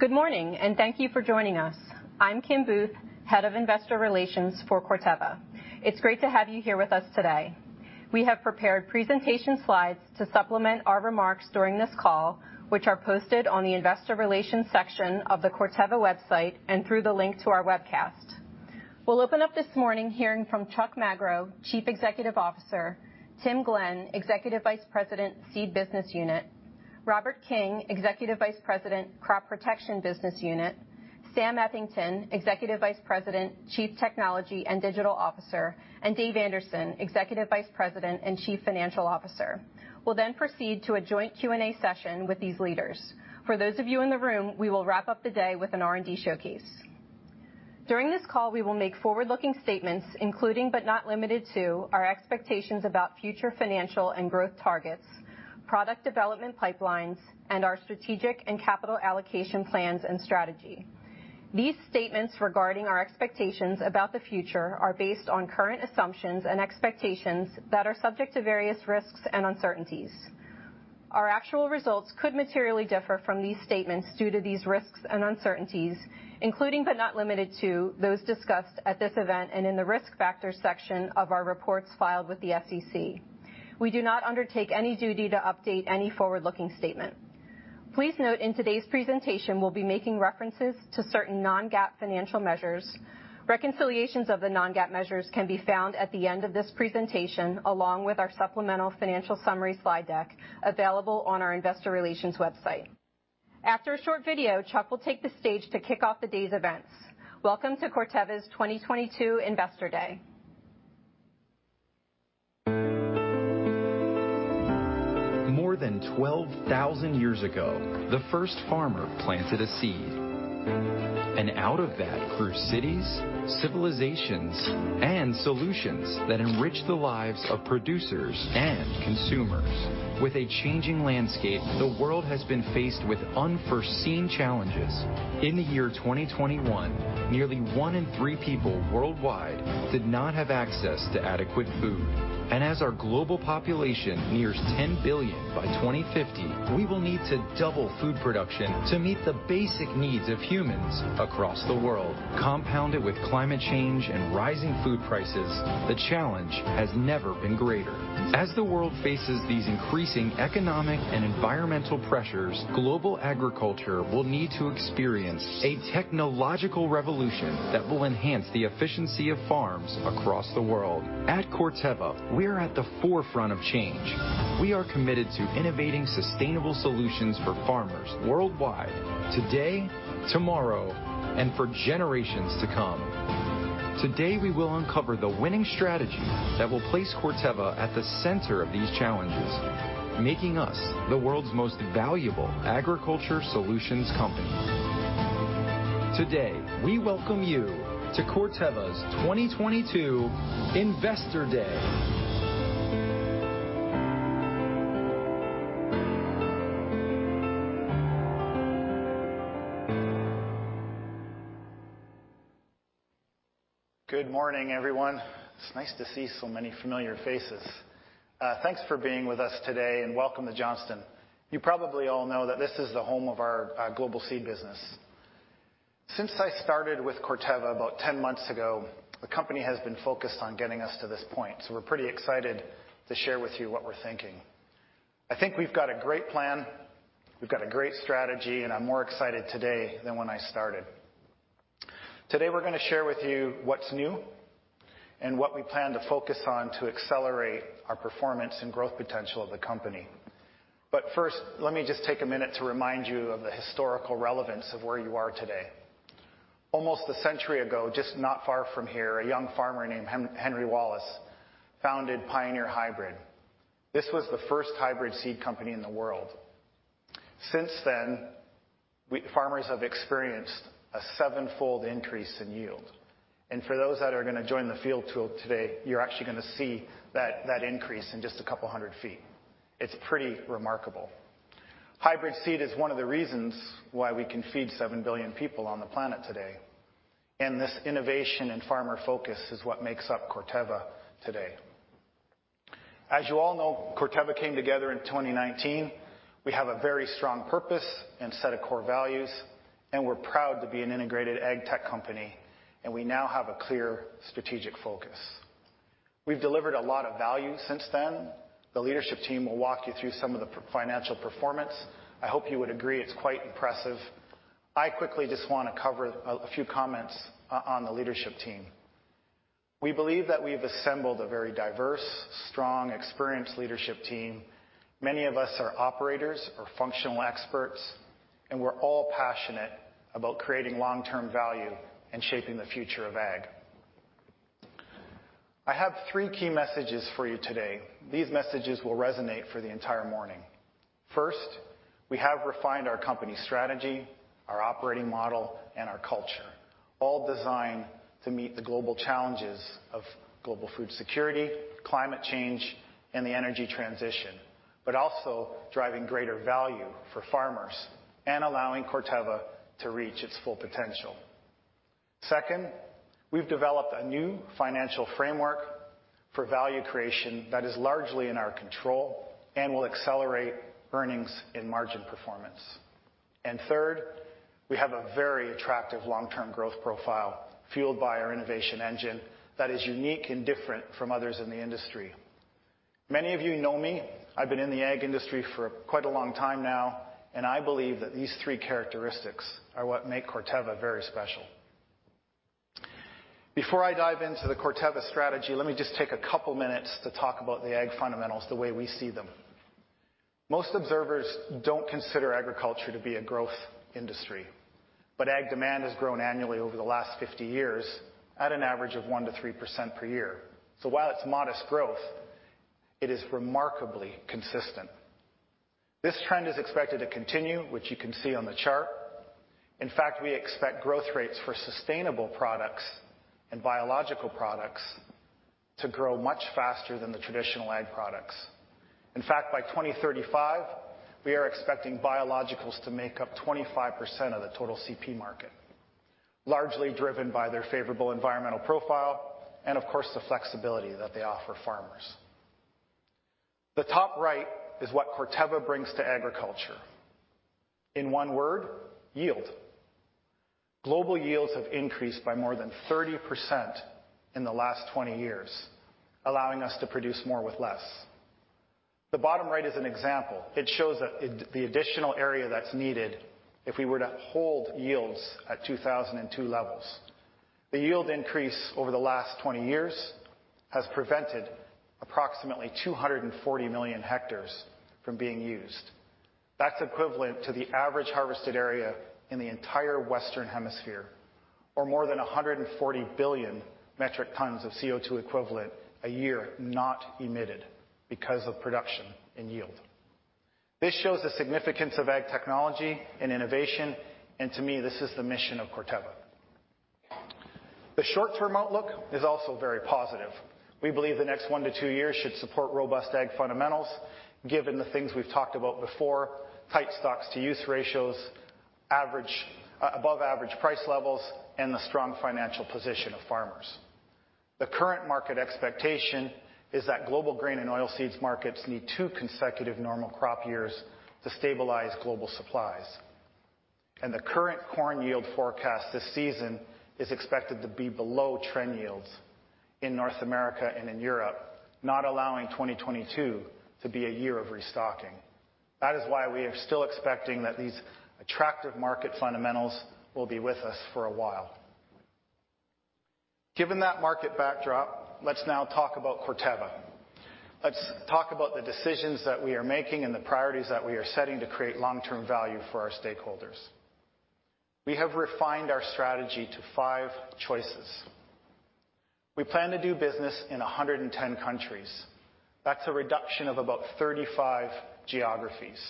Good morning, and thank you for joining us. I'm Kim Booth, Head of Investor Relations for Corteva. It's great to have you here with us today. We have prepared presentation slides to supplement our remarks during this call, which are posted on the investor relations section of the Corteva website and through the link to our webcast. We'll open up this morning hearing from Chuck Magro, Chief Executive Officer; Tim Glenn, Executive Vice President, Seed Business Unit; Robert King, Executive Vice President, Crop Protection Business Unit; Sam Eathington, Executive Vice President, Chief Technology and Digital Officer; and Dave Anderson, Executive Vice President and Chief Financial Officer. We'll then proceed to a joint Q&A session with these leaders. For those of you in the room, we will wrap up the day with an R&D showcase. During this call, we will make forward-looking statements, including, but not limited to, our expectations about future financial and growth targets, product development pipelines, and our strategic and capital allocation plans and strategy. These statements regarding our expectations about the future are based on current assumptions and expectations that are subject to various risks and uncertainties. Our actual results could materially differ from these statements due to these risks and uncertainties, including, but not limited to, those discussed at this event and in the Risk Factors section of our reports filed with the SEC. We do not undertake any duty to update any forward-looking statement. Please note in today's presentation we'll be making references to certain non-GAAP financial measures. Reconciliations of the non-GAAP measures can be found at the end of this presentation, along with our supplemental financial summary slide deck available on our investor relations website. After a short video, Chuck will take the stage to kick off the day's events. Welcome to Corteva's 2022 Investor Day. More than 12,000 years ago, the first farmer planted a seed, and out of that grew cities, civilizations, and solutions that enriched the lives of producers and consumers. With a changing landscape, the world has been faced with unforeseen challenges. In the year 2021, nearly one in three people worldwide did not have access to adequate food. As our global population nears 10 billion by 2050, we will need to double food production to meet the basic needs of humans across the world. Compounded with climate change and rising food prices, the challenge has never been greater. As the world faces these increasing economic and environmental pressures, global agriculture will need to experience a technological revolution that will enhance the efficiency of farms across the world. At Corteva, we're at the forefront of change. We are committed to innovating sustainable solutions for farmers worldwide today, tomorrow, and for generations to come. Today, we will uncover the winning strategy that will place Corteva at the center of these challenges, making us the world's most valuable agriculture solutions company. Today, we welcome you to Corteva's 2022 Investor Day. Good morning, everyone. It's nice to see so many familiar faces. Thanks for being with us today, and welcome to Johnston. You probably all know that this is the home of our global seed business. Since I started with Corteva about 10 months ago, the company has been focused on getting us to this point, so we're pretty excited to share with you what we're thinking. I think we've got a great plan, we've got a great strategy, and I'm more excited today than when I started. Today, we're gonna share with you what's new and what we plan to focus on to accelerate our performance and growth potential of the company. First, let me just take a minute to remind you of the historical relevance of where you are today. Almost a century ago, just not far from here, a young farmer named Henry Wallace founded Pioneer Hi-Bred. This was the first hybrid seed company in the world. Since then, farmers have experienced a sevenfold increase in yield. For those that are gonna join the field tour today, you're actually gonna see that increase in just a couple hundred feet. It's pretty remarkable. Hybrid seed is one of the reasons why we can feed 7 billion people on the planet today, and this innovation and farmer focus is what makes up Corteva today. As you all know, Corteva came together in 2019. We have a very strong purpose and set of core values, and we're proud to be an integrated ag tech company, and we now have a clear strategic focus. We've delivered a lot of value since then. The leadership team will walk you through some of the financial performance. I hope you would agree it's quite impressive. I quickly just wanna cover a few comments on the leadership team. We believe that we've assembled a very diverse, strong, experienced leadership team. Many of us are operators or functional experts, and we're all passionate about creating long-term value and shaping the future of ag. I have three key messages for you today. These messages will resonate for the entire morning. First, we have refined our company strategy, our operating model, and our culture, all designed to meet the global challenges of global food security, climate change, and the energy transition, but also driving greater value for farmers and allowing Corteva to reach its full potential. Second, we've developed a new financial framework for value creation that is largely in our control and will accelerate earnings and margin performance. Third, we have a very attractive long-term growth profile fueled by our innovation engine that is unique and different from others in the industry. Many of you know me, I've been in the ag industry for quite a long time now, and I believe that these three characteristics are what make Corteva very special. Before I dive into the Corteva strategy, let me just take a couple minutes to talk about the ag fundamentals the way we see them. Most observers don't consider agriculture to be a growth industry, but ag demand has grown annually over the last 50 years at an average of 1%-3% per year. While it's modest growth, it is remarkably consistent. This trend is expected to continue, which you can see on the chart. In fact, we expect growth rates for sustainable products and biological products to grow much faster than the traditional ag products. In fact, by 2035, we are expecting biologicals to make up 25% of the total CP market, largely driven by their favorable environmental profile and of course, the flexibility that they offer farmers. The top right is what Corteva brings to agriculture. In one word, yield. Global yields have increased by more than 30% in the last 20 years, allowing us to produce more with less. The bottom right is an example. It shows the additional area that's needed if we were to hold yields at 2002 levels. The yield increase over the last 20 years has prevented approximately 240 million hectares from being used. That's equivalent to the average harvested area in the entire Western Hemisphere, or more than 140 billion metric tons of CO2 equivalent a year not emitted because of production and yield. This shows the significance of ag technology and innovation, and to me, this is the mission of Corteva. The short-term outlook is also very positive. We believe the next one to two years should support robust ag fundamentals given the things we've talked about before, tight stocks to use ratios, average, above average price levels, and the strong financial position of farmers. The current market expectation is that global grain and oilseeds markets need two consecutive normal crop years to stabilize global supplies. The current corn yield forecast this season is expected to be below trend yields in North America and in Europe, not allowing 2022 to be a year of restocking. That is why we are still expecting that these attractive market fundamentals will be with us for a while. Given that market backdrop, let's now talk about Corteva. Let's talk about the decisions that we are making and the priorities that we are setting to create long-term value for our stakeholders. We have refined our strategy to five choices. We plan to do business in 110 countries. That's a reduction of about 35 geographies.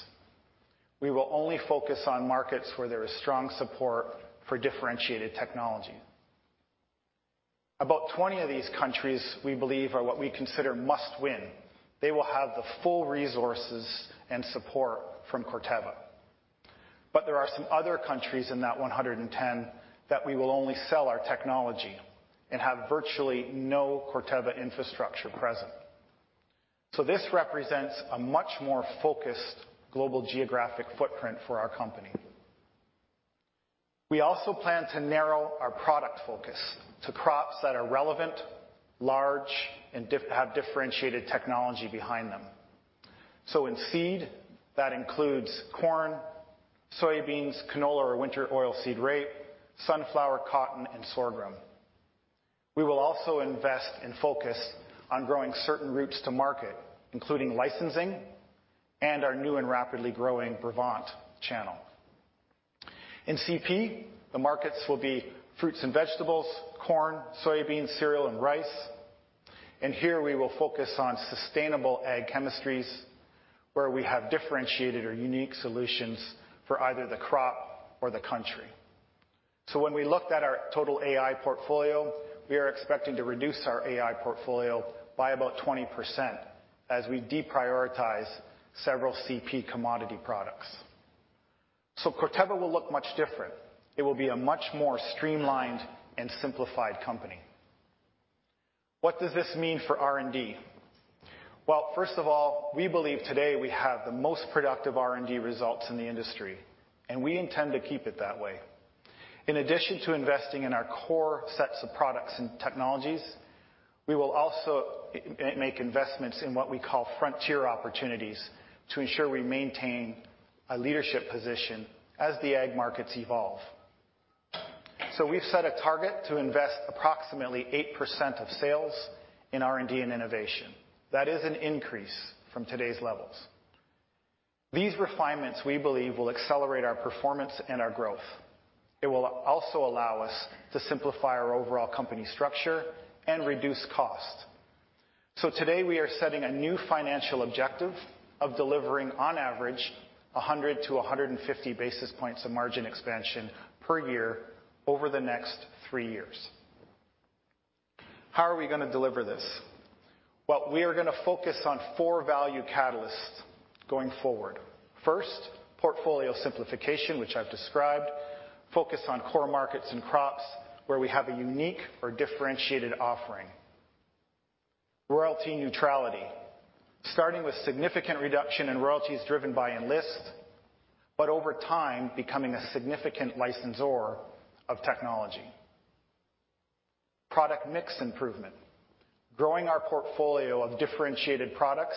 We will only focus on markets where there is strong support for differentiated technology. About 20 of these countries we believe are what we consider must win. They will have the full resources and support from Corteva. But there are some other countries in that 110 that we will only sell our technology and have virtually no Corteva infrastructure present. This represents a much more focused global geographic footprint for our company. We also plan to narrow our product focus to crops that are relevant, large, and have differentiated technology behind them. In seed, that includes corn, soybeans, canola or winter oilseed rape, sunflower, cotton, and sorghum. We will also invest and focus on growing certain routes to market, including licensing and our new and rapidly growing Brevant channel. In CP, the markets will be fruits and vegetables, corn, soybeans, cereal, and rice. Here we will focus on sustainable ag chemistries, where we have differentiated or unique solutions for either the crop or the country. When we looked at our total AI portfolio, we are expecting to reduce our AI portfolio by about 20% as we deprioritize several CP commodity products. Corteva will look much different. It will be a much more streamlined and simplified company. What does this mean for R&D? Well, first of all, we believe today we have the most productive R&D results in the industry, and we intend to keep it that way. In addition to investing in our core sets of products and technologies, we will also make investments in what we call frontier opportunities to ensure we maintain a leadership position as the ag markets evolve. We've set a target to invest approximately 8% of sales in R&D and innovation. That is an increase from today's levels. These refinements, we believe, will accelerate our performance and our growth. It will also allow us to simplify our overall company structure and reduce cost. Today we are setting a new financial objective of delivering, on average, 100 to 150 basis points of margin expansion per year over the next three years. How are we gonna deliver this? Well, we are gonna focus on four value catalysts going forward. First, portfolio simplification, which I've described. Focus on core markets and crops where we have a unique or differentiated offering. Royalty neutrality, starting with significant reduction in royalties driven by Enlist, but over time, becoming a significant licensor of technology. Product mix improvement, growing our portfolio of differentiated products,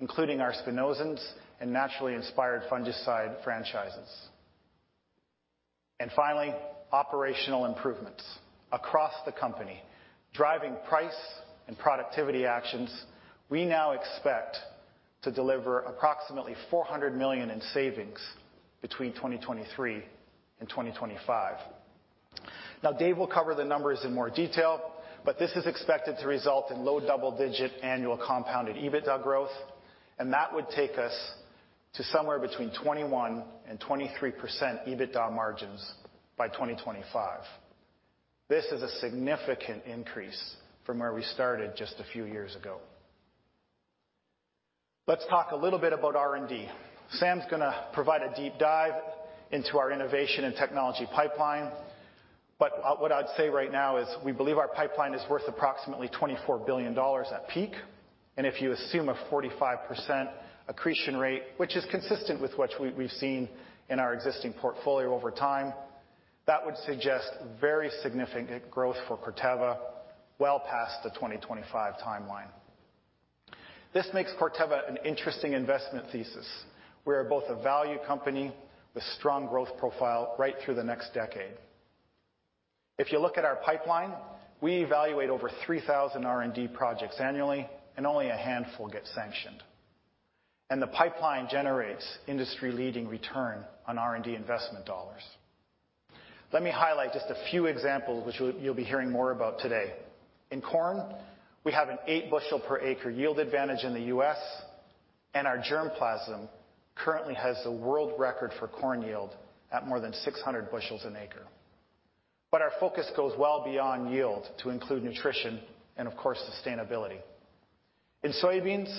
including our Spinosyns and naturally inspired fungicide franchises. And finally, operational improvements across the company, driving price and productivity actions. We now expect to deliver approximately $400 million in savings between 2023 and 2025. Now, Dave will cover the numbers in more detail, but this is expected to result in low double-digit annual compounded EBITDA growth, and that would take us to somewhere between 21%-23% EBITDA margins by 2025. This is a significant increase from where we started just a few years ago. Let's talk a little bit about R&D. Sam's gonna provide a deep dive into our innovation and technology pipeline, but what I'd say right now is we believe our pipeline is worth approximately $24 billion at peak. If you assume a 45% accretion rate, which is consistent with what we've seen in our existing portfolio over time, that would suggest very significant growth for Corteva well past the 2025 timeline. This makes Corteva an interesting investment thesis. We are both a value company with strong growth profile right through the next decade. If you look at our pipeline, we evaluate over 3,000 R&D projects annually, and only a handful get sanctioned. The pipeline generates industry-leading return on R&D investment dollars. Let me highlight just a few examples, which you'll be hearing more about today. In corn, we have an 8-bushel per acre yield advantage in the U.S., and our germplasm currently has the world record for corn yield at more than 600 bushels an acre. Our focus goes well beyond yield to include nutrition and, of course, sustainability. In soybeans,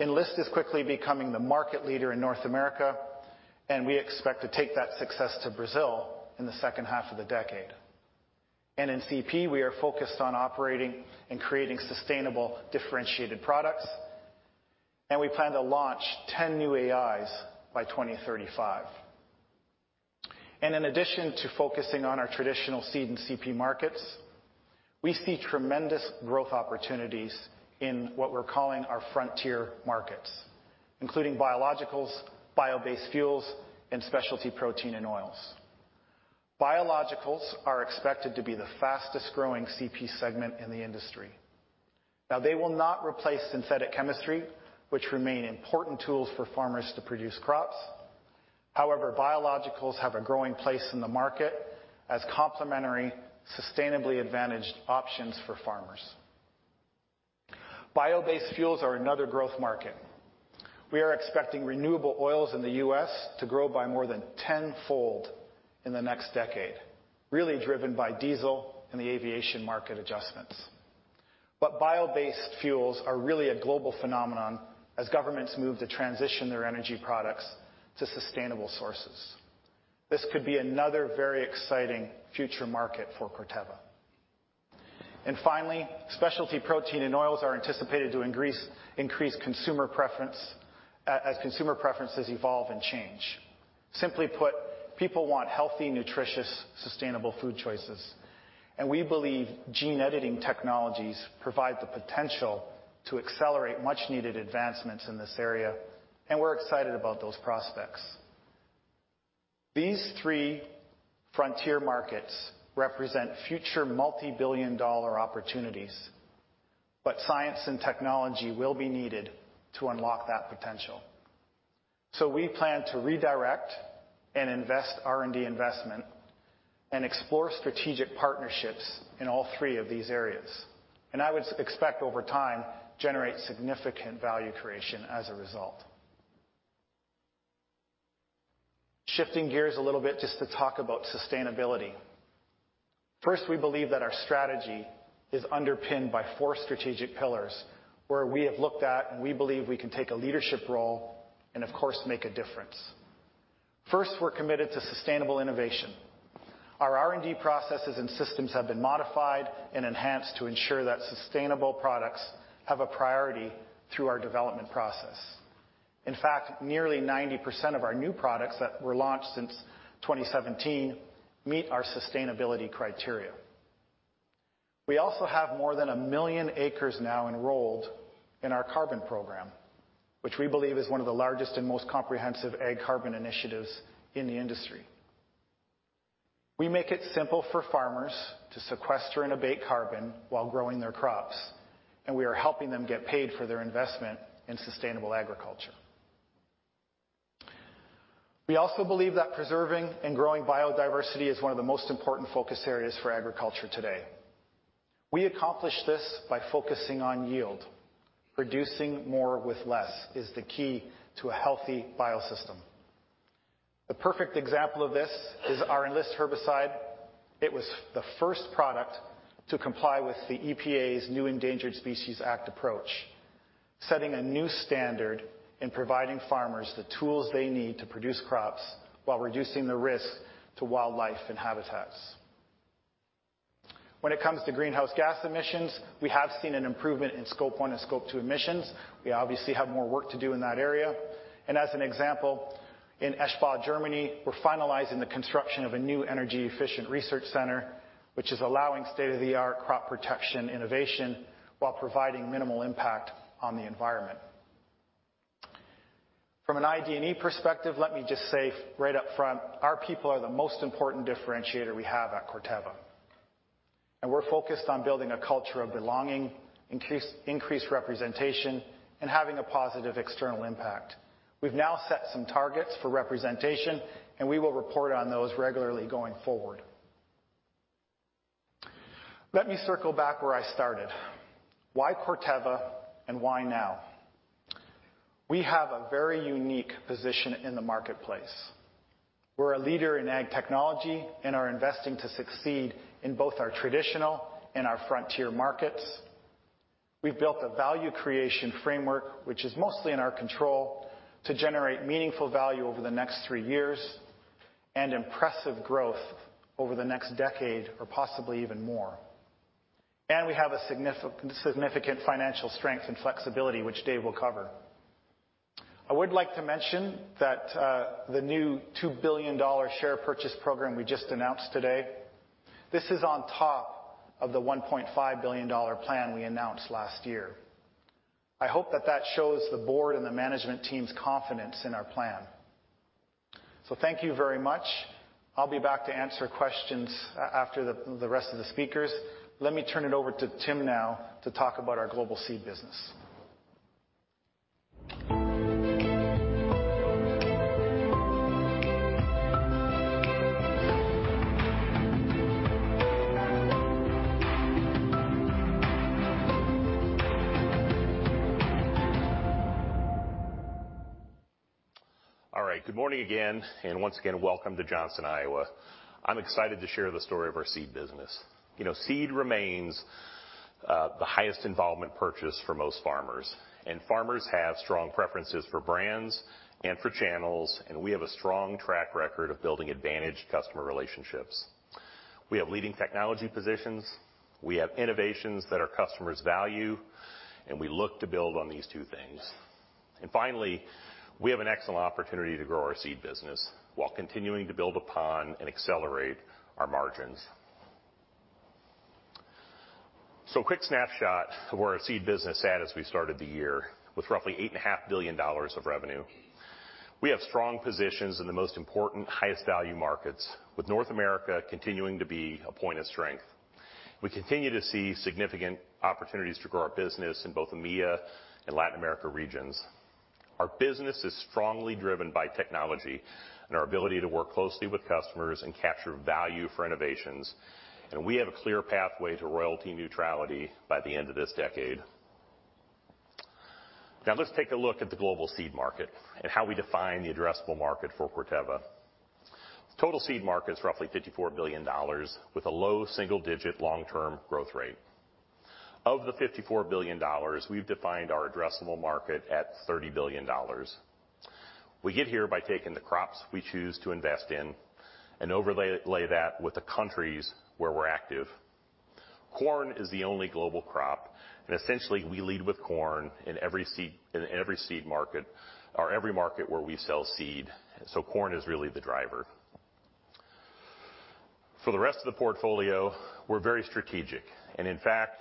Enlist is quickly becoming the market leader in North America, and we expect to take that success to Brazil in the second half of the decade. In CP, we are focused on operating and creating sustainable, differentiated products, and we plan to launch 10 new AIs by 2035. In addition to focusing on our traditional seed and CP markets, we see tremendous growth opportunities in what we're calling our frontier markets, including biologicals, bio-based fuels, and specialty protein and oils. Biologicals are expected to be the fastest-growing CP segment in the industry. Now, they will not replace synthetic chemistry, which remain important tools for farmers to produce crops. However, biologicals have a growing place in the market as complementary, sustainably advantaged options for farmers. Bio-based fuels are another growth market. We are expecting renewable oils in the U.S. to grow by more than 10-fold in the next decade, really driven by diesel and the aviation market adjustments. Bio-based fuels are really a global phenomenon as governments move to transition their energy products to sustainable sources. This could be another very exciting future market for Corteva. And finally, specialty protein and oils are anticipated to increase consumer preference as consumer preferences evolve and change. Simply put, people want healthy, nutritious, sustainable food choices, and we believe gene editing technologies provide the potential to accelerate much-needed advancements in this area, and we're excited about those prospects. These three frontier markets represent future multibillion-dollar opportunities, but science and technology will be needed to unlock that potential. We plan to redirect and invest R&D investment and explore strategic partnerships in all three of these areas. I would expect over time generate significant value creation as a result. Shifting gears a little bit just to talk about sustainability. First, we believe that our strategy is underpinned by four strategic pillars, where we have looked at and we believe we can take a leadership role and, of course, make a difference. First, we're committed to sustainable innovation. Our R&D processes and systems have been modified and enhanced to ensure that sustainable products have a priority through our development process. In fact, nearly 90% of our new products that were launched since 2017 meet our sustainability criteria. We also have more than 1 million acres now enrolled in our carbon program, which we believe is one of the largest and most comprehensive ag carbon initiatives in the industry. We make it simple for farmers to sequester and abate carbon while growing their crops, and we are helping them get paid for their investment in sustainable agriculture. We also believe that preserving and growing biodiversity is one of the most important focus areas for agriculture today. We accomplish this by focusing on yield. Producing more with less is the key to a healthy biosystem. The perfect example of this is our Enlist herbicide. It was the first product to comply with the EPA's new Endangered Species Act approach, setting a new standard in providing farmers the tools they need to produce crops while reducing the risk to wildlife and habitats. When it comes to greenhouse gas emissions, we have seen an improvement in Scope 1 and Scope 2 emissions. We obviously have more work to do in that area. As an example, in Eschborn, Germany, we're finalizing the construction of a new energy-efficient research center, which is allowing state-of-the-art crop protection innovation while providing minimal impact on the environment. From an ID&E perspective, let me just say right up front, our people are the most important differentiator we have at Corteva. We're focused on building a culture of belonging, increased representation, and having a positive external impact. We've now set some targets for representation, and we will report on those regularly going forward. Let me circle back where I started. Why Corteva and why now? We have a very unique position in the marketplace. We're a leader in ag technology and are investing to succeed in both our traditional and our frontier markets. We've built a value creation framework, which is mostly in our control to generate meaningful value over the next three years and impressive growth over the next decade or possibly even more. We have a significant financial strength and flexibility, which Dave will cover. I would like to mention that, the new $2 billion share purchase program we just announced today, this is on top of the $1.5 billion plan we announced last year. I hope that shows the board and the management team's confidence in our plan. Thank you very much. I'll be back to answer questions after the rest of the speakers. Let me turn it over to Tim now to talk about our global seed business. All right. Good morning again, and once again, welcome to Johnston, Iowa. I'm excited to share the story of our seed business. You know, seed remains the highest involvement purchase for most farmers. Farmers have strong preferences for brands and for channels, and we have a strong track record of building advantaged customer relationships. We have leading technology positions, we have innovations that our customers value, and we look to build on these two things. Finally, we have an excellent opportunity to grow our seed business while continuing to build upon and accelerate our margins. Quick snapshot of where our seed business sat as we started the year with roughly $8.5 billion of revenue. We have strong positions in the most important, highest value markets, with North America continuing to be a point of strength. We continue to see significant opportunities to grow our business in both EMEA and Latin America regions. Our business is strongly driven by technology and our ability to work closely with customers and capture value for innovations, and we have a clear pathway to royalty neutrality by the end of this decade. Now let's take a look at the global seed market and how we define the addressable market for Corteva. Total seed market is roughly $54 billion with a low single-digit% long-term growth rate. Of the $54 billion, we've defined our addressable market at $30 billion. We get here by taking the crops we choose to invest in and overlay that with the countries where we're active. Corn is the only global crop, and essentially, we lead with corn in every seed, in every seed market or every market where we sell seed. Corn is really the driver. For the rest of the portfolio, we're very strategic, and in fact,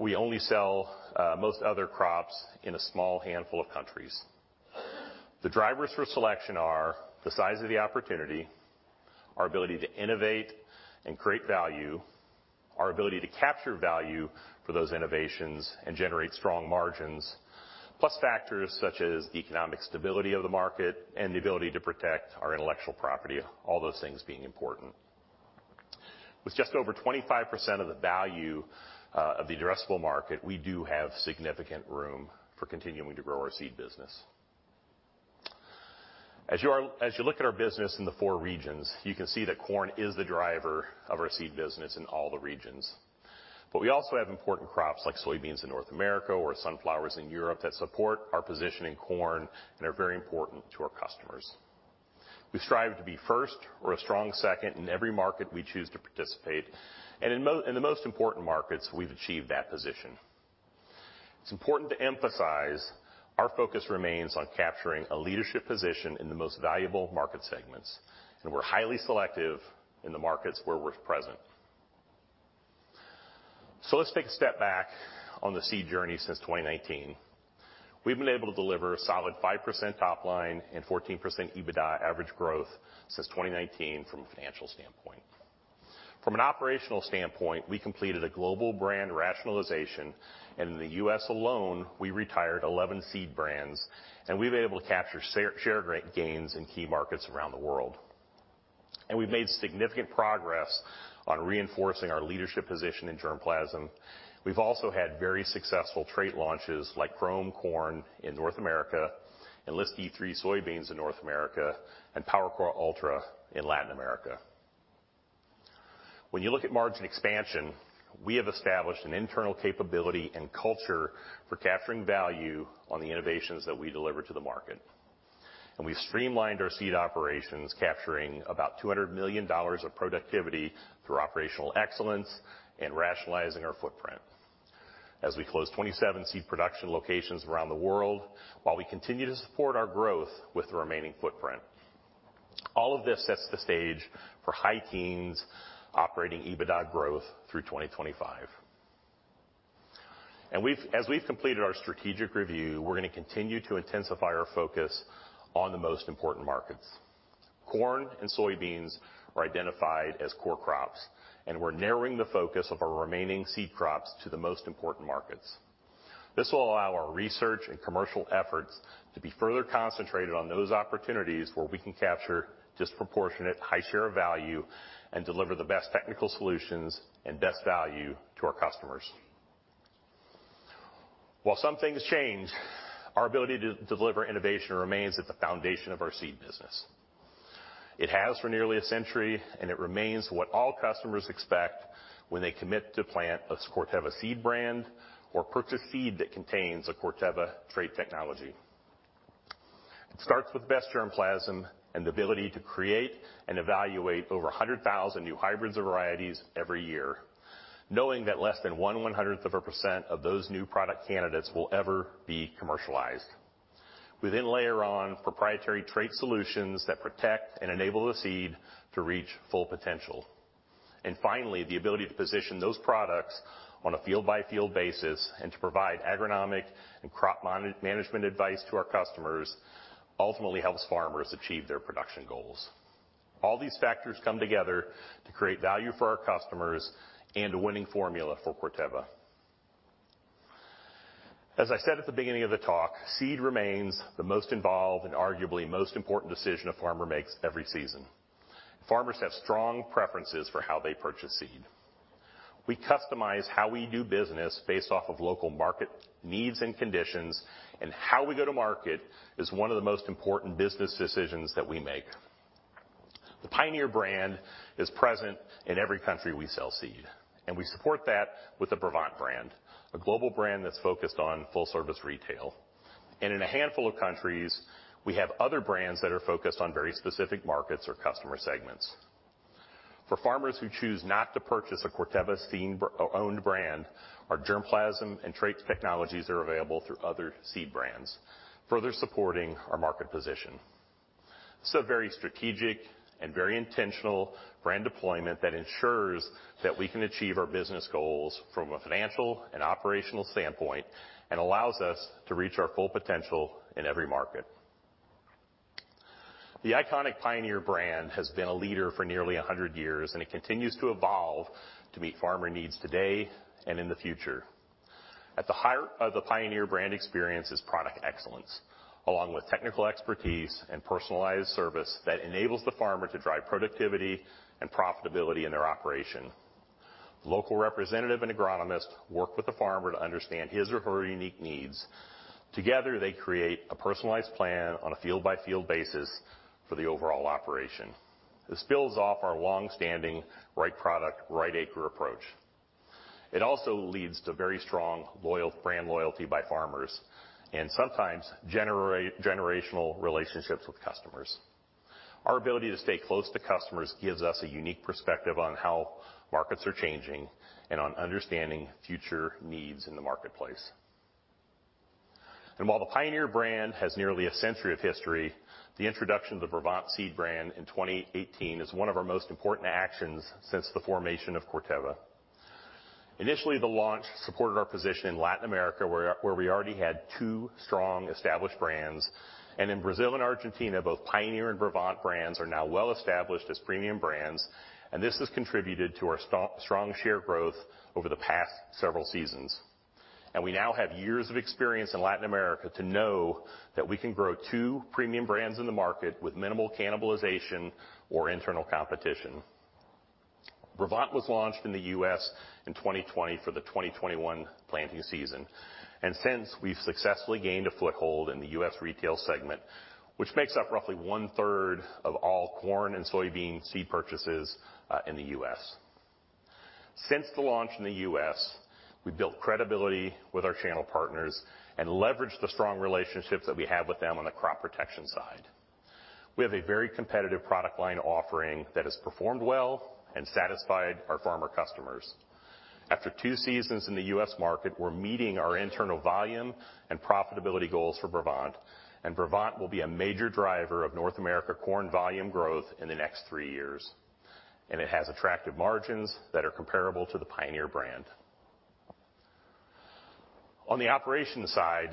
we only sell most other crops in a small handful of countries. The drivers for selection are the size of the opportunity, our ability to innovate and create value, our ability to capture value for those innovations and generate strong margins, plus factors such as the economic stability of the market and the ability to protect our intellectual property, all those things being important. With just over 25% of the value of the addressable market, we do have significant room for continuing to grow our seed business. As you look at our business in the four regions, you can see that corn is the driver of our seed business in all the regions. We also have important crops like soybeans in North America or sunflowers in Europe that support our position in corn and are very important to our customers. We strive to be first or a strong second in every market we choose to participate. In the most important markets, we've achieved that position. It's important to emphasize our focus remains on capturing a leadership position in the most valuable market segments, and we're highly selective in the markets where we're present. Let's take a step back on the seed journey since 2019. We've been able to deliver a solid 5% top line and 14% EBITDA average growth since 2019 from a financial standpoint. From an operational standpoint, we completed a global brand rationalization, and in the U.S. alone, we retired 11 seed brands, and we've been able to capture share rate gains in key markets around the world. We've made significant progress on reinforcing our leadership position in germplasm. We've also had very successful trait launches like Qrome corn in North America, Enlist E3 soybeans in North America, and PowerCore Ultra in Latin America. When you look at margin expansion, we have established an internal capability and culture for capturing value on the innovations that we deliver to the market. We streamlined our seed operations, capturing about $200 million of productivity through operational excellence and rationalizing our footprint as we close 27 seed production locations around the world while we continue to support our growth with the remaining footprint. All of this sets the stage for high teens operating EBITDA growth through 2025. As we've completed our strategic review, we're gonna continue to intensify our focus on the most important markets. Corn and soybeans are identified as core crops, and we're narrowing the focus of our remaining seed crops to the most important markets. This will allow our research and commercial efforts to be further concentrated on those opportunities where we can capture disproportionate high share of value and deliver the best technical solutions and best value to our customers. While some things change, our ability to deliver innovation remains at the foundation of our seed business. It has for nearly a century, and it remains what all customers expect when they commit to plant a Corteva seed brand or purchase seed that contains a Corteva trait technology. It starts with best germplasm and the ability to create and evaluate over 100,000 new hybrids or varieties every year, knowing that less than one one-hundredth of a percent of those new product candidates will ever be commercialized. We then layer on proprietary trait solutions that protect and enable the seed to reach full potential. Finally, the ability to position those products on a field-by-field basis and to provide agronomic and crop management advice to our customers ultimately helps farmers achieve their production goals. All these factors come together to create value for our customers and a winning formula for Corteva. As I said at the beginning of the talk, seed remains the most involved and arguably most important decision a farmer makes every season. Farmers have strong preferences for how they purchase seed. We customize how we do business based off of local market needs and conditions, and how we go to market is one of the most important business decisions that we make. The Pioneer brand is present in every country we sell seed, and we support that with the Brevant brand, a global brand that's focused on full-service retail. In a handful of countries, we have other brands that are focused on very specific markets or customer segments. For farmers who choose not to purchase a Corteva-owned seed brand, our germplasm and traits technologies are available through other seed brands, further supporting our market position. This is a very strategic and very intentional brand deployment that ensures that we can achieve our business goals from a financial and operational standpoint and allows us to reach our full potential in every market. The iconic Pioneer brand has been a leader for nearly 100 years, and it continues to evolve to meet farmer needs today and in the future. At the heart of the Pioneer brand experience is product excellence, along with technical expertise and personalized service that enables the farmer to drive productivity and profitability in their operation. Local representative and agronomists work with the farmer to understand his or her unique needs. Together, they create a personalized plan on a field-by-field basis for the overall operation. This builds off our long-standing right product, right acre approach. It also leads to very strong brand loyalty by farmers and sometimes generational relationships with customers. Our ability to stay close to customers gives us a unique perspective on how markets are changing and on understanding future needs in the marketplace. While the Pioneer brand has nearly a century of history, the introduction of the Brevant seed brand in 2018 is one of our most important actions since the formation of Corteva. Initially, the launch supported our position in Latin America, where we already had two strong established brands. In Brazil and Argentina, both Pioneer and Brevant brands are now well established as premium brands, and this has contributed to our strong share growth over the past several seasons. We now have years of experience in Latin America to know that we can grow two premium brands in the market with minimal cannibalization or internal competition. Brevant was launched in the U.S. in 2020 for the 2021 planting season. Since we've successfully gained a foothold in the U.S. retail segment, which makes up roughly 1/3 of all corn and soybean seed purchases in the U.S. Since the launch in the U.S., we built credibility with our channel partners and leveraged the strong relationships that we have with them on the crop protection side. We have a very competitive product line offering that has performed well and satisfied our farmer customers. After two seasons in the U.S. market, we're meeting our internal volume and profitability goals for Brevant, and Brevant will be a major driver of North America corn volume growth in the next three years. It has attractive margins that are comparable to the Pioneer brand. On the operations side,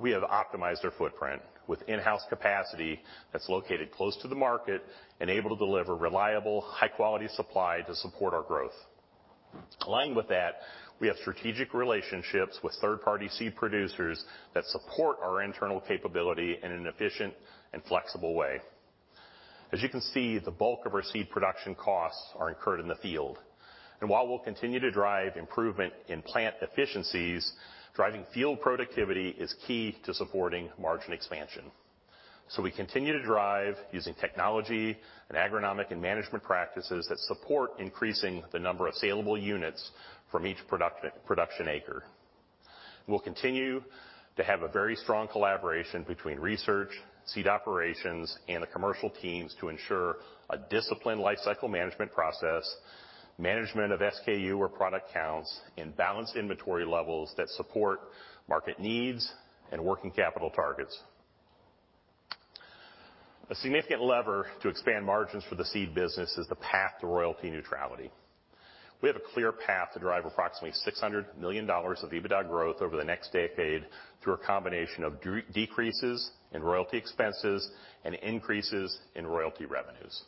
we have optimized our footprint with in-house capacity that's located close to the market and able to deliver reliable, high-quality supply to support our growth. Aligned with that, we have strategic relationships with third-party seed producers that support our internal capability in an efficient and flexible way. As you can see, the bulk of our seed production costs are incurred in the field. While we'll continue to drive improvement in plant efficiencies, driving field productivity is key to supporting margin expansion. We continue to drive using technology and agronomic and management practices that support increasing the number of saleable units from each production acre. We'll continue to have a very strong collaboration between research, seed operations, and the commercial teams to ensure a disciplined lifecycle management process, management of SKU or product counts, and balanced inventory levels that support market needs and working capital targets. A significant lever to expand margins for the seed business is the path to royalty neutrality. We have a clear path to drive approximately $600 million of EBITDA growth over the next decade through a combination of decreases in royalty expenses and increases in royalty revenues.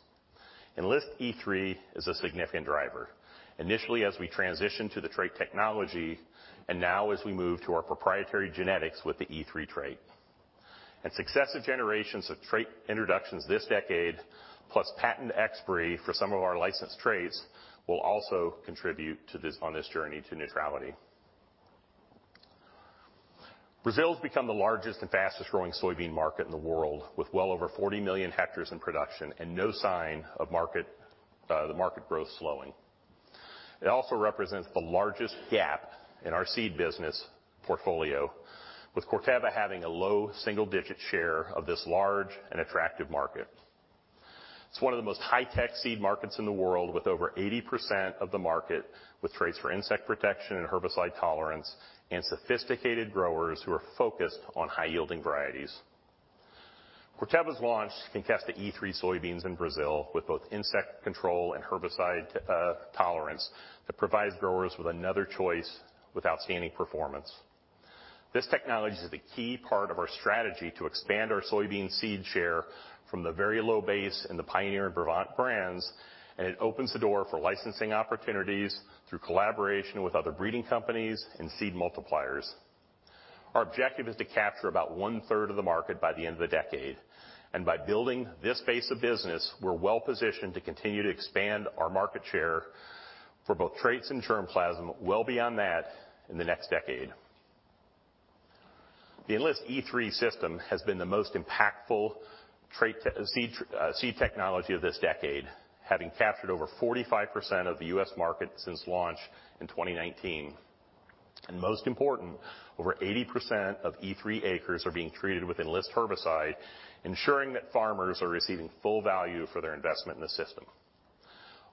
Enlist E3 is a significant driver. Initially, as we transition to the trait technology, and now as we move to our proprietary genetics with the E3 trait. Successive generations of trait introductions this decade, plus patent expiry for some of our licensed traits, will also contribute to this on this journey to neutrality. Brazil's become the largest and fastest-growing soybean market in the world, with well over 40 million hectares in production and no sign of the market growth slowing. It also represents the largest gap in our seed business portfolio, with Corteva having a low single-digit share of this large and attractive market. It's one of the most high-tech seed markets in the world, with over 80% of the market with traits for insect protection and herbicide tolerance and sophisticated growers who are focused on high-yielding varieties. Corteva's launched Conkesta E3 soybeans in Brazil with both insect control and herbicide tolerance that provides growers with another choice with outstanding performance. This technology is a key part of our strategy to expand our soybean seed share from the very low base in the Pioneer and Brevant brands, and it opens the door for licensing opportunities through collaboration with other breeding companies and seed multipliers. Our objective is to capture about 1/3 of the market by the end of the decade. By building this base of business, we're well-positioned to continue to expand our market share for both traits and germplasm well beyond that in the next decade. The Enlist E3 system has been the most impactful seed technology of this decade, having captured over 45% of the U.S. market since launch in 2019. Most important, over 80% of E3 acres are being treated with Enlist herbicide, ensuring that farmers are receiving full value for their investment in the system.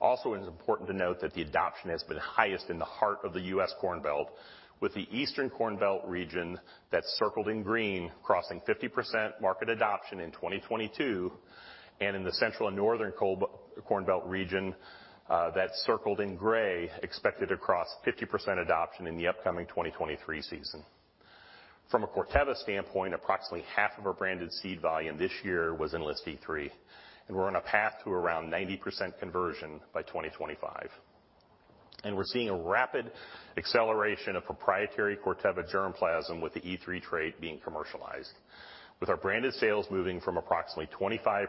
Also, it is important to note that the adoption has been highest in the heart of the U.S. Corn Belt, with the Eastern Corn Belt region that's circled in green crossing 50% market adoption in 2022, and in the Central and Northern Corn Belt region that's circled in gray expected to cross 50% adoption in the upcoming 2023 season. From a Corteva standpoint, approximately half of our branded seed volume this year was Enlist E3, and we're on a path to around 90% conversion by 2025. We're seeing a rapid acceleration of proprietary Corteva germplasm with the E3 trait being commercialized, with our branded sales moving from approximately 25%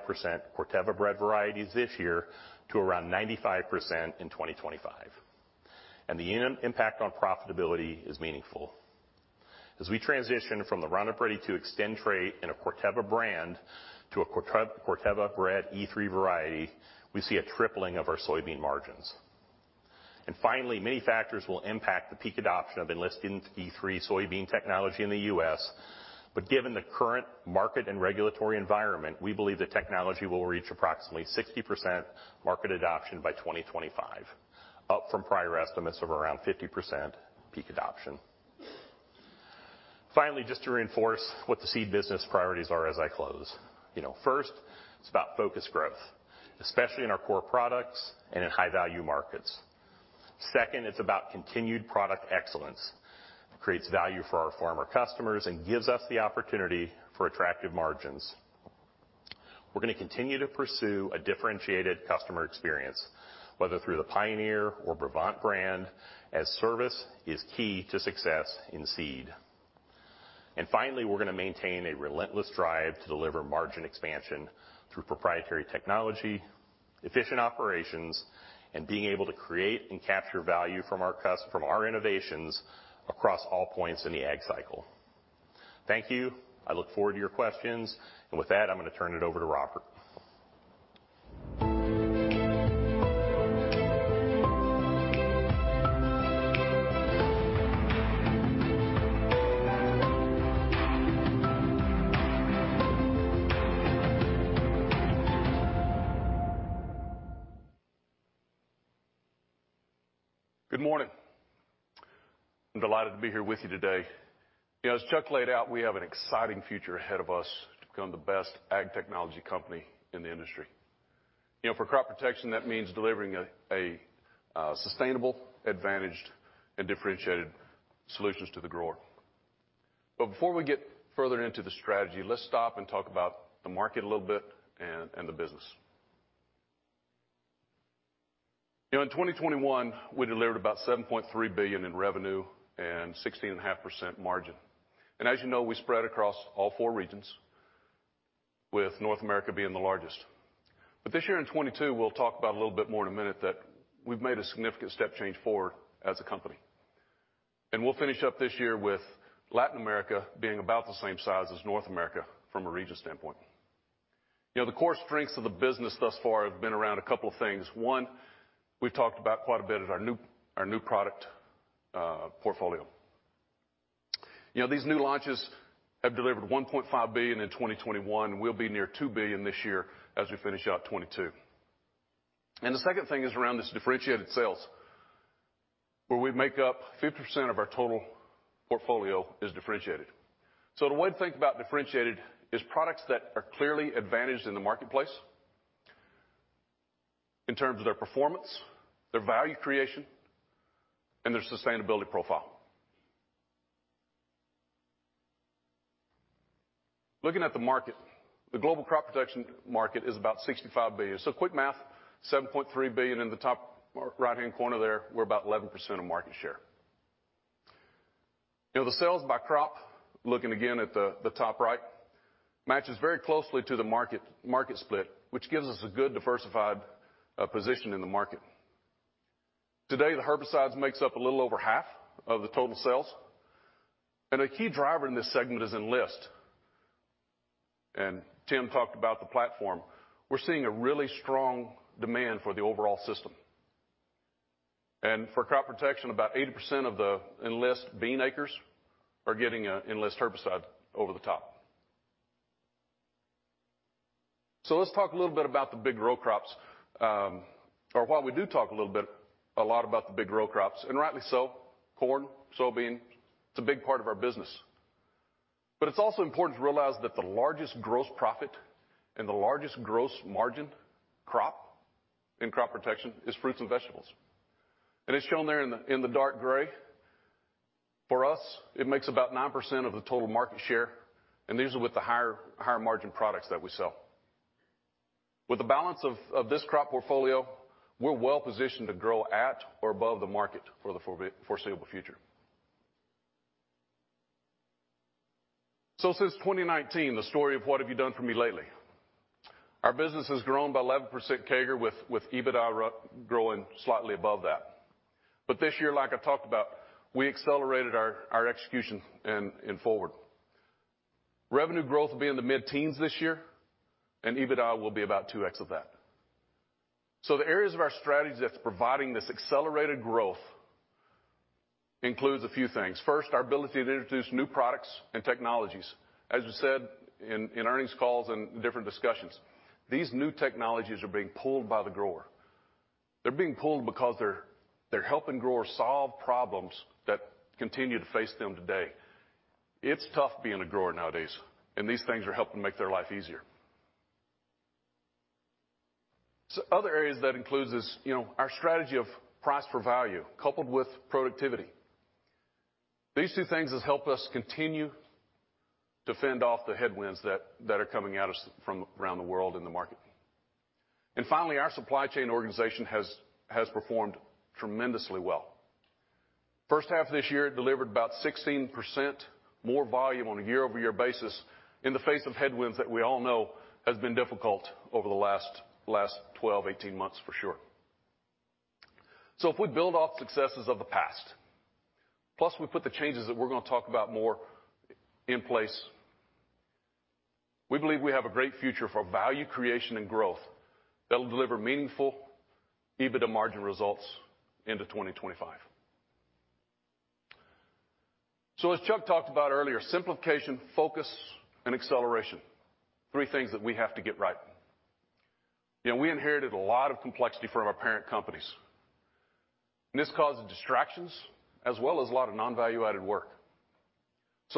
Corteva-bred varieties this year to around 95% in 2025. The impact on profitability is meaningful. As we transition from the Roundup Ready 2 Xtend trait in a Corteva brand to a Corteva-bred E3 variety, we see a tripling of our soybean margins. Finally, many factors will impact the peak adoption of Enlist E3 soybean technology in the U.S. Given the current market and regulatory environment, we believe the technology will reach approximately 60% market adoption by 2025, up from prior estimates of around 50% peak adoption. Finally, just to reinforce what the seed business priorities are as I close. You know, first, it's about focused growth, especially in our core products and in high-value markets. Second, it's about continued product excellence. It creates value for our farmer customers and gives us the opportunity for attractive margins. We're gonna continue to pursue a differentiated customer experience, whether through the Pioneer or Brevant brand, as service is key to success in seed. Finally, we're gonna maintain a relentless drive to deliver margin expansion through proprietary technology, efficient operations, and being able to create and capture value from our innovations across all points in the ag cycle. Thank you. I look forward to your questions. With that, I'm gonna turn it over to Robert. Good morning. I'm delighted to be here with you today. You know, as Chuck laid out, we have an exciting future ahead of us to become the best ag technology company in the industry. You know, for crop protection, that means delivering a sustainable, advantaged, and differentiated solutions to the grower. Before we get further into the strategy, let's stop and talk about the market a little bit and the business. You know, in 2021, we delivered about $7.3 billion in revenue and 16.5% margin. As you know, we spread across all four regions, with North America being the largest. This year in 2022, we'll talk about a little bit more in a minute that we've made a significant step change forward as a company. We'll finish up this year with Latin America being about the same size as North America from a region standpoint. You know, the core strengths of the business thus far have been around a couple of things. One, we've talked about quite a bit is our new product portfolio. You know, these new launches have delivered $1.5 billion in 2021, and we'll be near $2 billion this year as we finish out 2022. The second thing is around this differentiated sales, where we make up 50% of our total portfolio is differentiated. The way to think about differentiated is products that are clearly advantaged in the marketplace in terms of their performance, their value creation, and their sustainability profile. Looking at the market, the global crop protection market is about $65 billion. Quick math, $7.3 billion in the top right-hand corner there, we're about 11% of market share. You know, the sales by crop, looking again at the top right, matches very closely to the market split, which gives us a good diversified position in the market. Today, the herbicides makes up a little over half of the total sales, and a key driver in this segment is Enlist. Tim talked about the platform. We're seeing a really strong demand for the overall system. For crop protection, about 80% of the Enlist bean acres are getting a Enlist herbicide over the top. Let's talk a little bit about the big row crops while we do talk a little bit a lot about the big row crops, and rightly so, corn, soybean, it's a big part of our business. It's also important to realize that the largest gross profit and the largest gross margin crop in crop protection is fruits and vegetables. It's shown there in the dark gray. For us, it makes about 9% of the total market share, and these are with the higher margin products that we sell. With the balance of this crop portfolio, we're well-positioned to grow at or above the market for the foreseeable future. Since 2019, the story of what have you done for me lately? Our business has grown by 11% CAGR with EBITDA growing slightly above that. This year, like I talked about, we accelerated our execution in forward. Revenue growth will be in the mid-teens this year, and EBITDA will be about 2x of that. The areas of our strategy that's providing this accelerated growth includes a few things. First, our ability to introduce new products and technologies. As we said in earnings calls and different discussions, these new technologies are being pulled by the grower. They're being pulled because they're helping growers solve problems that continue to face them today. It's tough being a grower nowadays, and these things are helping make their life easier. Other areas that includes is, you know, our strategy of price for value coupled with productivity. These two things has helped us continue to fend off the headwinds that are coming at us from around the world in the market. Finally, our supply chain organization has performed tremendously well. First half of this year delivered about 16% more volume on a year-over-year basis in the face of headwinds that we all know has been difficult over the last 12, 18 months, for sure. If we build off successes of the past, plus we put the changes that we're gonna talk about more in place, we believe we have a great future for value creation and growth that will deliver meaningful EBITDA margin results into 2025. As Chuck talked about earlier, simplification, focus, and acceleration, three things that we have to get right. You know, we inherited a lot of complexity from our parent companies, and this caused distractions as well as a lot of non-value-added work.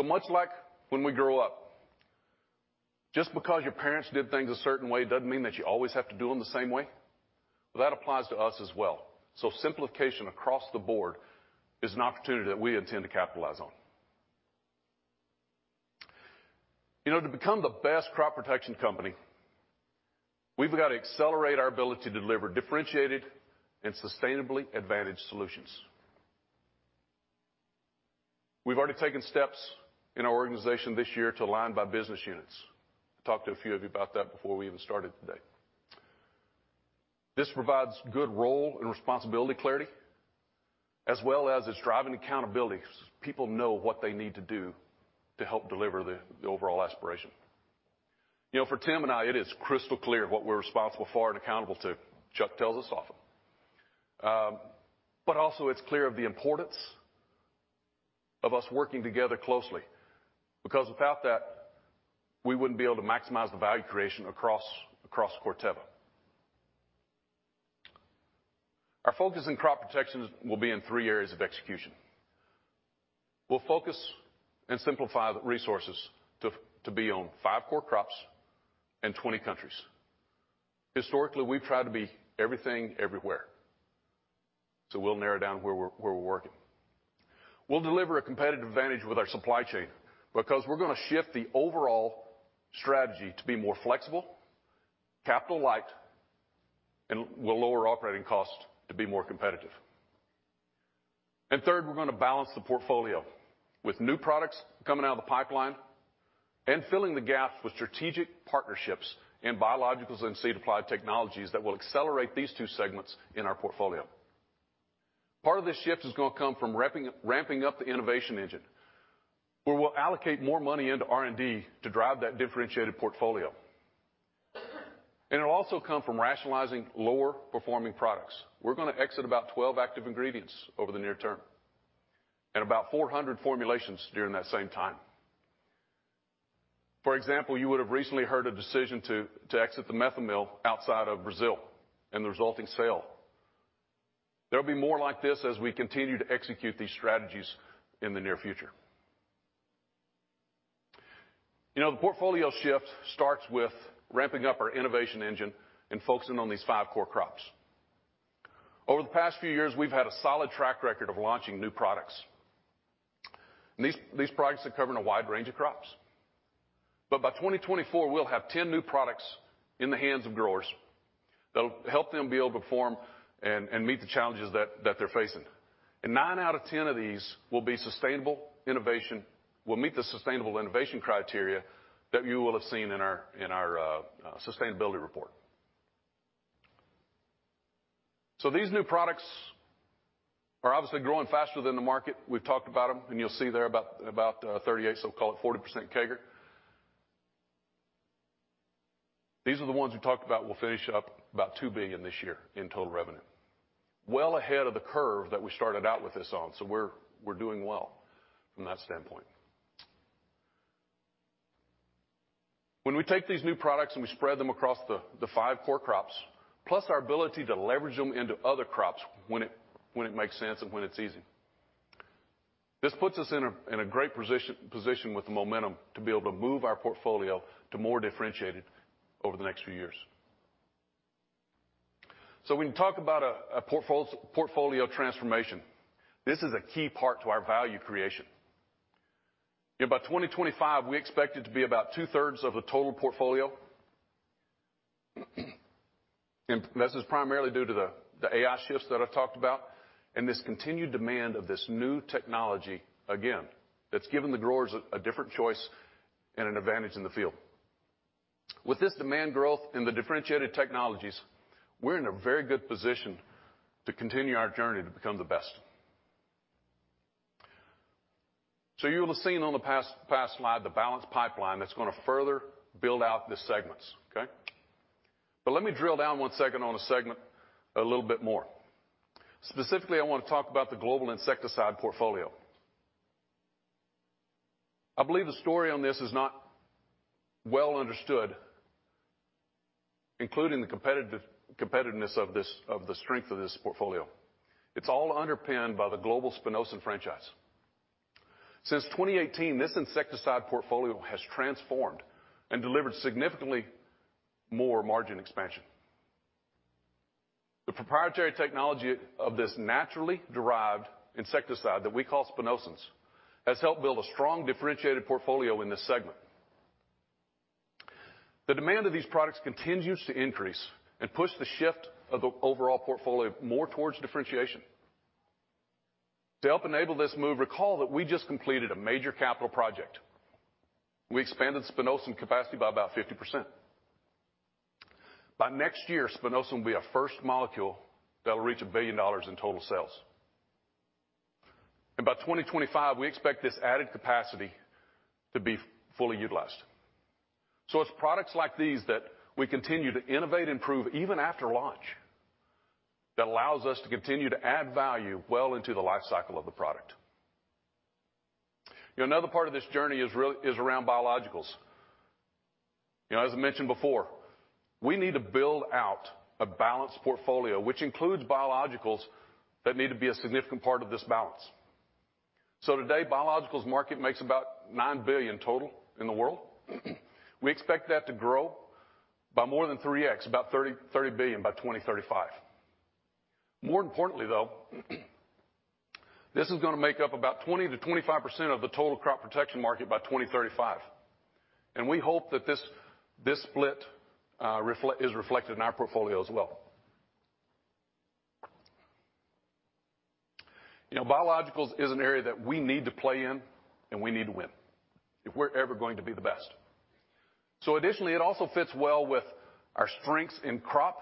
Much like when we grow up, just because your parents did things a certain way doesn't mean that you always have to do them the same way. Well, that applies to us as well. Simplification across the board is an opportunity that we intend to capitalize on. You know, to become the best crop protection company, we've got to accelerate our ability to deliver differentiated and sustainably advantaged solutions. We've already taken steps in our organization this year to align by business units. I talked to a few of you about that before we even started today. This provides good role and responsibility clarity, as well as it's driving accountability so people know what they need to do to help deliver the overall aspiration. You know, for Tim and I, it is crystal clear what we're responsible for and accountable to. Chuck tells us often. Also it's clear of the importance of us working together closely because without that, we wouldn't be able to maximize the value creation across Corteva. Our focus in crop protection will be in three areas of execution. We'll focus and simplify the resources to be on five core crops and 20 countries. Historically, we've tried to be everything everywhere. We'll narrow down where we're working. We'll deliver a competitive advantage with our supply chain because we're gonna shift the overall strategy to be more flexible, capital light, and we'll lower operating costs to be more competitive. Third, we're gonna balance the portfolio with new products coming out of the pipeline and filling the gap with strategic partnerships in biologicals and seed applied technologies that will accelerate these two segments in our portfolio. Part of this shift is gonna come from ramping up the innovation engine, where we'll allocate more money into R&D to drive that differentiated portfolio. It'll also come from rationalizing lower performing products. We're gonna exit about 12 active ingredients over the near term and about 400 formulations during that same time. For example, you would have recently heard a decision to exit the methomyl outside of Brazil and the resulting sale. There'll be more like this as we continue to execute these strategies in the near future. You know, the portfolio shift starts with ramping up our innovation engine and focusing on these five core crops. Over the past few years, we've had a solid track record of launching new products. These products are covering a wide range of crops. By 2024, we'll have 10 new products in the hands of growers that'll help them be able to perform and meet the challenges that they're facing. Nine out of ten of these will be sustainable innovation will meet the sustainable innovation criteria that you will have seen in our sustainability report. These new products are obviously growing faster than the market. We've talked about them, and you'll see they're about 38, so we'll call it 40% CAGR. These are the ones we talked about will finish up about $2 billion this year in total revenue. Well ahead of the curve that we started out with this on, so we're doing well from that standpoint. When we take these new products, and we spread them across the five core crops, plus our ability to leverage them into other crops when it makes sense and when it's easy. This puts us in a great position with the momentum to be able to move our portfolio to more differentiated over the next few years. When we talk about a portfolio transformation, this is a key part to our value creation. By 2025, we expect it to be about two-thirds of the total portfolio. This is primarily due to the AI shifts that I've talked about and this continued demand of this new technology, again, that's given the growers a different choice and an advantage in the field. With this demand growth and the differentiated technologies, we're in a very good position to continue our journey to become the best. You'll have seen on the past slide the balanced pipeline that's gonna further build out the segments, okay? Let me drill down one second on a segment a little bit more. Specifically, I wanna talk about the global insecticide portfolio. I believe the story on this is not well understood, including the competitiveness of the strength of this portfolio. It's all underpinned by the Global Spinosyns franchise. Since 2018, this insecticide portfolio has transformed and delivered significantly more margin expansion. The proprietary technology of this naturally derived insecticide that we call Spinosyns has helped build a strong differentiated portfolio in this segment. The demand of these products continues to increase and push the shift of the overall portfolio more towards differentiation. To help enable this move, recall that we just completed a major capital project. We expanded Spinosyn capacity by about 50%. By next year, Spinosyn will be our first molecule that will reach $1 billion in total sales. By 2025, we expect this added capacity to be fully utilized. It's products like these that we continue to innovate and improve even after launch that allows us to continue to add value well into the life cycle of the product. You know, another part of this journey is around biologicals. You know, as I mentioned before, we need to build out a balanced portfolio, which includes biologicals that need to be a significant part of this balance. Today, biologicals market makes about $9 billion total in the world. We expect that to grow by more than 3x, about $30 billion by 2035. More importantly, though, this is gonna make up about 20%-25% of the total crop protection market by 2035. We hope that this split is reflected in our portfolio as well. You know, biologicals is an area that we need to play in, and we need to win if we're ever going to be the best. Additionally, it also fits well with our strengths in crop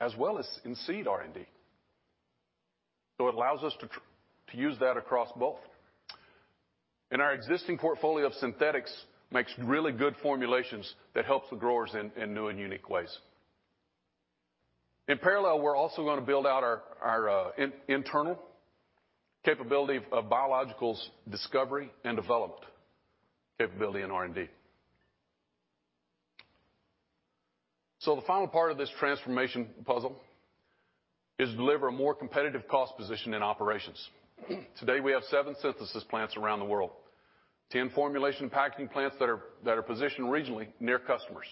as well as in seed R&D. It allows us to use that across both. Our existing portfolio of synthetics makes really good formulations that helps the growers in new and unique ways. In parallel, we're also gonna build out our internal capability of biologicals discovery and development in R&D. The final part of this transformation puzzle is deliver a more competitive cost position in operations. Today, we have seven synthesis plants around the world, 10 formulation packaging plants that are positioned regionally near customers.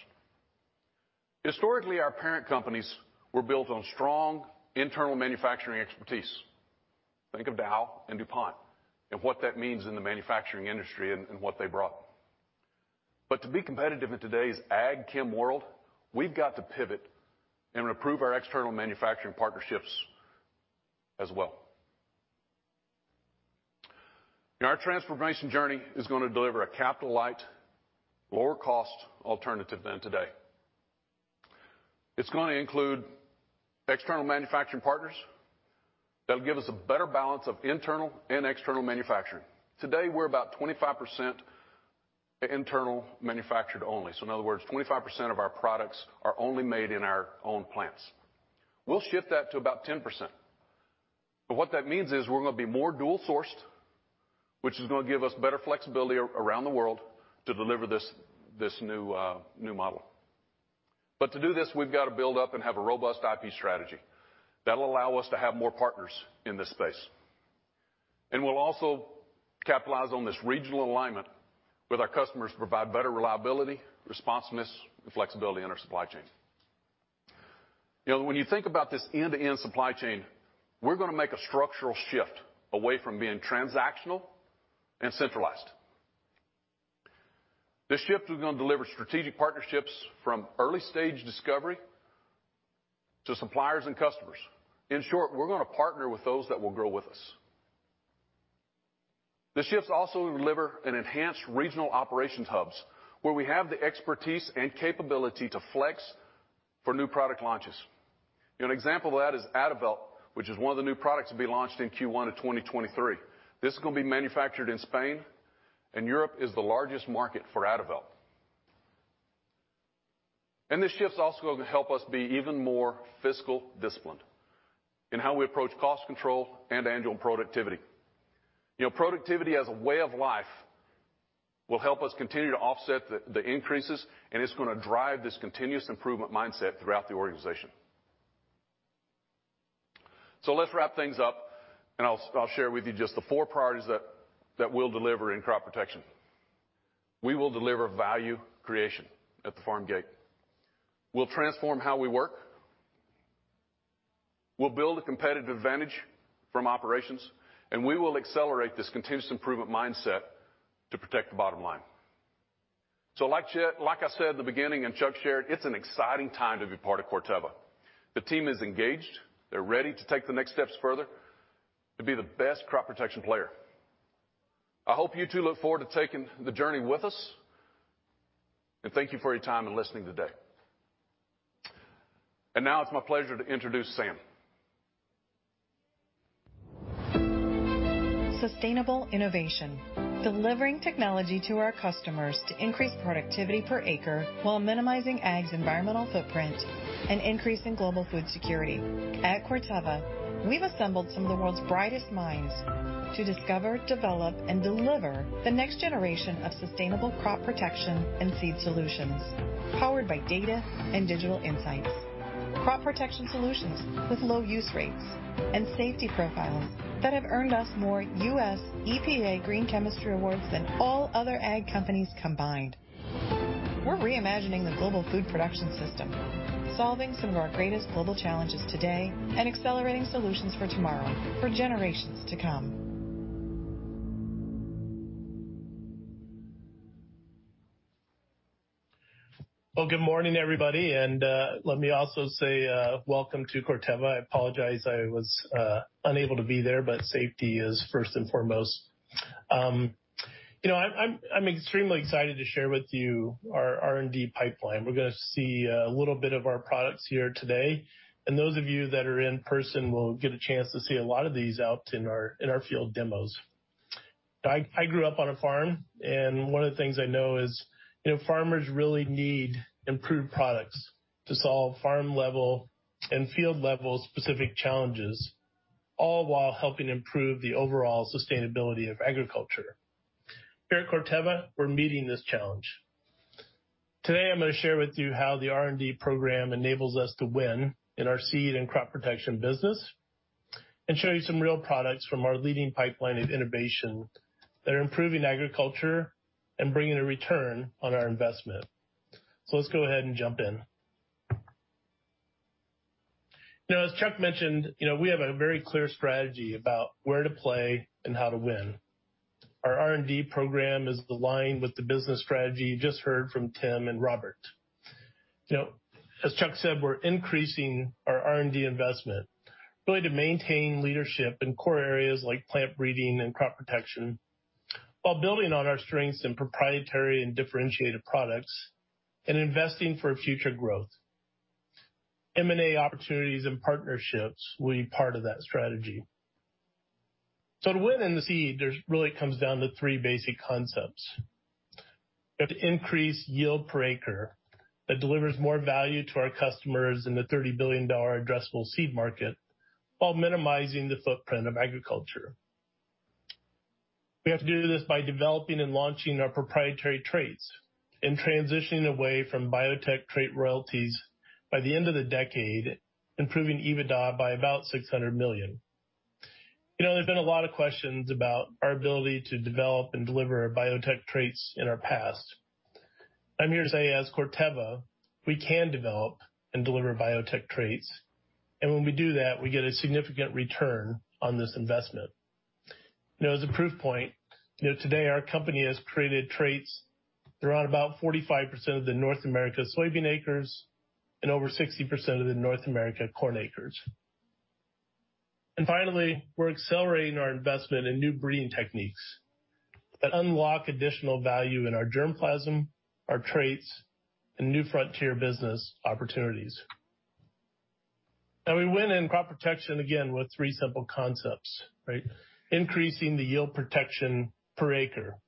Historically, our parent companies were built on strong internal manufacturing expertise. Think of Dow and DuPont and what that means in the manufacturing industry and what they brought. To be competitive in today's ag chem world, we've got to pivot and improve our external manufacturing partnerships as well. Our transformation journey is gonna deliver a capital light, lower cost alternative than today. It's gonna include external manufacturing partners that'll give us a better balance of internal and external manufacturing. Today, we're about 25% internal manufactured only. In other words, 25% of our products are only made in our own plants. We'll shift that to about 10%. What that means is we're gonna be more dual-sourced, which is gonna give us better flexibility around the world to deliver this new model. To do this, we've got to build up and have a robust IP strategy that'll allow us to have more partners in this space. We'll also capitalize on this regional alignment with our customers to provide better reliability, responsiveness and flexibility in our supply chain. You know, when you think about this end-to-end supply chain, we're gonna make a structural shift away from being transactional and centralized. This shift is gonna deliver strategic partnerships from early stage discovery to suppliers and customers. In short, we're gonna partner with those that will grow with us. The shifts also will deliver an enhanced regional operations hubs, where we have the expertise and capability to flex for new product launches. An example of that is Adavelt, which is one of the new products to be launched in Q1 of 2023. This is gonna be manufactured in Spain, and Europe is the largest market for Adavelt. This shift is also gonna help us be even more fiscal disciplined in how we approach cost control and annual productivity. You know, productivity as a way of life will help us continue to offset the increases, and it's gonna drive this continuous improvement mindset throughout the organization. Let's wrap things up, and I'll share with you just the four priorities that we'll deliver in crop protection. We will deliver value creation at the farm gate. We'll transform how we work. We'll build a competitive advantage from operations, and we will accelerate this continuous improvement mindset to protect the bottom line. Like I said at the beginning and Chuck shared, it's an exciting time to be part of Corteva. The team is engaged. They're ready to take the next steps further to be the best crop protection player. I hope you too look forward to taking the journey with us. Thank you for your time and listening today. Now it's my pleasure to introduce Sam. Sustainable innovation. Delivering technology to our customers to increase productivity per acre while minimizing Ag's environmental footprint and increasing global food security. At Corteva, we've assembled some of the world's brightest minds to discover, develop, and deliver the next generation of sustainable crop protection and seed solutions, powered by data and digital insights. Crop protection solutions with low use rates and safety profiles that have earned us more U.S. EPA Green Chemistry Awards than all other ag companies combined. We're reimagining the global food production system, solving some of our greatest global challenges today and accelerating solutions for tomorrow for generations to come. Well, good morning, everybody. Let me also say welcome to Corteva. I apologize I was unable to be there, but safety is first and foremost. You know, I'm extremely excited to share with you our R&D pipeline. We're gonna see a little bit of our products here today, and those of you that are in person will get a chance to see a lot of these out in our field demos. I grew up on a farm, and one of the things I know is, you know, farmers really need improved products to solve farm level and field level specific challenges, all while helping improve the overall sustainability of agriculture. Here at Corteva, we're meeting this challenge. Today, I'm gonna share with you how the R&D program enables us to win in our seed and crop protection business and show you some real products from our leading pipeline of innovation that are improving agriculture and bringing a return on our investment. Let's go ahead and jump in. Now, as Chuck mentioned, you know, we have a very clear strategy about where to play and how to win. Our R&D program is aligned with the business strategy you just heard from Tim and Robert. You know, as Chuck said, we're increasing our R&D investment, really to maintain leadership in core areas like plant breeding and crop protection while building on our strengths in proprietary and differentiated products and investing for future growth. M&A opportunities and partnerships will be part of that strategy. To win in the seed, it really comes down to three basic concepts. To increase yield per acre that delivers more value to our customers in the $30 billion addressable seed market while minimizing the footprint of agriculture. We have to do this by developing and launching our proprietary traits and transitioning away from biotech trait royalties by the end of the decade, improving EBITDA by about $600 million. You know, there's been a lot of questions about our ability to develop and deliver biotech traits in our past. I'm here to say, as Corteva, we can develop and deliver biotech traits, and when we do that, we get a significant return on this investment. You know, as a proof point, you know, today our company has created traits. They're on about 45% of the North America soybean acres and over 60% of the North America corn acres. Finally, we're accelerating our investment in new breeding techniques that unlock additional value in our germplasm, our traits, and new frontier business opportunities. Now we win in crop protection, again, with three simple concepts, right? Increasing the yield protection per acre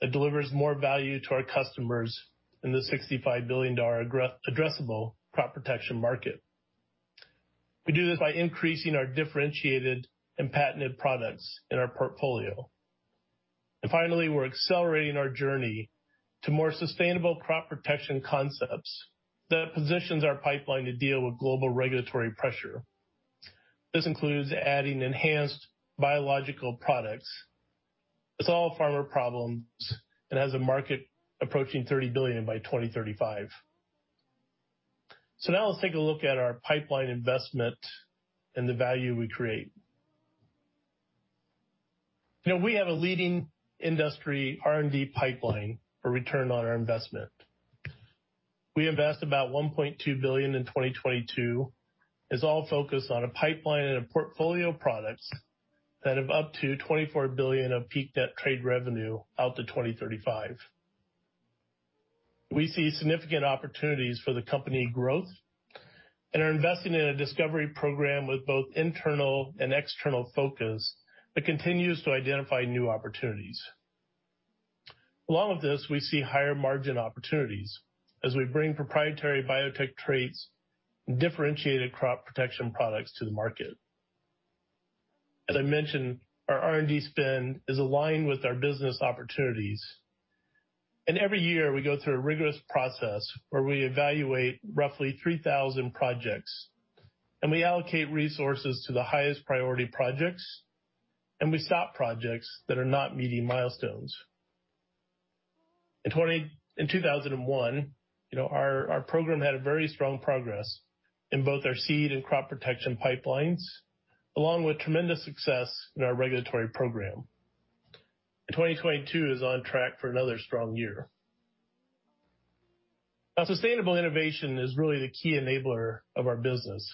that delivers more value to our customers in the $65 billion addressable crop protection market. We do this by increasing our differentiated and patented products in our portfolio. Finally, we're accelerating our journey to more sustainable crop protection concepts that positions our pipeline to deal with global regulatory pressure. This includes adding enhanced biological products to solve farmer problems and has a market approaching $30 billion by 2035. Now let's take a look at our pipeline investment and the value we create. You know, we have a leading industry R&D pipeline for return on our investment. We invest about $1.2 billion in 2022. It's all focused on a pipeline and a portfolio of products that have up to $24 billion of peak net trade revenue out to 2035. We see significant opportunities for the company growth and are investing in a discovery program with both internal and external focus that continues to identify new opportunities. Along with this, we see higher margin opportunities as we bring proprietary biotech traits and differentiated crop protection products to the market. As I mentioned, our R&D spend is aligned with our business opportunities. Every year, we go through a rigorous process where we evaluate roughly 3,000 projects, and we allocate resources to the highest priority projects, and we stop projects that are not meeting milestones. In 2021, you know, our program had a very strong progress in both our seed and crop protection pipelines, along with tremendous success in our regulatory program. 2022 is on track for another strong year. Now, sustainable innovation is really the key enabler of our business.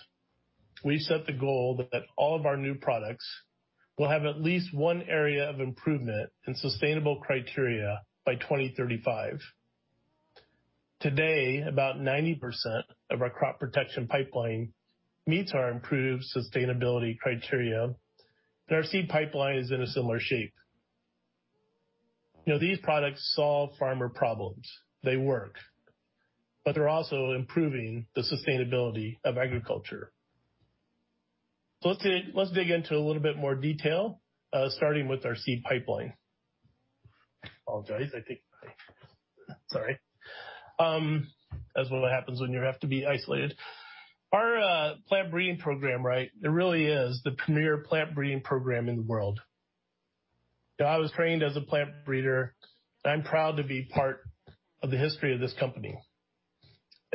We set the goal that all of our new products will have at least one area of improvement in sustainable criteria by 2035. Today, about 90% of our crop protection pipeline meets our improved sustainability criteria. Our seed pipeline is in a similar shape. You know, these products solve farmer problems. They work, but they're also improving the sustainability of agriculture. Let's dig into a little bit more detail, starting with our seed pipeline. Apologize. I think. Sorry. That's what happens when you have to be isolated. Our plant breeding program, right, it really is the premier plant breeding program in the world. You know, I was trained as a plant breeder. I'm proud to be part of the history of this company.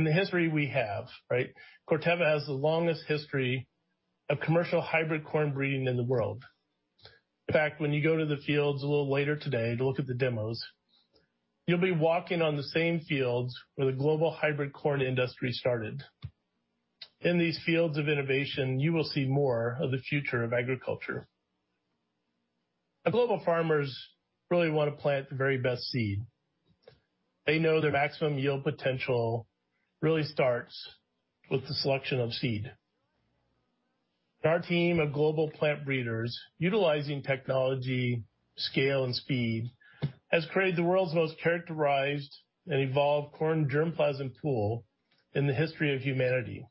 The history we have, right? Corteva has the longest history of commercial hybrid corn breeding in the world. In fact, when you go to the fields a little later today to look at the demos, you'll be walking on the same fields where the global hybrid corn industry started. In these fields of innovation, you will see more of the future of agriculture. Global farmers really wanna plant the very best seed. They know their maximum yield potential really starts with the selection of seed. Our team of global plant breeders, utilizing technology, scale, and speed, has created the world's most characterized and evolved corn germplasm pool in the history of humanity.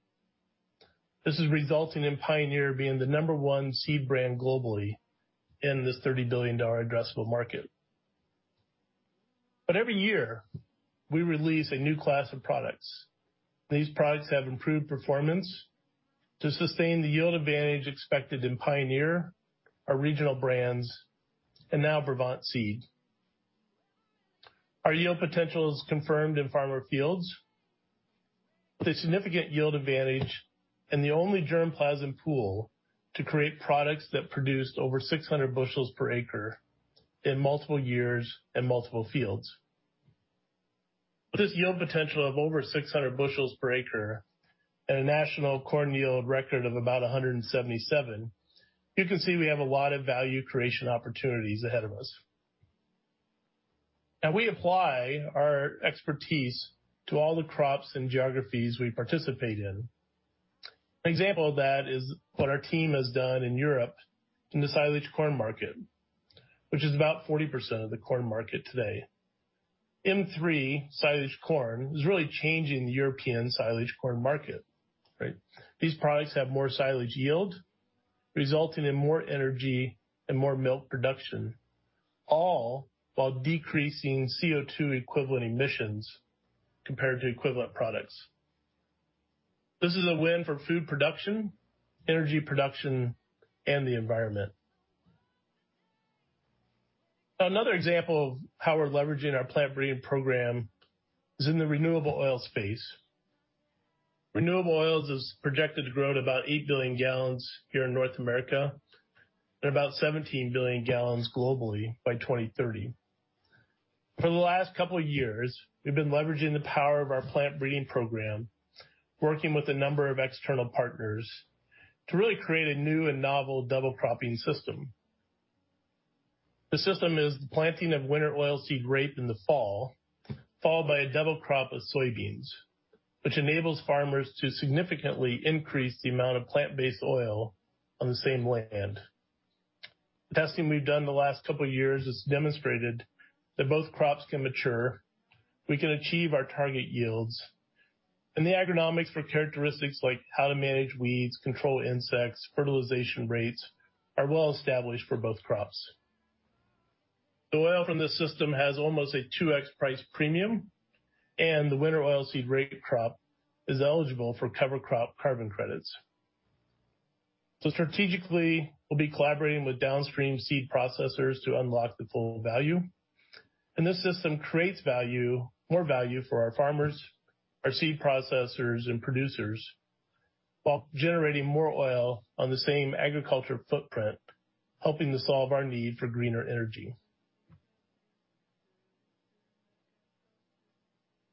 This is resulting in Pioneer being the number one seed brand globally in this $30 billion addressable market. Every year, we release a new class of products. These products have improved performance to sustain the yield advantage expected in Pioneer, our regional brands, and now Brevant. Our yield potential is confirmed in farmer fields. The significant yield advantage and the only germplasm pool to create products that produced over 600 bushels per acre in multiple years and multiple fields. With this yield potential of over 600 bushels per acre and a national corn yield record of about 177, you can see we have a lot of value creation opportunities ahead of us. Now we apply our expertise to all the crops and geographies we participate in. An example of that is what our team has done in Europe in the silage corn market, which is about 40% of the corn market today. Silage corn is really changing the European silage corn market, right? These products have more silage yield, resulting in more energy and more milk production, all while decreasing CO2 equivalent emissions compared to equivalent products. This is a win for food production, energy production, and the environment. Another example of how we're leveraging our plant breeding program is in the renewable oil space. Renewable oils is projected to grow to about 8 billion gallons here in North America and about 17 billion gallons globally by 2030. For the last couple of years, we've been leveraging the power of our plant breeding program, working with a number of external partners to really create a new and novel double cropping system. The system is the planting of winter oilseed rape in the fall, followed by a double crop of soybeans, which enables farmers to significantly increase the amount of plant-based oil on the same land. The testing we've done the last couple of years has demonstrated that both crops can mature. We can achieve our target yields. The agronomics for characteristics like how to manage weeds, control insects, fertilization rates are well established for both crops. The oil from this system has almost a 2x price premium, and the winter oilseed rape crop is eligible for cover crop carbon credits. Strategically, we'll be collaborating with downstream seed processors to unlock the full value. This system creates value, more value for our farmers, our seed processors and producers, while generating more oil on the same agriculture footprint, helping to solve our need for greener energy.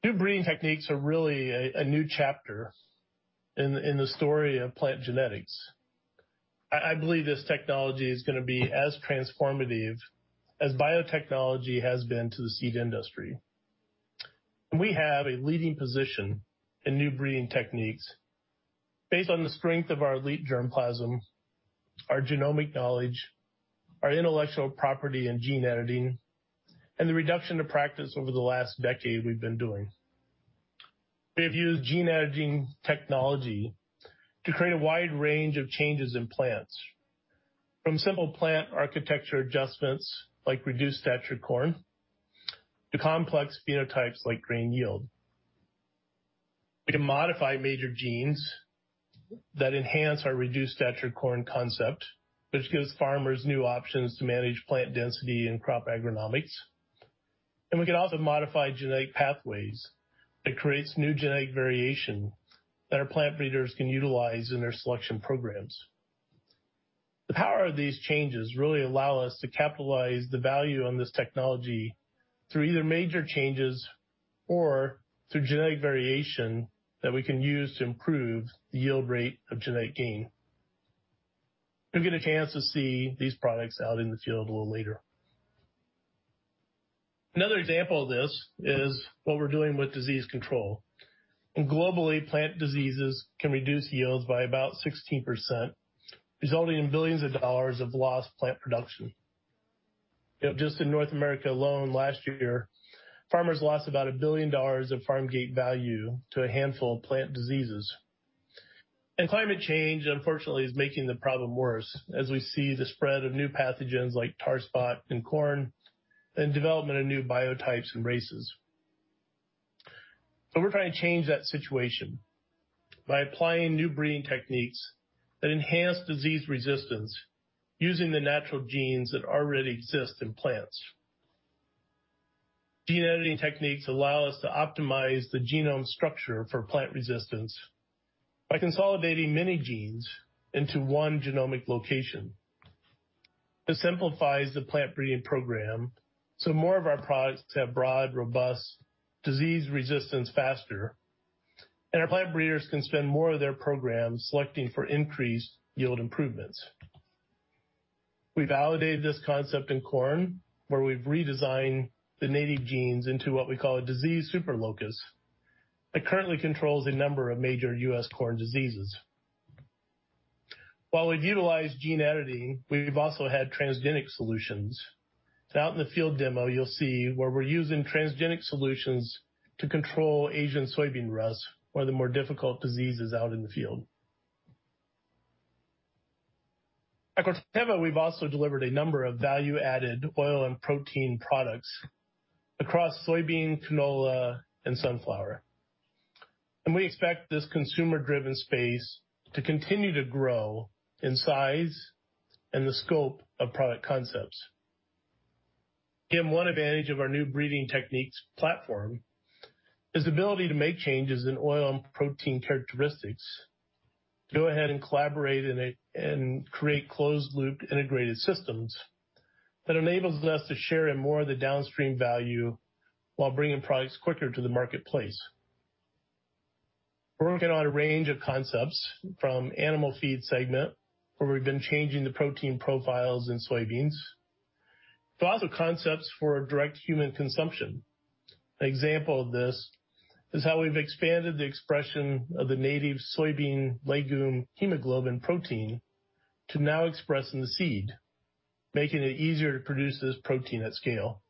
New breeding techniques are really a new chapter in the story of plant genetics. I believe this technology is gonna be as transformative as biotechnology has been to the seed industry. We have a leading position in new breeding techniques based on the strength of our elite germplasm, our genomic knowledge, our intellectual property in gene editing, and the reduction to practice over the last decade we've been doing. We've used gene editing technology to create a wide range of changes in plants, from simple plant architecture adjustments like reduced stature corn to complex phenotypes like grain yield. We can modify major genes that enhance our reduced stature corn concept, which gives farmers new options to manage plant density and crop agronomics. We can also modify genetic pathways that creates new genetic variation that our plant breeders can utilize in their selection programs. The power of these changes really allow us to capitalize the value on this technology through either major changes or through genetic variation that we can use to improve the yield rate of genetic gain. You'll get a chance to see these products out in the field a little later. Another example of this is what we're doing with disease control. Globally, plant diseases can reduce yields by about 16%, resulting in billions of dollars of lost plant production. You know, just in North America alone last year, farmers lost about $1 billion of farm gate value to a handful of plant diseases. Climate change, unfortunately, is making the problem worse as we see the spread of new pathogens like tar spot in corn and development of new biotypes and races. We're trying to change that situation by applying new breeding techniques that enhance disease resistance using the natural genes that already exist in plants. Gene editing techniques allow us to optimize the genome structure for plant resistance by consolidating many genes into one genomic location. This simplifies the plant breeding program, so more of our products have broad, robust disease resistance faster, and our plant breeders can spend more of their programs selecting for increased yield improvements. We validated this concept in corn, where we've redesigned the native genes into what we call a disease super locus that currently controls a number of major U.S. corn diseases. While we've utilized gene editing, we've also had transgenic solutions. Out in the field demo, you'll see where we're using transgenic solutions to control Asian soybean rust, one of the more difficult diseases out in the field. At Corteva, we've also delivered a number of value-added oil and protein products across soybean, canola, and sunflower. We expect this consumer-driven space to continue to grow in size and the scope of product concepts. One advantage of our new breeding techniques platform is the ability to make changes in oil and protein characteristics to go ahead and create closed loop integrated systems that enables us to share in more of the downstream value while bringing products quicker to the marketplace. We're working on a range of concepts from animal feed segment, where we've been changing the protein profiles in soybeans, to other concepts for direct human consumption. An example of this is how we've expanded the expression of the native soybean legume hemoglobin protein to now express in the seed, making it easier to produce this protein at scale.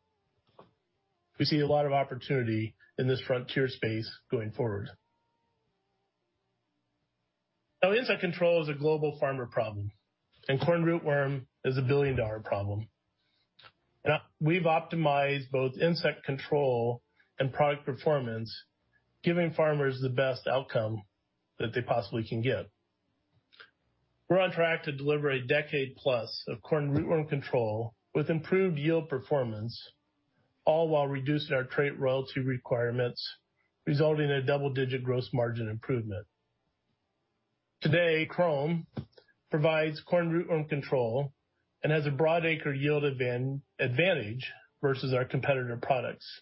We see a lot of opportunity in this frontier space going forward. Now, insect control is a global farmer problem, and corn rootworm is a billion-dollar problem. We've optimized both insect control and product performance, giving farmers the best outcome that they possibly can get. We're on track to deliver a decade-plus of corn rootworm control with improved yield performance, all while reducing our trait royalty requirements, resulting in a double-digit gross margin improvement. Today, Qrome provides corn rootworm control and has a broad acre yield advantage versus our competitor products.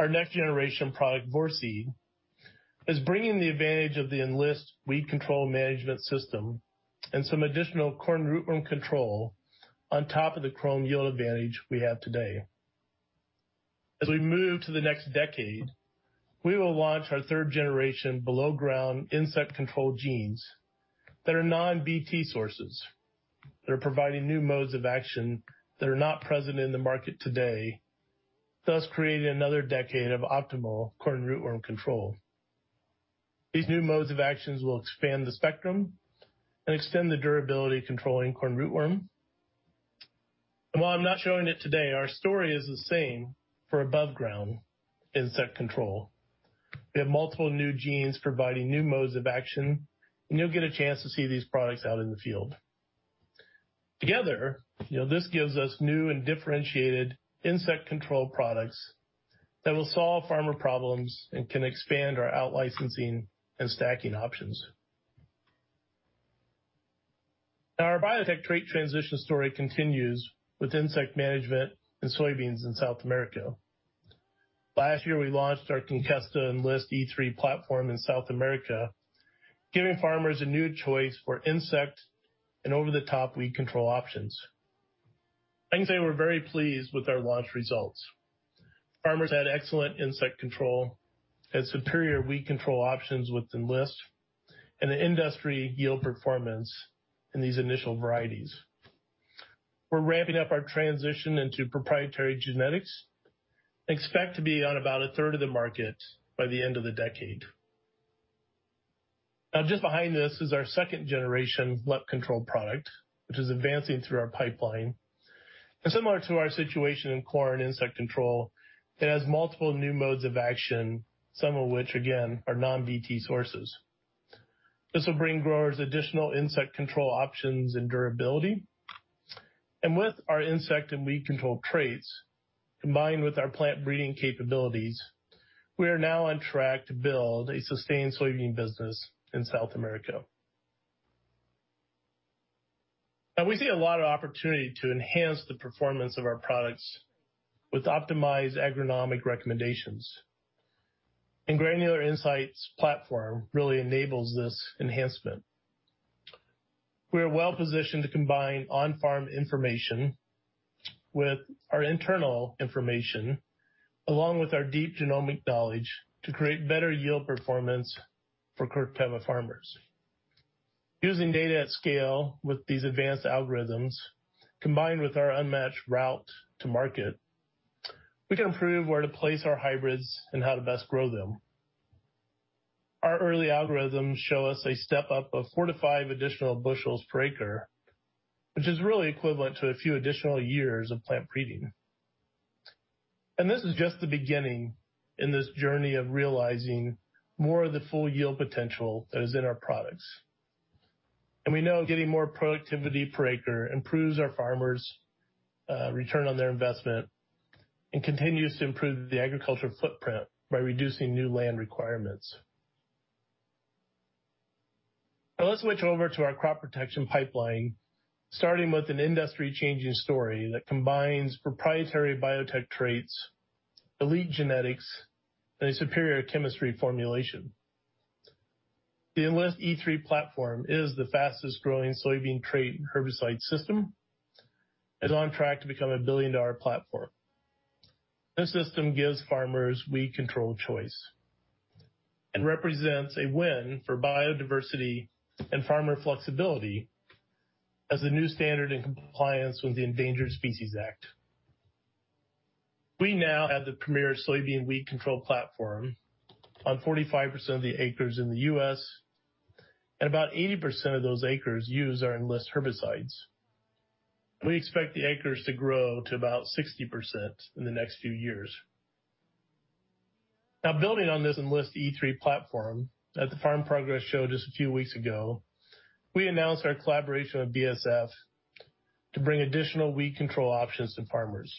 Our next generation product, Vorceed, is bringing the advantage of the Enlist weed control management system and some additional corn rootworm control on top of the Qrome yield advantage we have today. As we move to the next decade, we will launch our third generation below ground insect control genes that are Non-Bt sources, that are providing new modes of action that are not present in the market today, thus creating another decade of optimal corn rootworm control. These new modes of actions will expand the spectrum and extend the durability controlling corn rootworm. While I'm not showing it today, our story is the same for above ground insect control. We have multiple new genes providing new modes of action, and you'll get a chance to see these products out in the field. Together, you know, this gives us new and differentiated insect control products that will solve farmer problems and can expand our out-licensing and stacking options. Now, our biotech trait transition story continues with insect management in soybeans in South America. Last year, we launched our Conkesta Enlist E3 platform in South America, giving farmers a new choice for insect and over-the-top weed control options. I can say we're very pleased with our launch results. Farmers had excellent insect control and superior weed control options with Enlist and the industry yield performance in these initial varieties. We're ramping up our transition into proprietary genetics and expect to be on about a third of the market by the end of the decade. Now, just behind this is our second generation LEP control product, which is advancing through our pipeline. Similar to our situation in corn insect control, it has multiple new modes of action, some of which, again, are Non-Bt sources. This will bring growers additional insect control options and durability. With our insect and weed control traits, combined with our plant breeding capabilities, we are now on track to build a sustained soybean business in South America. Now, we see a lot of opportunity to enhance the performance of our products with optimized agronomic recommendations. Granular Insights platform really enables this enhancement. We are well-positioned to combine on-farm information with our internal information, along with our deep genomic knowledge, to create better yield performance for Corteva farmers. Using data at scale with these advanced algorithms, combined with our unmatched route to market, we can improve where to place our hybrids and how to best grow them. Our early algorithms show us a step up of four to five additional bushels per acre, which is really equivalent to a few additional years of plant breeding. This is just the beginning in this journey of realizing more of the full yield potential that is in our products. We know getting more productivity per acre improves our farmers' return on their investment and continues to improve the agriculture footprint by reducing new land requirements. Now let's switch over to our crop protection pipeline, starting with an industry-changing story that combines proprietary biotech traits, elite genetics, and a superior chemistry formulation. The Enlist E3 platform is the fastest-growing soybean trait and herbicide system, and is on track to become a billion-dollar platform. This system gives farmers weed control choice and represents a win for biodiversity and farmer flexibility as a new standard in compliance with the Endangered Species Act. We now have the premier soybean weed control platform on 45% of the acres in the U.S., and about 80% of those acres use our Enlist herbicides. We expect the acres to grow to about 60% in the next few years. Now, building on this Enlist E3 platform, at the Farm Progress Show just a few weeks ago, we announced our collaboration with BASF to bring additional weed control options to farmers.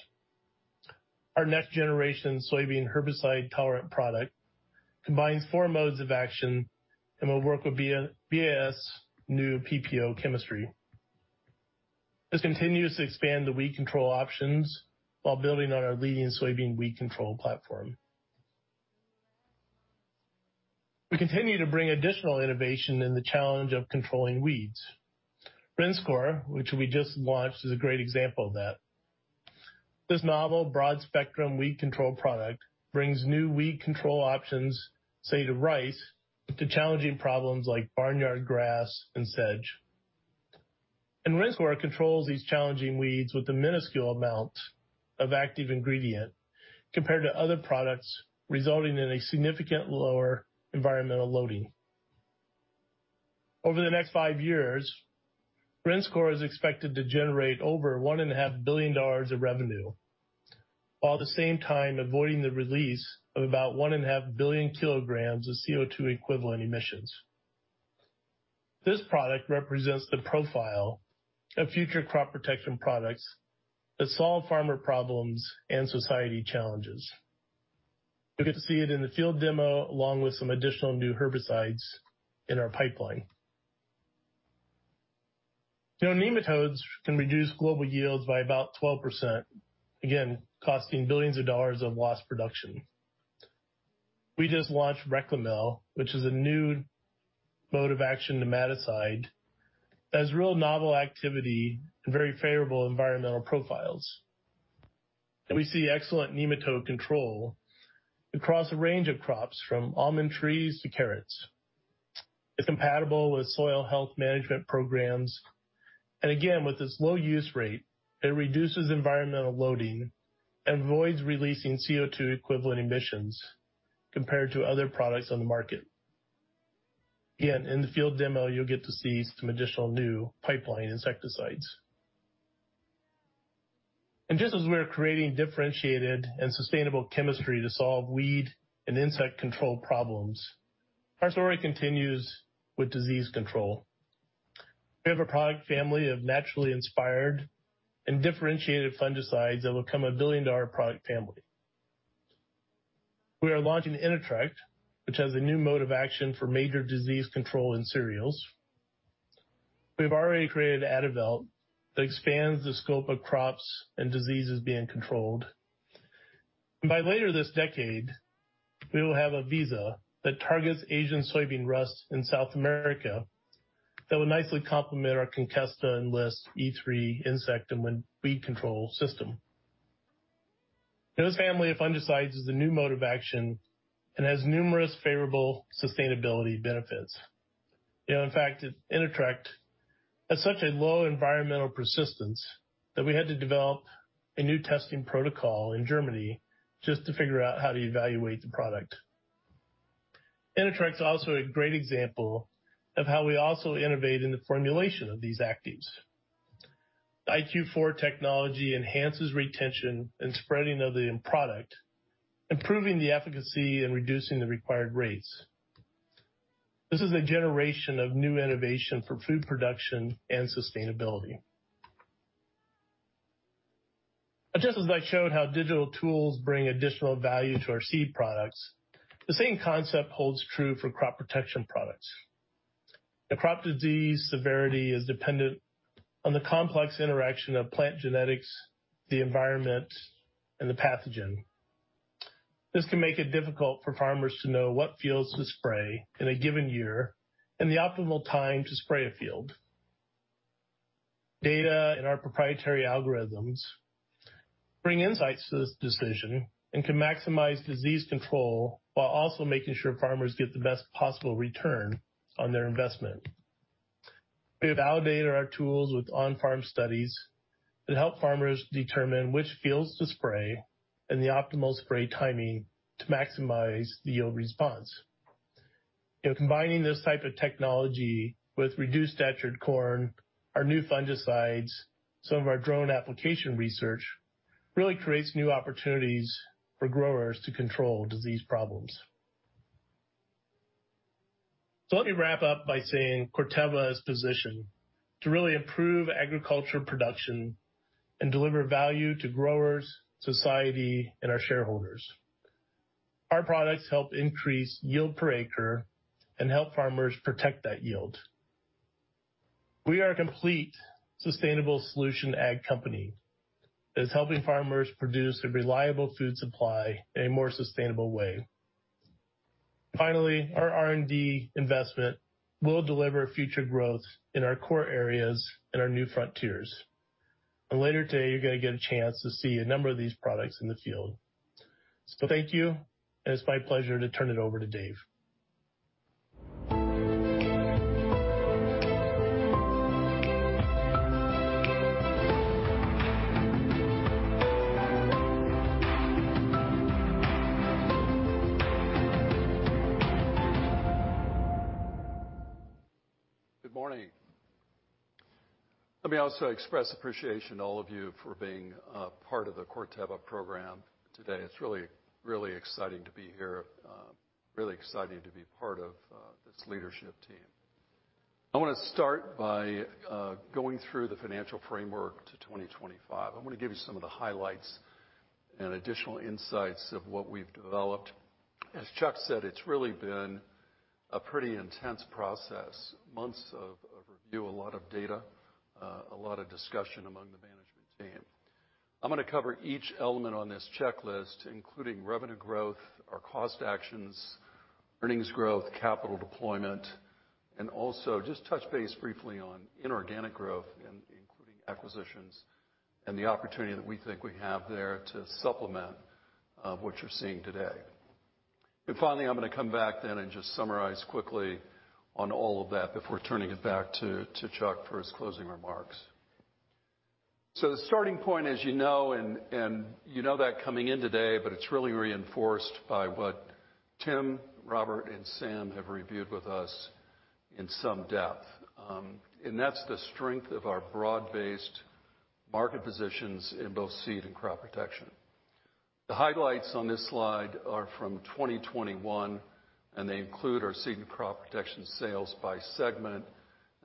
Our next-generation soybean herbicide-tolerant product combines four modes of action and will work with BASF's new PPO chemistry. This continues to expand the weed control options while building on our leading soybean weed control platform. We continue to bring additional innovation in the challenge of controlling weeds. Rinskor, which we just launched, is a great example of that. This novel broad-spectrum weed control product brings new weed control options, say to rice, to challenging problems like barnyard grass and sedge. Rinskor controls these challenging weeds with a minuscule amount of active ingredient compared to other products, resulting in a significant lower environmental loading. Over the next five years, Rinskor is expected to generate over $1.5 billion of revenue, while at the same time avoiding the release of about 1.5 billion kilograms of CO2 equivalent emissions. This product represents the profile of future crop protection products that solve farmer problems and society challenges. You'll get to see it in the field demo, along with some additional new herbicides in our pipeline. You know, nematodes can reduce global yields by about 12%, again, costing billions of dollars of lost production. We just launched Reklemel, which is a new mode-of-action nematicide, has real novel activity and very favorable environmental profiles. We see excellent nematode control across a range of crops from almond trees to carrots. It's compatible with soil health management programs. With its low use rate, it reduces environmental loading and avoids releasing CO2 equivalent emissions compared to other products on the market. Again, in the field demo, you'll get to see some additional new pipeline insecticides. Just as we are creating differentiated and sustainable chemistry to solve weed and insect control problems, our story continues with disease control. We have a product family of naturally inspired and differentiated fungicides that will become a billion-dollar product family. We are launching Inatreq, which has a new mode of action for major disease control in cereals. We've already created Adavelt that expands the scope of crops and diseases being controlled. By later this decade, we will have a visas that targets Asian soybean rust in South America that will nicely complement our Conkesta Enlist E3 insect and weed control system. This family of fungicides is the new mode of action and has numerous favorable sustainability benefits. In fact, Inatreq has such a low environmental persistence that we had to develop a new testing protocol in Germany just to figure out how to evaluate the product. Inatreq is also a great example of how we also innovate in the formulation of these actives. IQ4 technology enhances retention and spreading of the end product, improving the efficacy and reducing the required rates. This is a generation of new innovation for food production and sustainability. Just as I showed how digital tools bring additional value to our seed products, the same concept holds true for crop protection products. The crop disease severity is dependent on the complex interaction of plant genetics, the environment, and the pathogen. This can make it difficult for farmers to know what fields to spray in a given year and the optimal time to spray a field. Data and our proprietary algorithms bring insights to this decision and can maximize disease control while also making sure farmers get the best possible return on their investment. We have validated our tools with on-farm studies that help farmers determine which fields to spray and the optimal spray timing to maximize the yield response. You know, combining this type of technology with reduced-stature corn, our new fungicides, some of our drone application research really creates new opportunities for growers to control disease problems. Let me wrap up by saying Corteva is positioned to really improve agriculture production and deliver value to growers, society, and our shareholders. Our products help increase yield per acre and help farmers protect that yield. We are a complete sustainable solution ag company that's helping farmers produce a reliable food supply in a more sustainable way. Finally, our R&D investment will deliver future growth in our core areas and our new frontiers. Later today, you're gonna get a chance to see a number of these products in the field. Thank you, and it's my pleasure to turn it over to Dave. Good morning. Let me also express appreciation to all of you for being part of the Corteva program today. It's really, really exciting to be here, really exciting to be part of this leadership team. I wanna start by going through the financial framework to 2025. I wanna give you some of the highlights and additional insights of what we've developed. As Chuck said, it's really been a pretty intense process, months of review, a lot of data, a lot of discussion among the management team. I'm gonna cover each element on this checklist, including revenue growth, our cost actions, earnings growth, capital deployment, and also just touch base briefly on inorganic growth, including acquisitions and the opportunity that we think we have there to supplement what you're seeing today. Finally, I'm gonna come back then and just summarize quickly on all of that before turning it back to Chuck for his closing remarks. The starting point, as you know, and you know that coming in today, but it's really reinforced by what Tim, Robert, and Sam have reviewed with us in some depth. That's the strength of our broad-based market positions in both seed and crop protection. The highlights on this slide are from 2021, and they include our seed and crop protection sales by segment.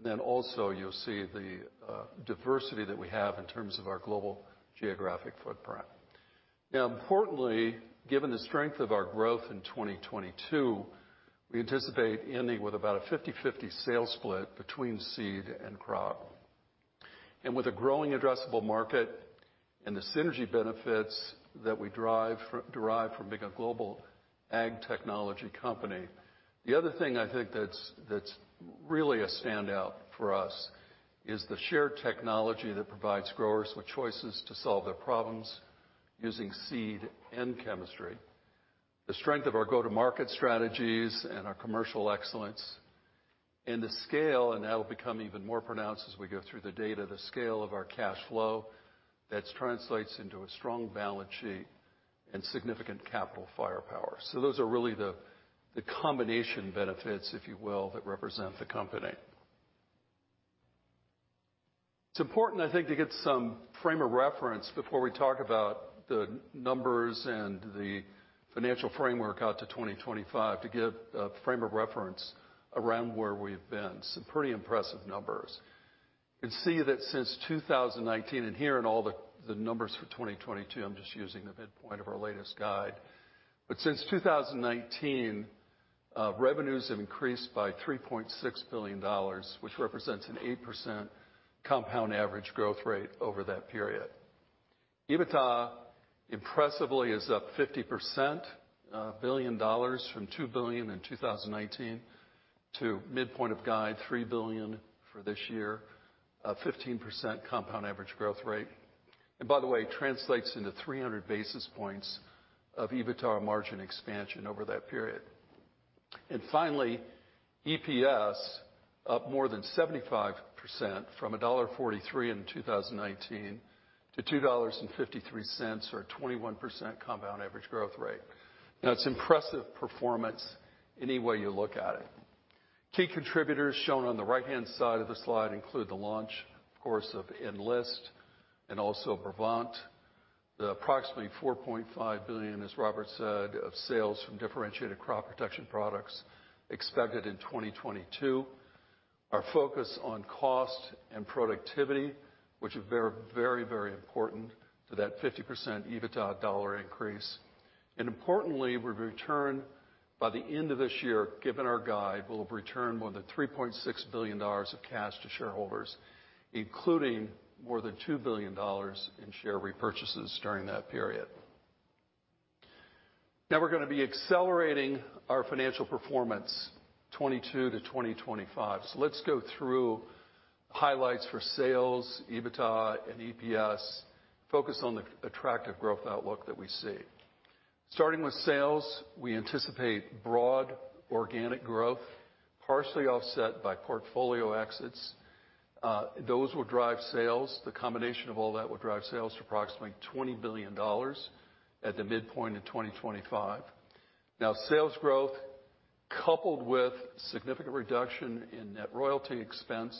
You'll see the diversity that we have in terms of our global geographic footprint. Now importantly, given the strength of our growth in 2022, we anticipate ending with about a 50/50 sales split between seed and crop. With a growing addressable market and the synergy benefits that we derive from being a global ag technology company. The other thing I think that's really a standout for us is the shared technology that provides growers with choices to solve their problems using seed and chemistry. The strength of our go-to-market strategies and our commercial excellence and the scale, and that'll become even more pronounced as we go through the data, the scale of our cash flow that translates into a strong balance sheet and significant capital firepower. Those are really the combination benefits, if you will, that represent the company. It's important, I think, to get some frame of reference before we talk about the numbers and the financial framework out to 2025 to give a frame of reference around where we've been. Some pretty impressive numbers. You can see that since 2019, the numbers for 2022, I'm just using the midpoint of our latest guide. Since 2019, revenues have increased by $3.6 billion, which represents an 8% compound average growth rate over that period. EBITDA impressively is up 50%, billion dollars from $2 billion in 2019 to midpoint of guide $3 billion for this year, a 15% compound average growth rate. By the way, translates into 300 basis points of EBITDA margin expansion over that period. Finally, EPS up more than 75% from $1.43 in 2019 to $2.53 or a 21% compound average growth rate. Now it's impressive performance any way you look at it. Key contributors shown on the right-hand side of the slide include the launch, of course, of Enlist and also Brevant. The approximately $4.5 billion, as Robert said, of sales from differentiated crop protection products expected in 2022. Our focus on cost and productivity, which are very, very important to that 50% EBITDA dollar increase. Importantly, we've returned by the end of this year, given our guide, we'll have returned more than $3.6 billion of cash to shareholders, including more than $2 billion in share repurchases during that period. Now we're gonna be accelerating our financial performance, 2022 to 2025. Let's go through highlights for sales, EBITDA, and EPS. Focus on the attractive growth outlook that we see. Starting with sales, we anticipate broad organic growth, partially offset by portfolio exits. Those will drive sales. The combination of all that will drive sales to approximately $20 billion at the midpoint in 2025. Now, sales growth, coupled with significant reduction in net royalty expense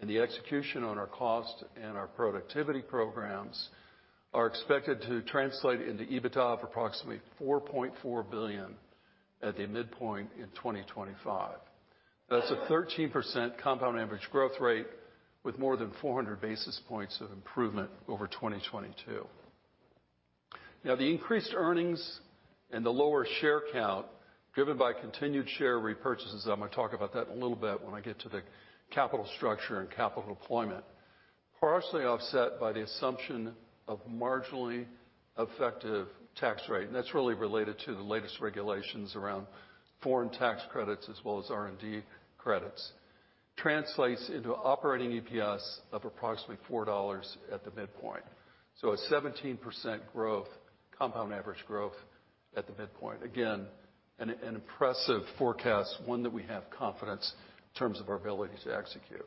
and the execution on our cost and our productivity programs, are expected to translate into EBITDA of approximately $4.4 billion at the midpoint in 2025. That's a 13% compound average growth rate with more than 400 basis points of improvement over 2022. Now the increased earnings and the lower share count driven by continued share repurchases, I'm gonna talk about that in a little bit when I get to the capital structure and capital deployment, partially offset by the assumption of marginally effective tax rate, and that's really related to the latest regulations around foreign tax credits as well as R&D credits, translates into operating EPS of approximately $4 at the midpoint. A 17% growth, compound average growth at the midpoint. Again, an impressive forecast, one that we have confidence in terms of our ability to execute.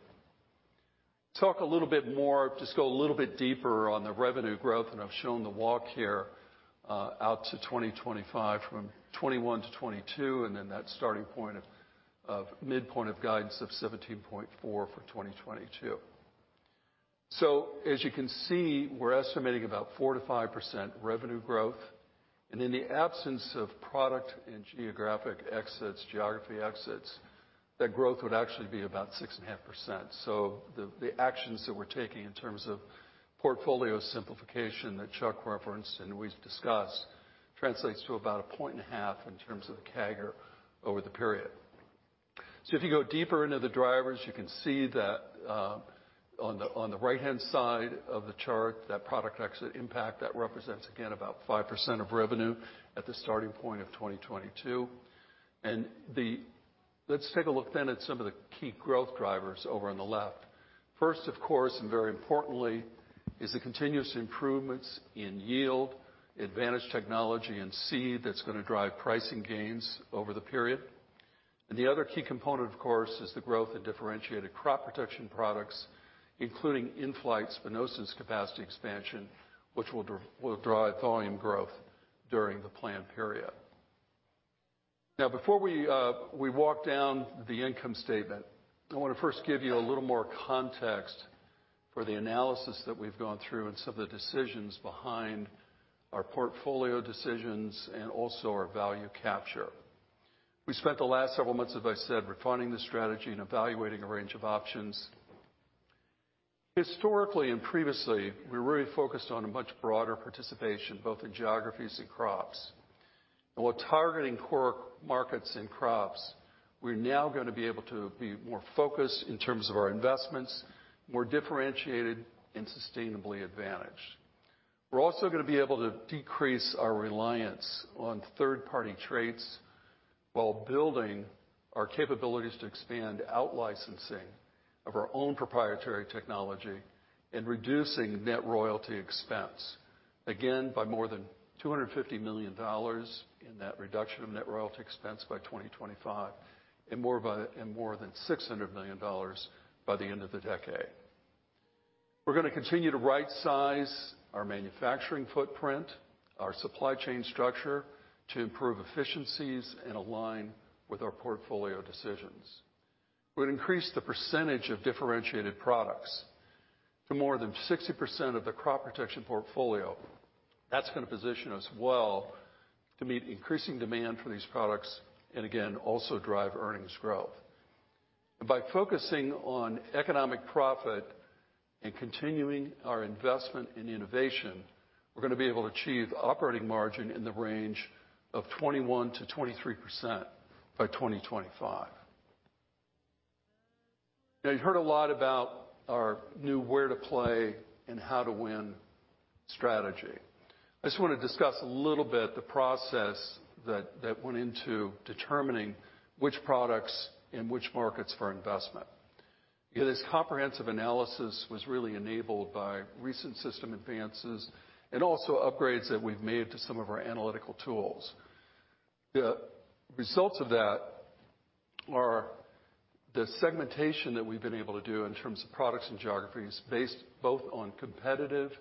Talk a little bit more, just go a little bit deeper on the revenue growth, and I've shown the walk here out to 2025 from 2021 to 2022, and then that starting point of midpoint of guidance of 17.4 for 2022. As you can see, we're estimating about 4%-5% revenue growth. In the absence of product and geographic exits, that growth would actually be about 6.5%. The actions that we're taking in terms of portfolio simplification that Chuck referenced and we've discussed translates to about 1.5 in terms of the CAGR over the period. If you go deeper into the drivers, you can see that, on the right-hand side of the chart, that product exit impact that represents, again, about 5% of revenue at the starting point of 2022. Let's take a look then at some of the key growth drivers over on the left. First, of course, and very importantly, is the continuous improvements in yield, advantage technology and seed that's gonna drive pricing gains over the period. The other key component, of course, is the growth in differentiated crop protection products, including in-flight Spinosyns capacity expansion, which will drive volume growth during the plan period. Now before we walk down the income statement, I wanna first give you a little more context for the analysis that we've gone through and some of the decisions behind our portfolio decisions and also our value capture. We spent the last several months, as I said, refining the strategy and evaluating a range of options. Historically and previously, we were really focused on a much broader participation, both in geographies and crops. While targeting core markets and crops, we're now gonna be able to be more focused in terms of our investments, more differentiated and sustainably advantaged. We're also gonna be able to decrease our reliance on third-party traits while building our capabilities to expand out-licensing of our own proprietary technology and reducing net royalty expense, again, by more than $250 million in that reduction of net royalty expense by 2025, and more than $600 million by the end of the decade. We're gonna continue to right size our manufacturing footprint, our supply chain structure to improve efficiencies and align with our portfolio decisions. We'll increase the percentage of differentiated products to more than 60% of the crop protection portfolio. That's gonna position us well to meet increasing demand for these products, and again, also drive earnings growth. By focusing on economic profit and continuing our investment in innovation, we're gonna be able to achieve operating margin in the range of 21% to 23% by 2025. Now you've heard a lot about our new where to play and how to win strategy. I just wanna discuss a little bit the process that went into determining which products and which markets for investment. This comprehensive analysis was really enabled by recent system advances and also upgrades that we've made to some of our analytical tools. The results of that are the segmentation that we've been able to do in terms of products and geographies based both on competitive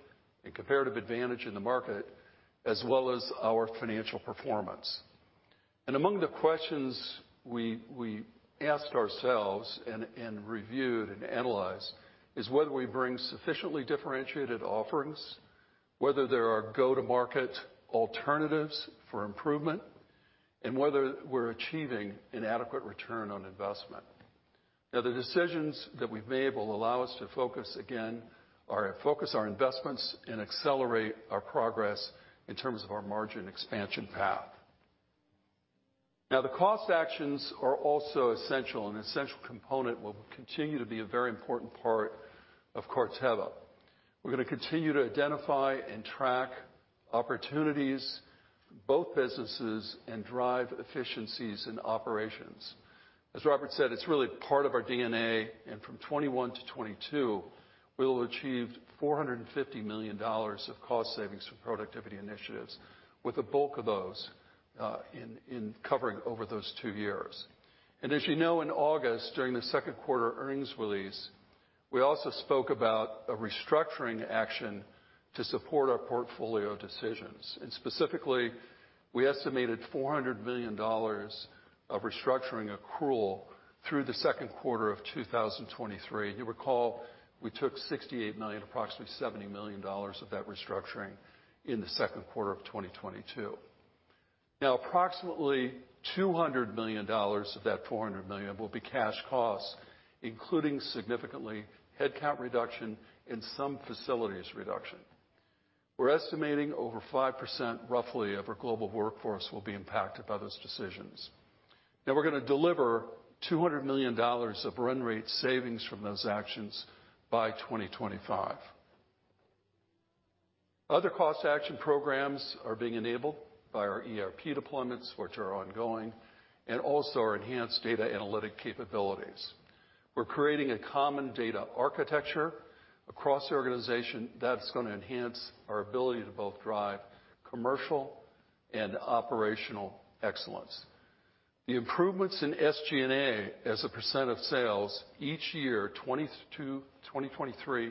and comparative advantage in the market, as well as our financial performance. Among the questions we asked ourselves and reviewed and analyzed is whether we bring sufficiently differentiated offerings, whether there are go-to-market alternatives for improvement, and whether we're achieving an adequate return on investment. Now, the decisions that we've made will allow us to focus our investments and accelerate our progress in terms of our margin expansion path. Now the cost actions are also essential, an essential component will continue to be a very important part of Corteva. We're gonna continue to identify and tackle opportunities in both businesses and drive efficiencies in operations. As Robert said, it's really part of our DNA, and from 2021 to 2022, we will have achieved $450 million of cost savings from productivity initiatives with the bulk of those incurred over those two years. As you know, in August, during the second quarter earnings release, we also spoke about a restructuring action to support our portfolio decisions. Specifically, we estimated $400 million of restructuring accrual through the second quarter of 2023. You recall, we took $68 million, approximately $70 million dollars of that restructuring in the second quarter of 2022. Approximately $200 million dollars of that $400 million will be cash costs, including significantly headcount reduction and some facilities reduction. We're estimating over 5% roughly of our global workforce will be impacted by those decisions. We're gonna deliver $200 million of run rate savings from those actions by 2025. Other cost action programs are being enabled by our ERP deployments, which are ongoing, and also our enhanced data analytic capabilities. We're creating a common data architecture across the organization that's gonna enhance our ability to both drive commercial and operational excellence. The improvements in SG&A as a percent of sales each year, 2022, 2023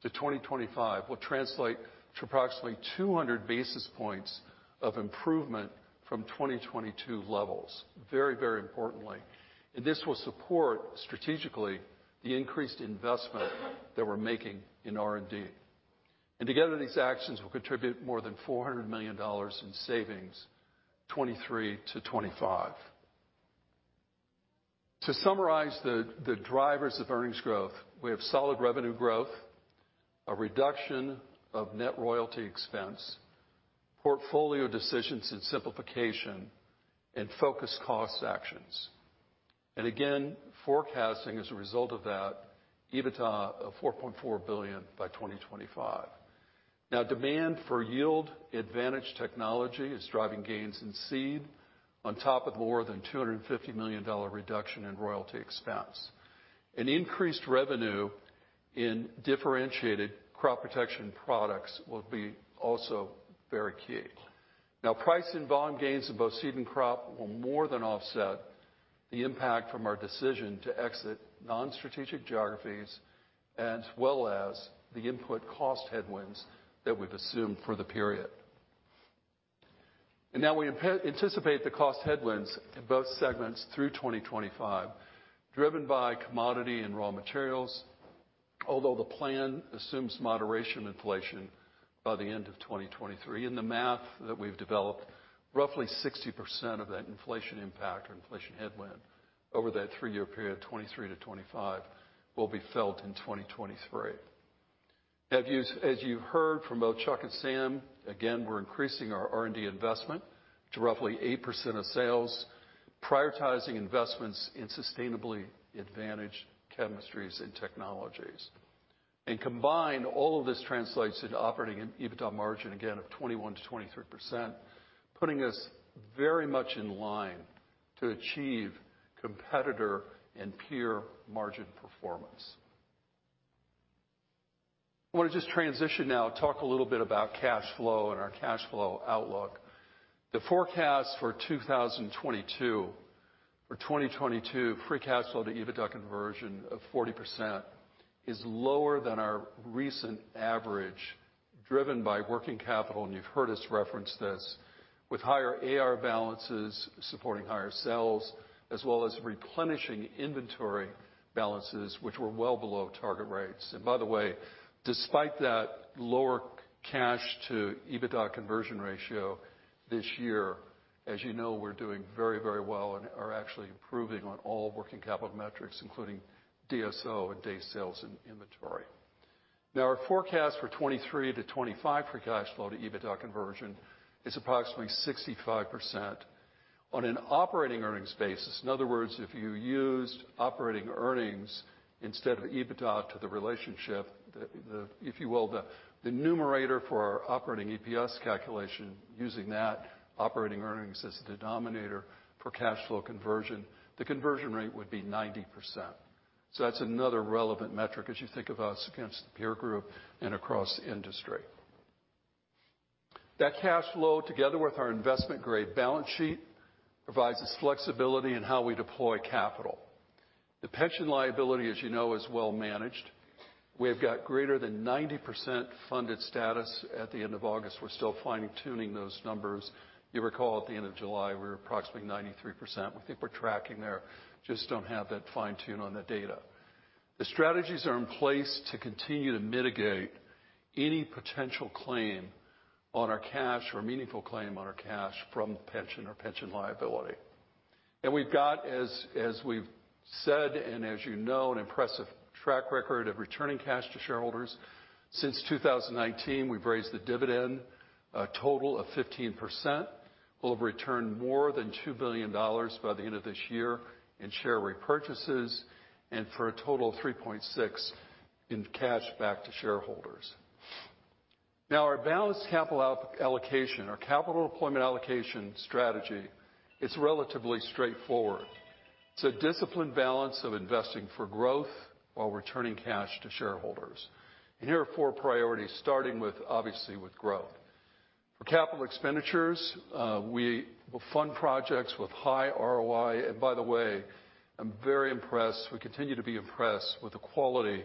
to 2025, will translate to approximately 200 basis points of improvement from 2022 levels. Very, very importantly, this will support strategically the increased investment that we're making in R&D. Together, these actions will contribute more than $400 million in savings, 2023 to 2025. To summarize the drivers of earnings growth, we have solid revenue growth, a reduction of net royalty expense, portfolio decisions and simplification, and focused cost actions. Again, forecasting as a result of that, EBITDA of $4.4 billion by 2025. Now demand for yield advantage technology is driving gains in seed on top of more than $250 million reduction in royalty expense. Increased revenue in differentiated crop protection products will be also very key. Now, price and volume gains in both seed and crop will more than offset the impact from our decision to exit non-strategic geographies, as well as the input cost headwinds that we've assumed for the period. Now we anticipate the cost headwinds in both segments through 2025, driven by commodity and raw materials. Although the plan assumes moderation in inflation by the end of 2023. In the math that we've developed, roughly 60% of that inflation impact or inflation headwind over that three-year period, 2023-2025, will be felt in 2023. As you heard from both Chuck and Sam, again, we're increasing our R&D investment to roughly 8% of sales, prioritizing investments in sustainably advantaged chemistries and technologies. Combined, all of this translates into operating EBITDA margin, again, of 21%-23%, putting us very much in line to achieve competitor and peer margin performance. I wanna just transition now and talk a little bit about cash flow and our cash flow outlook. The forecast for 2022, free cash flow to EBITDA conversion of 40% is lower than our recent average, driven by working capital, and you've heard us reference this, with higher AR balances supporting higher sales, as well as replenishing inventory balances which were well below target rates. By the way, despite that lower cash to EBITDA conversion ratio this year, as you know, we're doing very, very well and are actually improving on all working capital metrics, including DSO and days sales and inventory. Our forecast for 2023-2025 for cash flow to EBITDA conversion is approximately 65%. On an operating earnings basis, in other words, if you used operating earnings instead of EBITDA to the relationship, the, if you will, the numerator for our operating EPS calculation using that operating earnings as the denominator for cash flow conversion, the conversion rate would be 90%. That's another relevant metric as you think of us against the peer group and across the industry. That cash flow, together with our investment-grade balance sheet, provides us flexibility in how we deploy capital. The pension liability, as you know, is well managed. We have got greater than 90% funded status at the end of August. We're still fine-tuning those numbers. You recall at the end of July, we were approximately 93%. We think we're tracking there, just don't have that fine-tune on the data. The strategies are in place to continue to mitigate any potential claim on our cash or meaningful claim on our cash from pension or pension liability. We've got, as we've said, and as you know, an impressive track record of returning cash to shareholders. Since 2019, we've raised the dividend a total of 15%. We'll have returned more than $2 billion by the end of this year in share repurchases, and for a total of $3.6 billion in cash back to shareholders. Our balanced capital allocation, our capital deployment allocation strategy is relatively straightforward. It's a disciplined balance of investing for growth while returning cash to shareholders. Here are four priorities, starting with, obviously, with growth. For capital expenditures, we will fund projects with high ROI. By the way, I'm very impressed, we continue to be impressed with the quality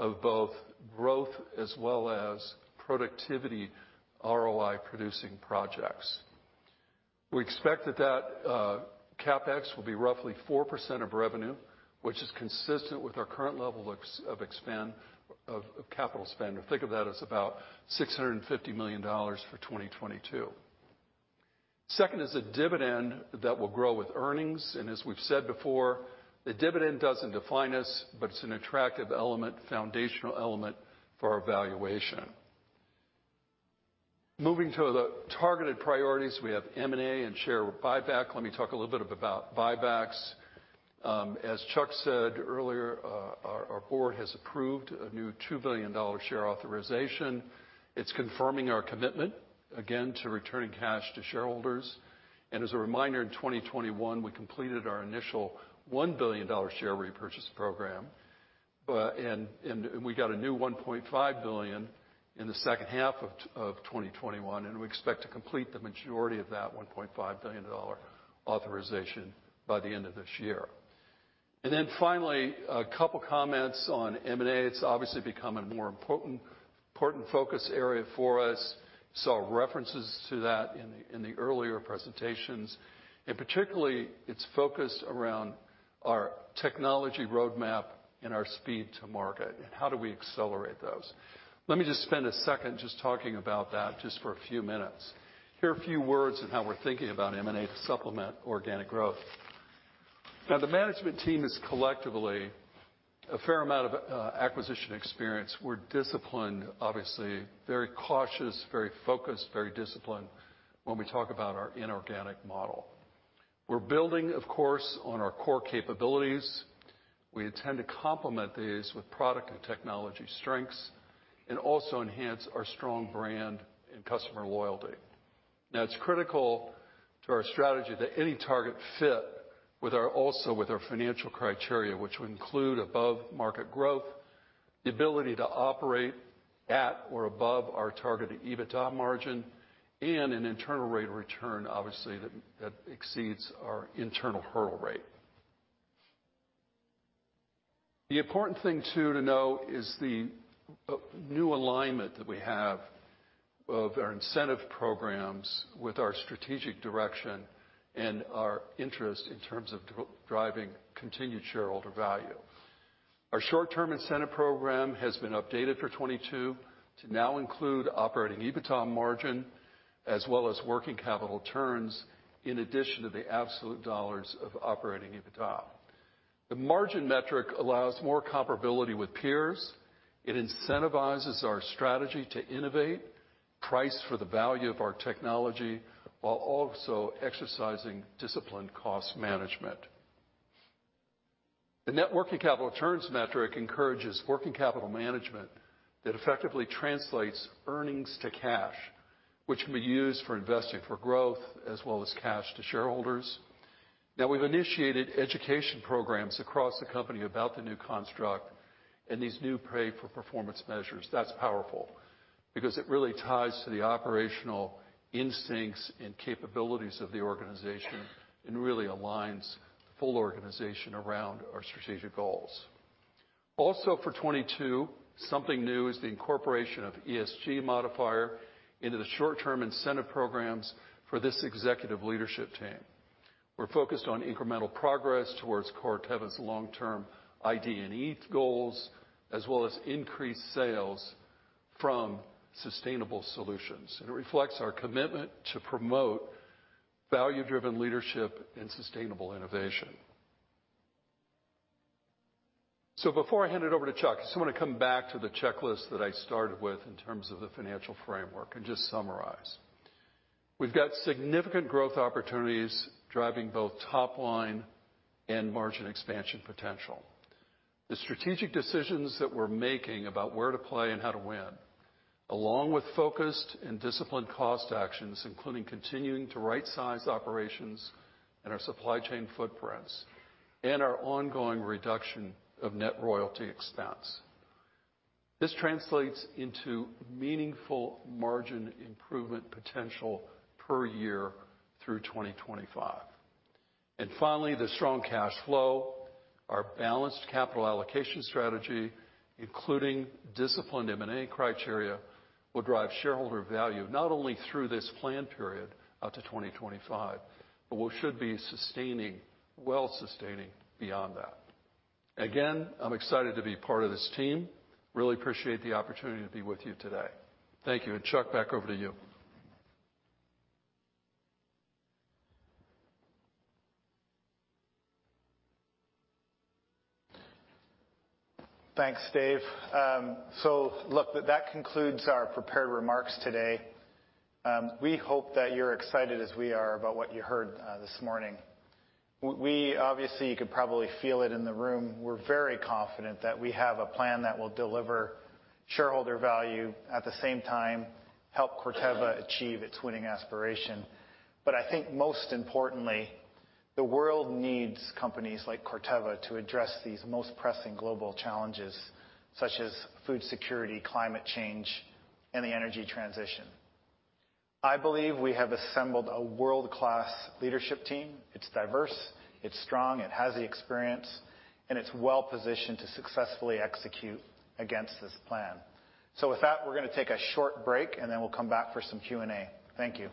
of both growth as well as productivity ROI-producing projects. We expect that CapEx will be roughly 4% of revenue, which is consistent with our current level of capital spend. Think of that as about $650 million for 2022. Second is a dividend that will grow with earnings. As we've said before, the dividend doesn't define us, but it's an attractive element, foundational element for our valuation. Moving to the targeted priorities, we have M&A and share buyback. Let me talk a little bit about buybacks. As Chuck said earlier, our board has approved a new $2 billion share authorization. It's confirming our commitment, again, to returning cash to shareholders. As a reminder, in 2021, we completed our initial $1 billion share repurchase program. And we got a new $1.5 billion in the second half of 2021, and we expect to complete the majority of that $1.5 billion authorization by the end of this year. Then finally, a couple comments on M&A. It's obviously become a more important focus area for us. Saw references to that in the earlier presentations, and particularly it's focused around our technology roadmap and our speed to market, and how do we accelerate those. Let me just spend a second just talking about that just for a few minutes. Here are a few words on how we're thinking about M&A to supplement organic growth. The management team is collectively a fair amount of acquisition experience. We're disciplined, obviously, very cautious, very focused, very disciplined when we talk about our inorganic model. We're building, of course, on our core capabilities. We intend to complement these with product and technology strengths and also enhance our strong brand and customer loyalty. It's critical to our strategy that any target fit with our, also with our financial criteria, which would include above-market growth, the ability to operate at or above our targeted EBITDA margin, and an internal rate of return, obviously, that exceeds our internal hurdle rate. The important thing, too, to know is the new alignment that we have of our incentive programs with our strategic direction and our interest in terms of driving continued shareholder value. Our short-term incentive program has been updated for 2022 to now include operating EBITDA margin, as well as working capital turns, in addition to the absolute dollars of operating EBITDA. The margin metric allows more comparability with peers. It incentivizes our strategy to innovate, price for the value of our technology, while also exercising disciplined cost management. The net working capital turns metric encourages working capital management that effectively translates earnings to cash, which can be used for investing for growth as well as cash to shareholders. Now we've initiated education programs across the company about the new construct and these new pay-for-performance measures. That's powerful because it really ties to the operational instincts and capabilities of the organization and really aligns the full organization around our strategic goals. Also, for 2022, something new is the incorporation of ESG modifier into the short-term incentive programs for this executive leadership team. We're focused on incremental progress towards Corteva's long-term ID&E goals, as well as increased sales from sustainable solutions. It reflects our commitment to promote value-driven leadership and sustainable innovation. Before I hand it over to Chuck, I just wanna come back to the checklist that I started with in terms of the financial framework and just summarize. We've got significant growth opportunities driving both top line and margin expansion potential. The strategic decisions that we're making about where to play and how to win, along with focused and disciplined cost actions, including continuing to right-size operations and our supply chain footprints and our ongoing reduction of net royalty expense. This translates into meaningful margin improvement potential per year through 2025. Finally, the strong cash flow, our balanced capital allocation strategy, including disciplined M&A criteria, will drive shareholder value, not only through this plan period out to 2025, but we should be sustaining, well sustaining beyond that. Again, I'm excited to be part of this team. Really appreciate the opportunity to be with you today. Thank you. Chuck, back over to you. Thanks, Dave. Look, that concludes our prepared remarks today. We hope that you're excited as we are about what you heard this morning. We obviously, you could probably feel it in the room, we're very confident that we have a plan that will deliver shareholder value, at the same time, help Corteva achieve its winning aspiration. I think most importantly, the world needs companies like Corteva to address these most pressing global challenges, such as food security, climate change, and the energy transition. I believe we have assembled a world-class leadership team. It's diverse, it's strong, it has the experience, and it's well-positioned to successfully execute against this plan. With that, we're gonna take a short break, and then we'll come back for some Q&A. Thank you.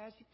[Music/Video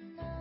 Presentation]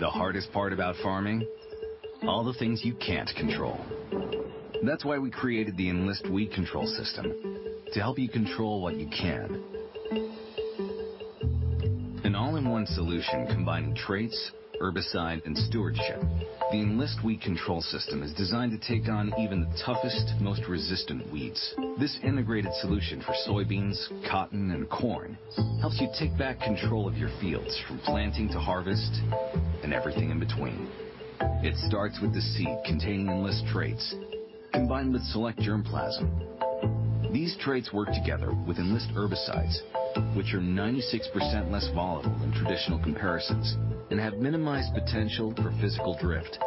The hardest part about farming? All the things you can't control. That's why we created the Enlist Weed Control System to help you control what you can. An all-in-one solution combining traits, herbicide, and stewardship, the Enlist Weed Control System is designed to take on even the toughest, most resistant weeds. This integrated solution for soybeans, cotton, and corn helps you take back control of your fields from planting to harvest and everything in between. It starts with the seed containing Enlist traits combined with select germplasm. These traits work together with Enlist herbicides, which are 96% less volatile than traditional comparisons and have minimized potential for physical drift,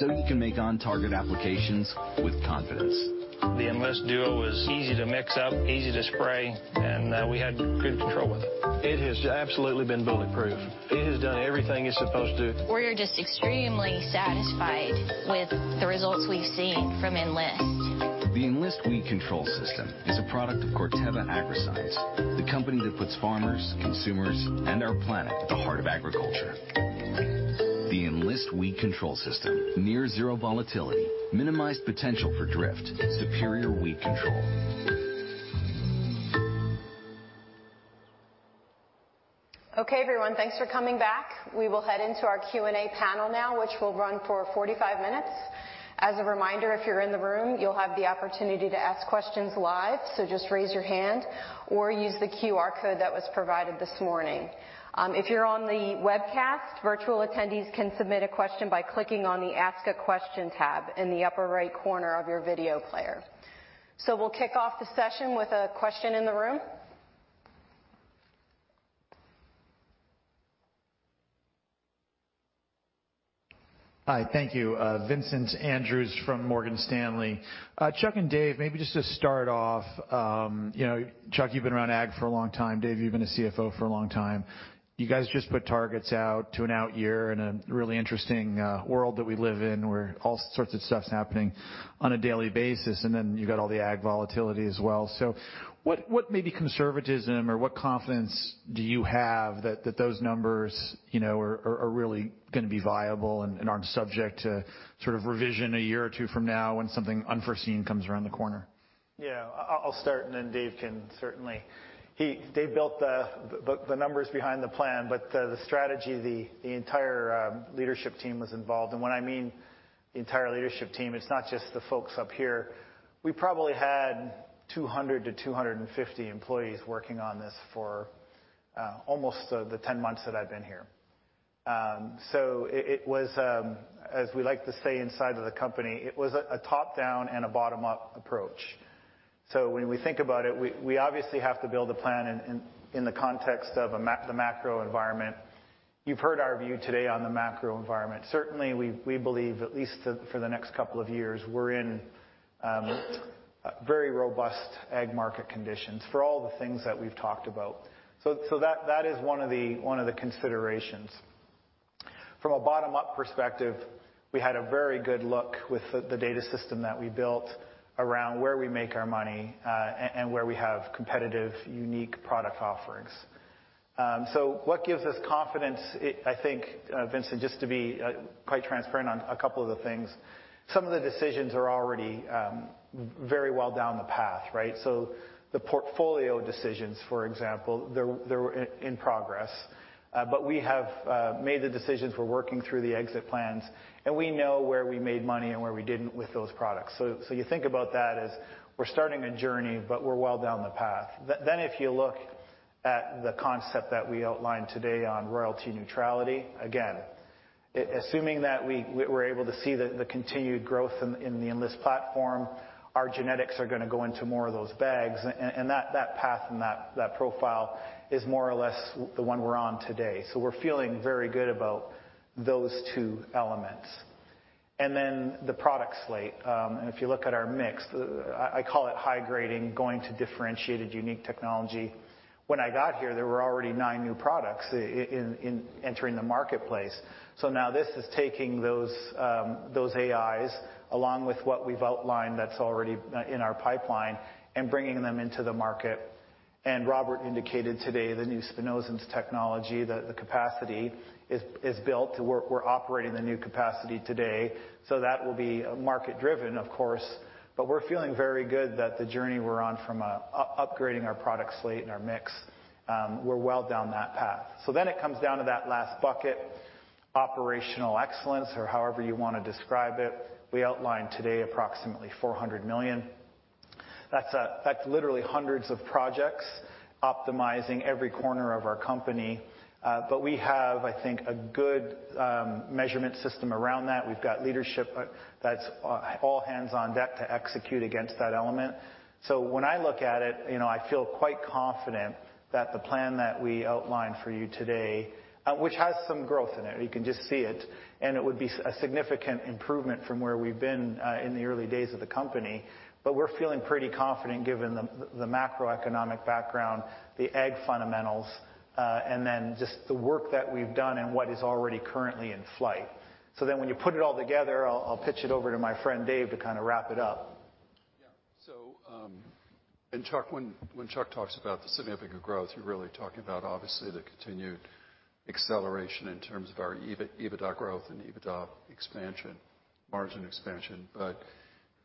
so you can make on-target applications with confidence. The Enlist Duo was easy to mix up, easy to spray, and we had good control with it. It has absolutely been bulletproof. It has done everything it's supposed to. We're just extremely satisfied with the results we've seen from Enlist.The Enlist Weed Control System is a product of Corteva Agriscience, the company that puts farmers, consumers, and our planet at the heart of agriculture. The Enlist Weed Control System. Near zero volatility, minimized potential for drift, superior weed control. Okay, everyone. Thanks for coming back. We will head into our Q&A panel now, which will run for 45 minutes. As a reminder, if you're in the room, you'll have the opportunity to ask questions live. Just raise your hand or use the QR code that was provided this morning. If you're on the webcast, virtual attendees can submit a question by clicking on the Ask a Question tab in the upper right corner of your video player. We'll kick off the session with a question in the room. Hi. Thank you. Vincent Andrews from Morgan Stanley. Chuck and Dave, maybe just to start off, you know, Chuck, you've been around ag for a long time. Dave, you've been a CFO for a long time. You guys just put targets out to an out year in a really interesting world that we live in, where all sorts of stuff's happening on a daily basis, and then you've got all the ag volatility as well. What maybe conservatism or what confidence do you have that those numbers, you know, are really gonna be viable and aren't subject to sort of revision a year or two from now when something unforeseen comes around the corner? Yeah. I'll start and then Dave can certainly. Dave built the numbers behind the plan, but the strategy, the entire leadership team was involved. What I mean the entire leadership team, it's not just the folks up here. We probably had 200 to 250 employees working on this for almost 10 months that I've been here. It was, as we like to say inside of the company, a top-down and a bottom-up approach. When we think about it, we obviously have to build a plan in the context of the macro environment. You've heard our view today on the macro environment. Certainly we believe, at least for the next couple of years, we're in very robust ag market conditions for all the things that we've talked about. That is one of the considerations. From a bottom-up perspective, we had a very good look with the data system that we built around where we make our money, and where we have competitive, unique product offerings. What gives us confidence, I think, Vincent, just to be quite transparent on a couple of the things, some of the decisions are already very well down the path, right? The portfolio decisions, for example, they're in progress. We have made the decisions. We're working through the exit plans, and we know where we made money and where we didn't with those products. You think about that as we're starting a journey, but we're well down the path. If you look at the concept that we outlined today on royalty neutrality, again, assuming that we were able to see the continued growth in the Enlist platform, our genetics are gonna go into more of those bags and that path and that profile is more or less the one we're on today. We're feeling very good about those two elements. The product slate, and if you look at our mix, I call it high grading, going to differentiated, unique technology. When I got here, there were already nine new products in entering the marketplace. Now this is taking those AIs along with what we've outlined that's already in our pipeline and bringing them into the market. Robert indicated today the new spinosad's technology, the capacity is built. We're operating the new capacity today. That will be market-driven, of course, but we're feeling very good that the journey we're on from upgrading our product slate and our mix, we're well down that path. Then it comes down to that last bucket, operational excellence or however you wanna describe it. We outlined today approximately $400 million. That's literally hundreds of projects optimizing every corner of our company. But we have, I think, a good measurement system around that. We've got leadership that's all hands on deck to execute against that element. When I look at it, you know, I feel quite confident that the plan that we outlined for you today, which has some growth in it, you can just see it, and it would be a significant improvement from where we've been in the early days of the company. We're feeling pretty confident given the macroeconomic background, the ag fundamentals, and then just the work that we've done and what is already currently in flight. When you put it all together, I'll pitch it over to my friend Dave to kind of wrap it up. Yeah. Chuck, when Chuck talks about the significant growth, you're really talking about obviously the continued acceleration in terms of our EBITDA growth and EBITDA expansion, margin expansion.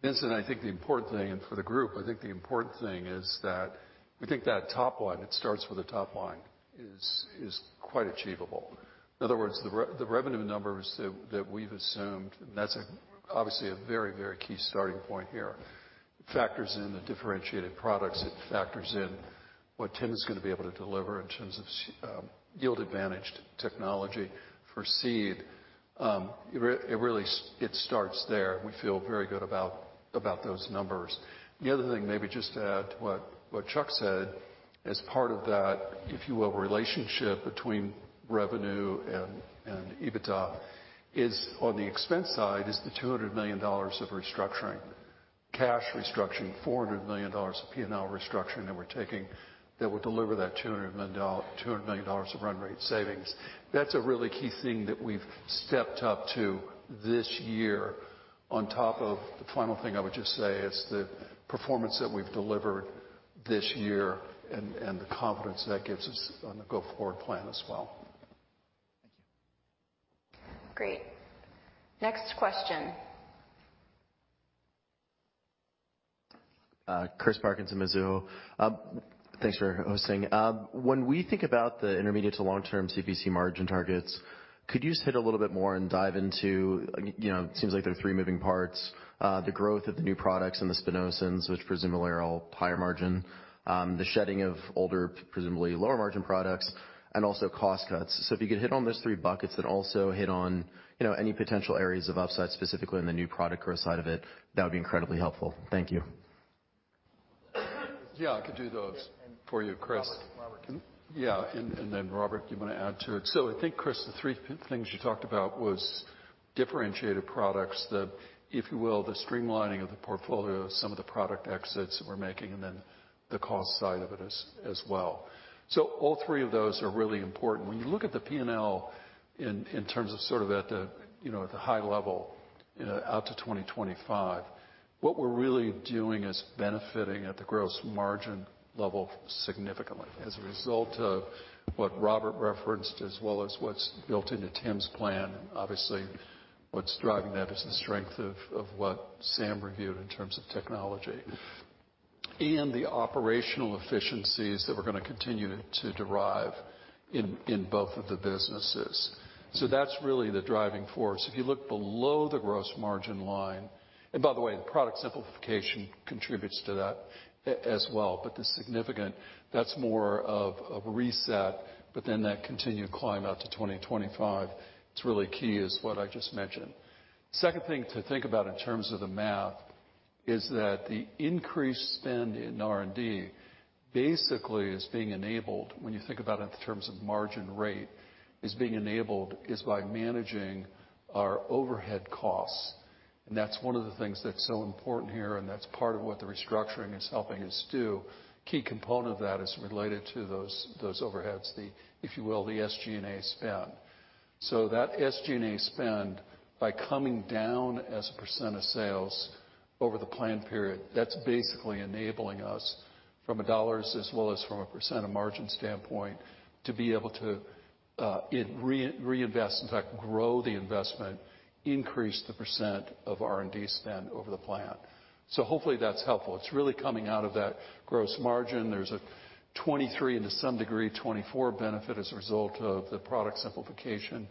Vincent, I think the important thing, and for the group, I think the important thing is that we think that top line, it starts with the top line, is quite achievable. In other words, the revenue numbers that we've assumed, and that's obviously a very, very key starting point here. It factors in the differentiated products. It factors in what Tim is gonna be able to deliver in terms of yield advantaged technology for seed. It really starts there. We feel very good about those numbers. The other thing maybe just to add to what Chuck said, as part of that, if you will, relationship between revenue and EBITDA is on the expense side is the $200 million of restructuring, cash restructuring, $400 million of P&L restructuring that we're taking that will deliver that $200 million of run rate savings. That's a really key thing that we've stepped up to this year on top of the final thing I would just say is the performance that we've delivered this year and the confidence that gives us on the go-forward plan as well. Thank you. Great. Next question. Christopher Parkinson, Mizuho. Thanks for hosting. When we think about the intermediate to long term CPC margin targets, could you just hit a little bit more and dive into, you know, it seems like there are three moving parts, the growth of the new products and the Spinosyns, which presumably are all higher margin, the shedding of older, presumably lower margin products, and also cost cuts. If you could hit on those three buckets and also hit on, you know, any potential areas of upside, specifically in the new product growth side of it, that would be incredibly helpful. Thank you. Yeah, I could do those for you, Chris. Robert. Yeah. Robert, do you want to add to it? I think, Chris, the three things you talked about was differentiated products that, if you will, the streamlining of the portfolio, some of the product exits that we're making, and then the cost side of it as well. All three of those are really important. When you look at the P&L in terms of sort of at the, you know, at the high level, you know, out to 2025, what we're really doing is benefiting at the gross margin level significantly as a result of what Robert referenced, as well as what's built into Tim's plan. Obviously, what's driving that is the strength of what Sam reviewed in terms of technology and the operational efficiencies that we're gonna continue to derive in both of the businesses. That's really the driving force. If you look below the gross margin line. By the way, product simplification contributes to that as well. The significant, that's more of reset, but then that continued climb out to 2025, it's really key is what I just mentioned. Second thing to think about in terms of the math is that the increased spend in R&D basically is being enabled, when you think about it in terms of margin rate, is being enabled is by managing our overhead costs. That's one of the things that's so important here, and that's part of what the restructuring is helping us do. Key component of that is related to those overheads, if you will, the SG&A spend. That SG&A spend, by coming down as a percent of sales over the plan period, that's basically enabling us from a dollars as well as from a percent of margin standpoint, to be able to reinvest, in fact, grow the investment, increase the percent of R&D spend over the plan. Hopefully that's helpful. It's really coming out of that gross margin. There's a 2023, and to some degree, 2024 benefit as a result of the product simplification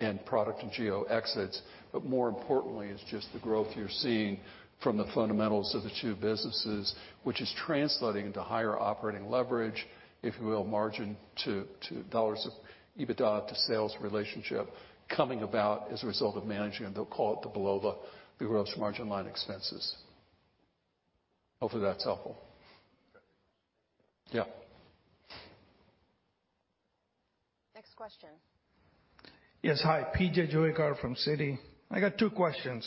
and product and geo exits. More importantly is just the growth you're seeing from the fundamentals of the two businesses, which is translating into higher operating leverage, if you will, margin to dollars of EBITDA to sales relationship coming about as a result of managing, they'll call it the below the gross margin line expenses. Hopefully, that's helpful. Yeah. Next question. Hi. PJ Juvekar from Citi. I got two questions.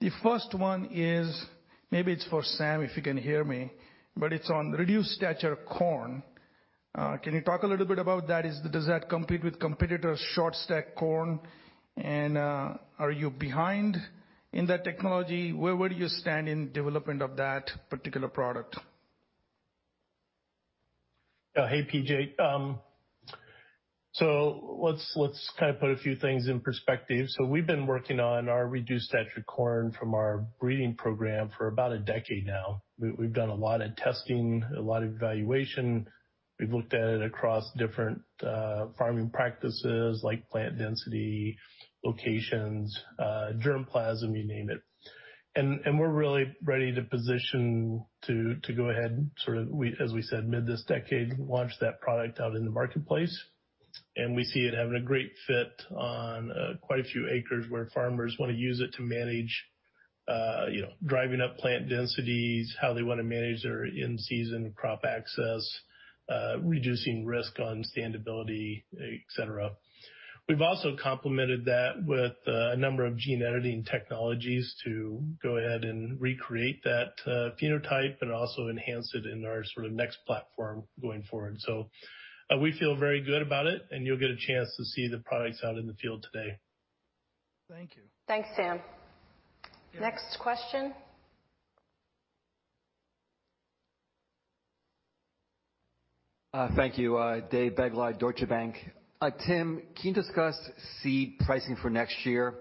The first one is, maybe it's for Sam, if you can hear me, but it's on reduced stature corn. Can you talk a little bit about that? Does that compete with competitors' short stature corn? And, are you behind in that technology? Where would you stand in development of that particular product? Hey, PJ. Let's kind of put a few things in perspective. We've been working on our reduced stature corn from our breeding program for about a decade now. We've done a lot of testing, a lot of evaluation. We've looked at it across different farming practices like plant density, locations, germplasm, you name it. We're really ready positioned to go ahead, as we said, mid this decade, launch that product out in the marketplace. We see it having a great fit on quite a few acres where farmers wanna use it to manage, you know, driving up plant densities, how they wanna manage their in-season crop access, reducing risk on standability, et cetera. We've also complemented that with a number of gene editing technologies to go ahead and recreate that, phenotype, but also enhance it in our sort of next platform going forward. We feel very good about it, and you'll get a chance to see the products out in the field today. Thank you. Thanks, Sam. Next question. Thank you. David Begleiter, Deutsche Bank. Tim, can you discuss seed pricing for next year?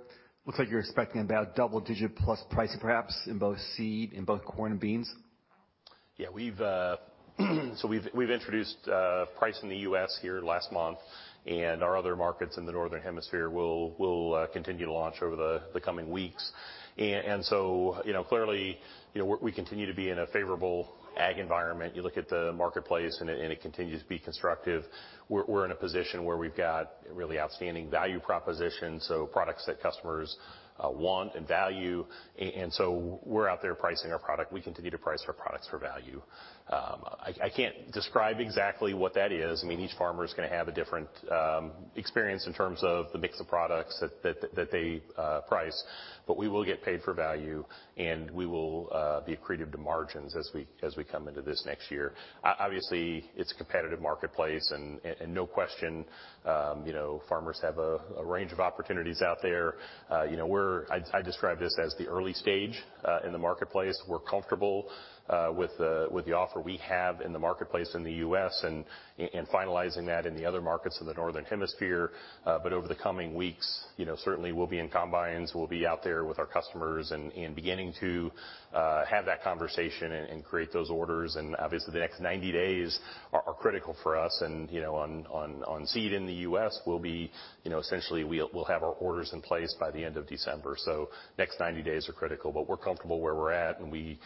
Looks like you're expecting about double digit plus pricing, perhaps, in both seed, in both corn and beans. Yeah. We've so we've introduced pricing in the U.S. here last month, and our other markets in the northern hemisphere will continue to launch over the coming weeks. So you know, clearly, we continue to be in a favorable ag environment. You look at the marketplace and it continues to be constructive. We're in a position where we've got a really outstanding value proposition, so products that customers want and value. We're out there pricing our product. We continue to price our products for value. I can't describe exactly what that is. I mean, each farmer is gonna have a different experience in terms of the mix of products that they price. We will get paid for value, and we will be accretive to margins as we come into this next year. Obviously, it's a competitive marketplace and no question, you know, farmers have a range of opportunities out there. You know, I describe this as the early stage in the marketplace. We're comfortable with the offer we have in the marketplace in the U.S. and finalizing that in the other markets in the Northern Hemisphere. Over the coming weeks, you know, certainly we'll be in combines, we'll be out there with our customers and beginning to have that conversation and create those orders. Obviously, the next 90 days are critical for us. You know, on seed in the U.S., we'll be you know essentially we'll have our orders in place by the end of December. Next 90 days are critical, but we're comfortable where we're at, and we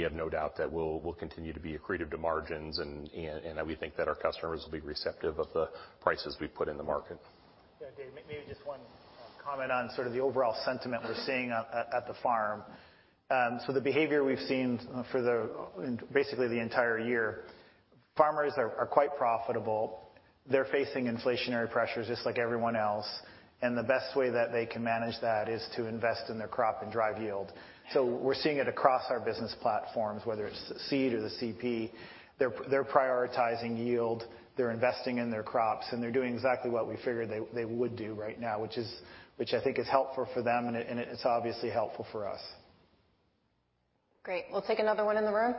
have no doubt that we'll continue to be accretive to margins and that we think that our customers will be receptive of the prices we put in the market. Yeah, Dave, maybe just one comment on sort of the overall sentiment we're seeing at the farm. The behavior we've seen for basically the entire year, farmers are quite profitable. They're facing inflationary pressures just like everyone else, and the best way that they can manage that is to invest in their crop and drive yield. We're seeing it across our business platforms, whether it's seed or the CP. They're prioritizing yield, they're investing in their crops, and they're doing exactly what we figured they would do right now, which I think is helpful for them, and it's obviously helpful for us. Great. We'll take another one in the room.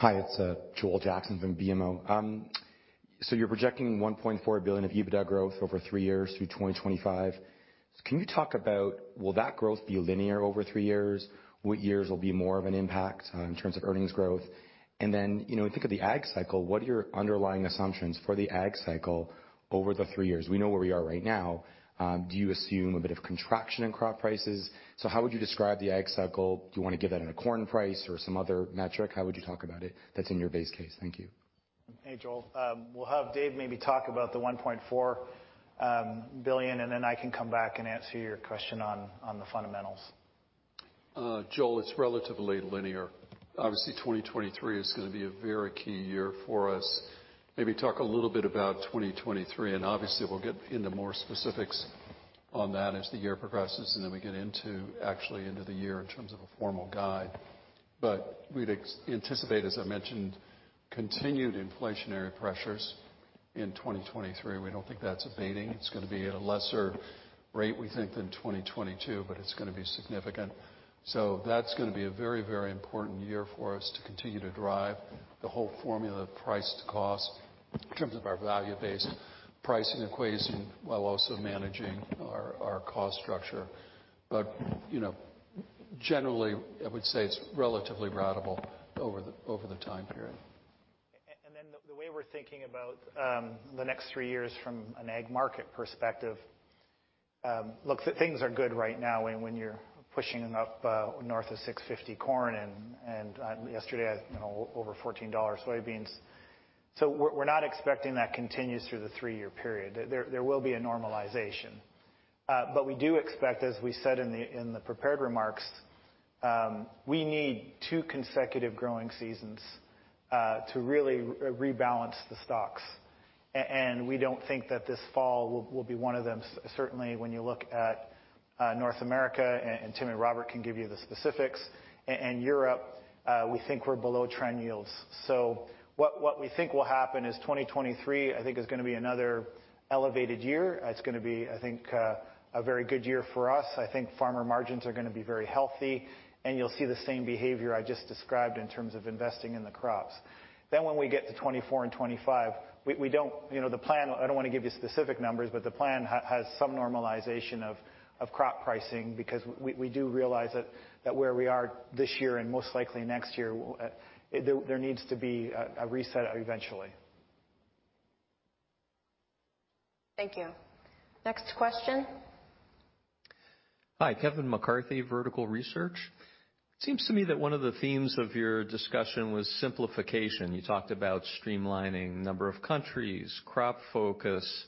Hi, it's Joel Jackson from BMO. So you're projecting $1.4 billion of EBITDA growth over three years through 2025. Can you talk about will that growth be linear over three years? What years will be more of an impact in terms of earnings growth? Then, you know, when you think of the ag cycle, what are your underlying assumptions for the ag cycle over the three years? We know where we are right now. Do you assume a bit of contraction in crop prices? How would you describe the ag cycle? Do you wanna give that in a corn price or some other metric? How would you talk about it that's in your base case? Thank you. Hey, Joel. We'll have Dave maybe talk about the $1.4 billion, and then I can come back and answer your question on the fundamentals. Joel, it's relatively linear. Obviously, 2023 is gonna be a very key year for us. Maybe talk a little bit about 2023, and obviously we'll get into more specifics on that as the year progresses, and then we get into, actually into the year in terms of a formal guide. We'd anticipate, as I mentioned, continued inflationary pressures in 2023. We don't think that's abating. It's gonna be at a lesser rate, we think, than 2022, but it's gonna be significant. That's gonna be a very, very important year for us to continue to drive the whole formula of price to cost in terms of our value-based pricing equation, while also managing our cost structure. You know, generally, I would say it's relatively ratable over the time period. Then the way we're thinking about the next three years from an ag market perspective, look, things are good right now when you're pushing up north of $6.50 corn and yesterday, you know, over $14 soybeans. We're not expecting that continues through the three-year period. There will be a normalization. But we do expect, as we said in the prepared remarks, we need two consecutive growing seasons to really rebalance the stocks. And we don't think that this fall will be one of them. Certainly, when you look at North America, and Tim and Robert can give you the specifics. In Europe, we think we're below trend yields. What we think will happen is 2023 I think is gonna be another elevated year. It's gonna be, I think, a very good year for us. I think farmer margins are gonna be very healthy, and you'll see the same behavior I just described in terms of investing in the crops. When we get to 2024 and 2025, we don't, you know, the plan, I don't wanna give you specific numbers, but the plan has some normalization of crop pricing because we do realize that where we are this year and most likely next year, there needs to be a reset eventually. Thank you. Next question. Hi, Kevin McCarthy, Vertical Research. It seems to me that one of the themes of your discussion was simplification. You talked about streamlining number of countries, crop focus,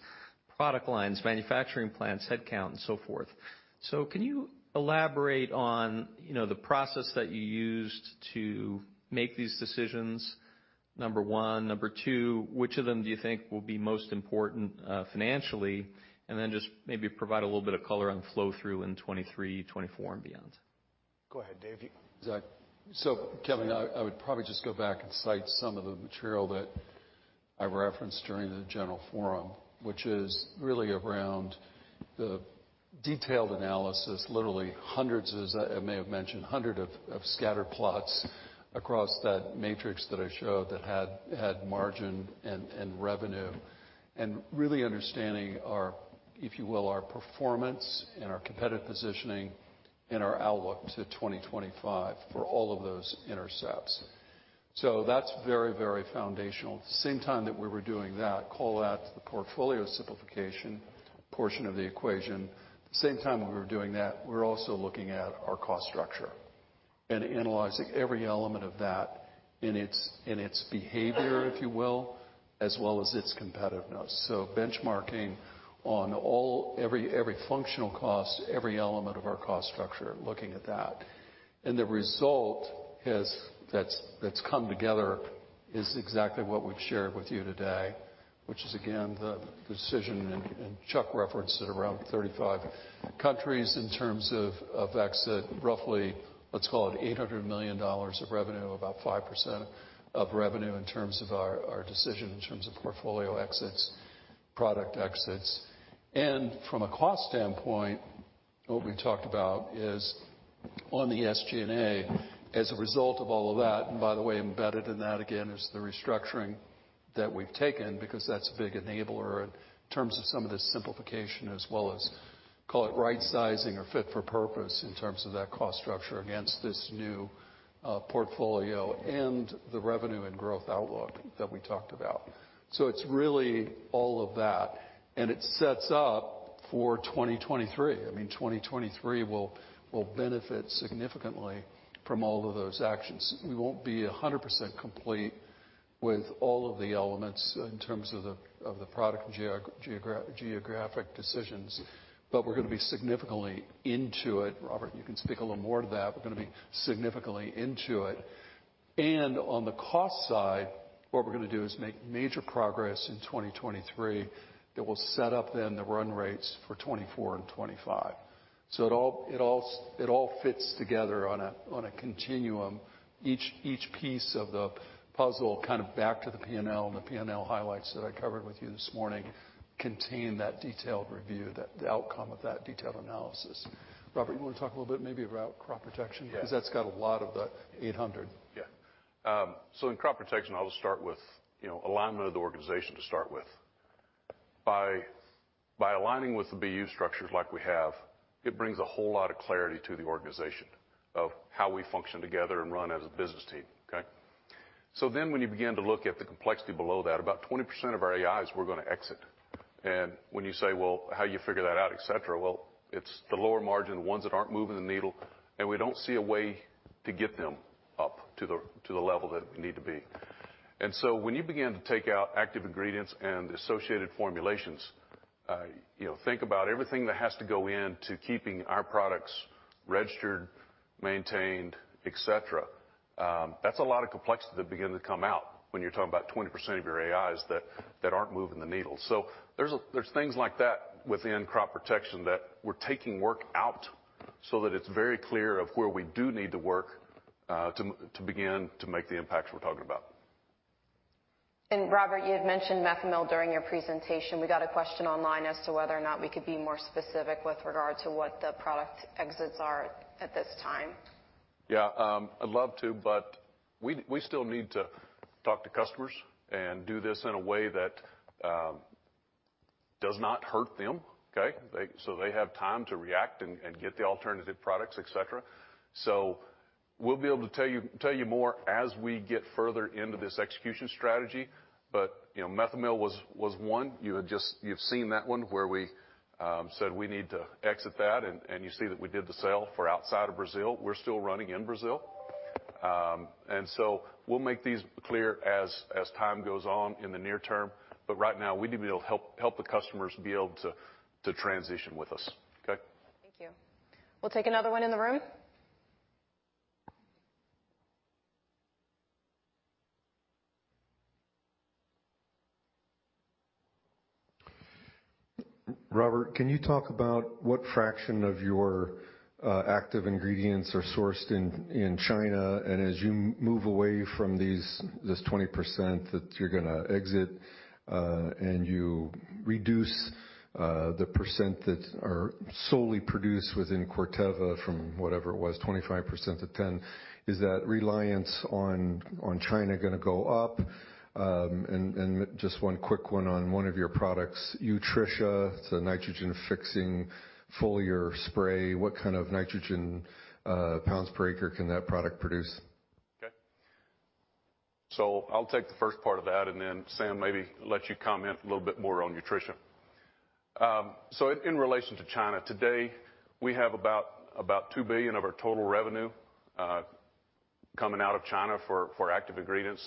product lines, manufacturing plants, headcount, and so forth. Can you elaborate on, you know, the process that you used to make these decisions, number one? Number two, which of them do you think will be most important, financially? Just maybe provide a little bit of color on the flow through in 2023, 2024 and beyond. Go ahead, Dave. Kevin, I would probably just go back and cite some of the material that I referenced during the general forum, which is really around the detailed analysis, literally hundreds, as I may have mentioned, of scatter plots across that matrix that I showed that had margin and revenue. Really understanding our, if you will, our performance and our competitive positioning and our outlook to 2025 for all of those intercepts. That's very foundational. At the same time that we were doing that, call that the portfolio simplification portion of the equation. We're also looking at our cost structure and analyzing every element of that in its behavior, if you will, as well as its competitiveness. Benchmarking every functional cost, every element of our cost structure, looking at that. The result is that's come together is exactly what we've shared with you today. Which is again, the decision, and Chuck referenced it, around 35 countries in terms of exit, roughly, let's call it $800 million of revenue, about 5% of revenue in terms of our decision in terms of portfolio exits, product exits. From a cost standpoint, what we talked about is on the SG&A as a result of all of that, and by the way, embedded in that, again, is the restructuring that we've taken because that's a big enabler in terms of some of the simplification as well as call it right sizing or fit for purpose in terms of that cost structure against this new portfolio and the revenue and growth outlook that we talked about. It's really all of that, and it sets up for 2023. I mean, 2023 will benefit significantly from all of those actions. We won't be 100% complete with all of the elements in terms of the, of the product geographic decisions, but we're gonna be significantly into it. Robert, you can speak a little more to that. We're gonna be significantly into it. And on the cost side, what we're gonna do is make major progress in 2023 that will set up then the run rates for 2024 and 2025. It all fits together on a, on a continuum. Each piece of the puzzle kind of back to the P&L, and the P&L highlights that I covered with you this morning contain that detailed review, the outcome of that detailed analysis. Robert, you wanna talk a little bit maybe about Crop Protection? Yeah. Because that's got a lot of the 800. In Crop Protection, I'll just start with, you know, alignment of the organization to start with. By aligning with the BU structures like we have, it brings a whole lot of clarity to the organization of how we function together and run as a business team. Okay? When you begin to look at the complexity below that, about 20% of our AIs we're gonna exit. When you say, "Well, how you figure that out, et cetera?" Well, it's the lower margin ones that aren't moving the needle, and we don't see a way to get them up to the level that we need to be. When you begin to take out active ingredients and associated formulations, you know, think about everything that has to go in to keeping our products registered, maintained, et cetera, that's a lot of complexity that begin to come out when you're talking about 20% of your AIs that aren't moving the needle. There's things like that within Crop Protection that we're taking work out so that it's very clear of where we do need to work, to begin to make the impacts we're talking about. Robert, you had mentioned methomyl during your presentation. We got a question online as to whether or not we could be more specific with regard to what the product exits are at this time. Yeah. I'd love to, but we still need to talk to customers and do this in a way that does not hurt them, okay? They so they have time to react and get the alternative products, et cetera. We'll be able to tell you more as we get further into this execution strategy. You know, methomyl was one. You've seen that one where we said we need to exit that, and you see that we did the sale for outside of Brazil. We're still running in Brazil. We'll make these clear as time goes on in the near term. But right now, we need to be able to help the customers be able to transition with us. Okay? Thank you. We'll take another one in the room. Robert, can you talk about what fraction of your active ingredients are sourced in China? As you move away from this 20% that you're gonna exit, and you reduce the percent that are solely produced within Corteva from whatever it was, 25% to 10%, is that reliance on China gonna go up? Just one quick one on one of your products, Utrisha. It's a nitrogen-fixing foliar spray. What kind of nitrogen pounds per acre can that product produce? Okay. I'll take the first part of that, and then Sam, maybe let you comment a little bit more on Utrisha. In relation to China, today, we have about $2 billion of our total revenue coming out of China for active ingredients.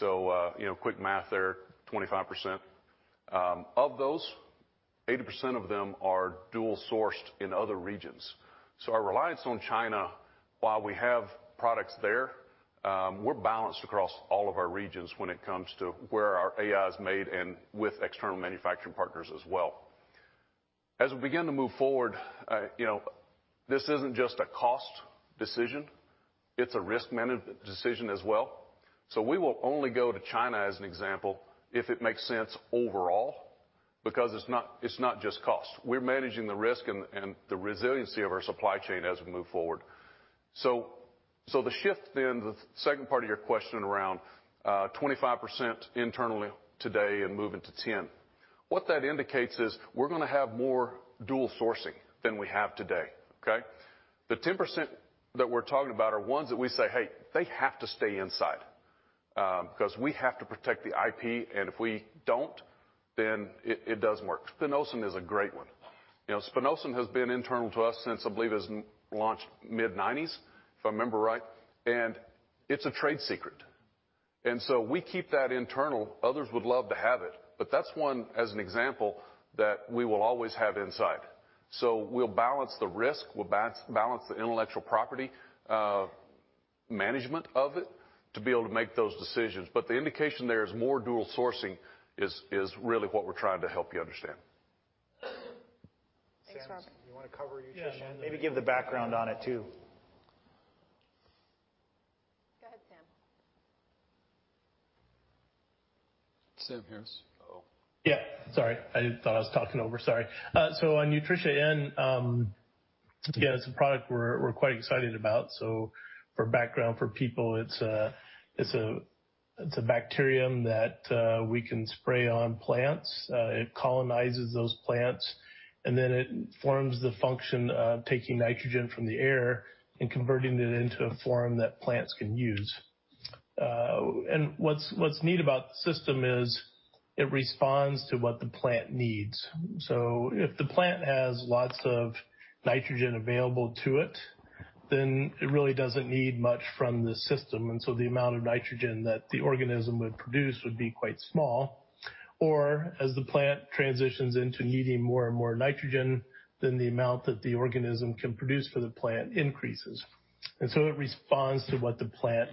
You know, quick math there, 25%. Of those, 80% of them are dual sourced in other regions. Our reliance on China, while we have products there, we're balanced across all of our regions when it comes to where our AI is made and with external manufacturing partners as well. As we begin to move forward, you know, this isn't just a cost decision, it's a risk management decision as well. We will only go to China, as an example, if it makes sense overall, because it's not just cost. We're managing the risk and the resiliency of our supply chain as we move forward. The shift then, the second part of your question around 25% internally today and moving to 10%. What that indicates is we're gonna have more dual sourcing than we have today, okay? The 10% that we're talking about are ones that we say, "Hey, they have to stay inside, 'cause we have to protect the IP, and if we don't, then it doesn't work." Spinosyn is a great one. You know, Spinosyn has been internal to us since, I believe, it was launched mid-1990s, if I remember right, and it's a trade secret. We keep that internal. Others would love to have it, but that's one as an example that we will always have inside. We'll balance the risk, we'll balance the intellectual property. Management of it to be able to make those decisions. The indication there is more dual sourcing is really what we're trying to help you understand. Thanks, Robert. Sam, do you wanna cover your channel? Yeah, sure. Maybe give the background on it too. Go ahead, Sam. Sam Eathington. On Utrisha N, again, it's a product we're quite excited about. For background for people, it's a bacterium that we can spray on plants. It colonizes those plants, and then it performs the function of taking nitrogen from the air and converting it into a form that plants can use. What's neat about the system is it responds to what the plant needs. If the plant has lots of nitrogen available to it, then it really doesn't need much from the system. The amount of nitrogen that the organism would produce would be quite small. As the plant transitions into needing more and more nitrogen, then the amount that the organism can produce for the plant increases. It responds to what the plant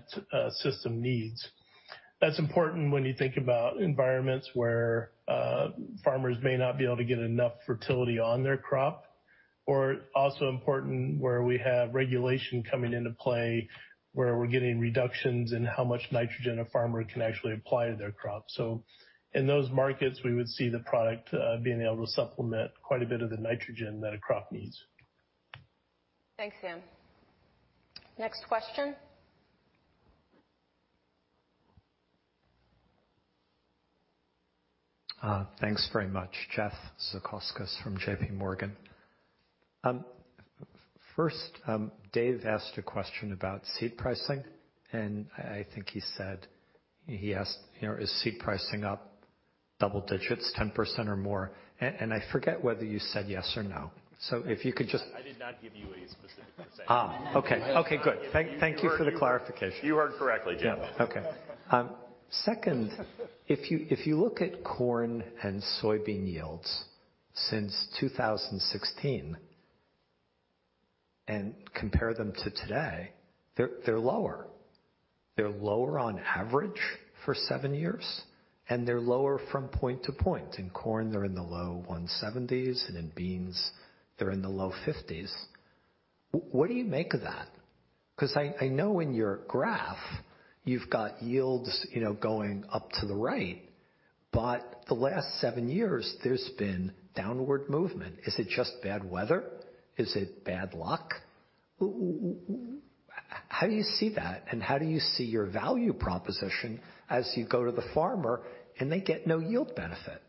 system needs. That's important when you think about environments where farmers may not be able to get enough fertility on their crop, or also important where we have regulation coming into play, where we're getting reductions in how much nitrogen a farmer can actually apply to their crop. In those markets, we would see the product being able to supplement quite a bit of the nitrogen that a crop needs. Thanks, Sam. Next question. Thanks very much. Jeff Zekauskas from JPMorgan. First, Dave asked a question about seed pricing, and I think he said, he asked, you know, is seed pricing up double digits, 10% or more? And I forget whether you said yes or no. If you could just- I did not give you a specific percent. Okay. Okay, good. Thank you for the clarification. You heard correctly, Jeff. Yeah. Okay. Second, if you look at corn and soybean yields since 2016 and compare them to today, they're lower. They're lower on average for seven years, and they're lower from point to point. In corn, they're in the low 170s, and in beans, they're in the low 50s. What do you make of that? Because I know in your graph you've got yields, you know, going up to the right, but the last seven years there's been downward movement. Is it just bad weather? Is it bad luck? How do you see that, and how do you see your value proposition as you go to the farmer and they get no yield benefit?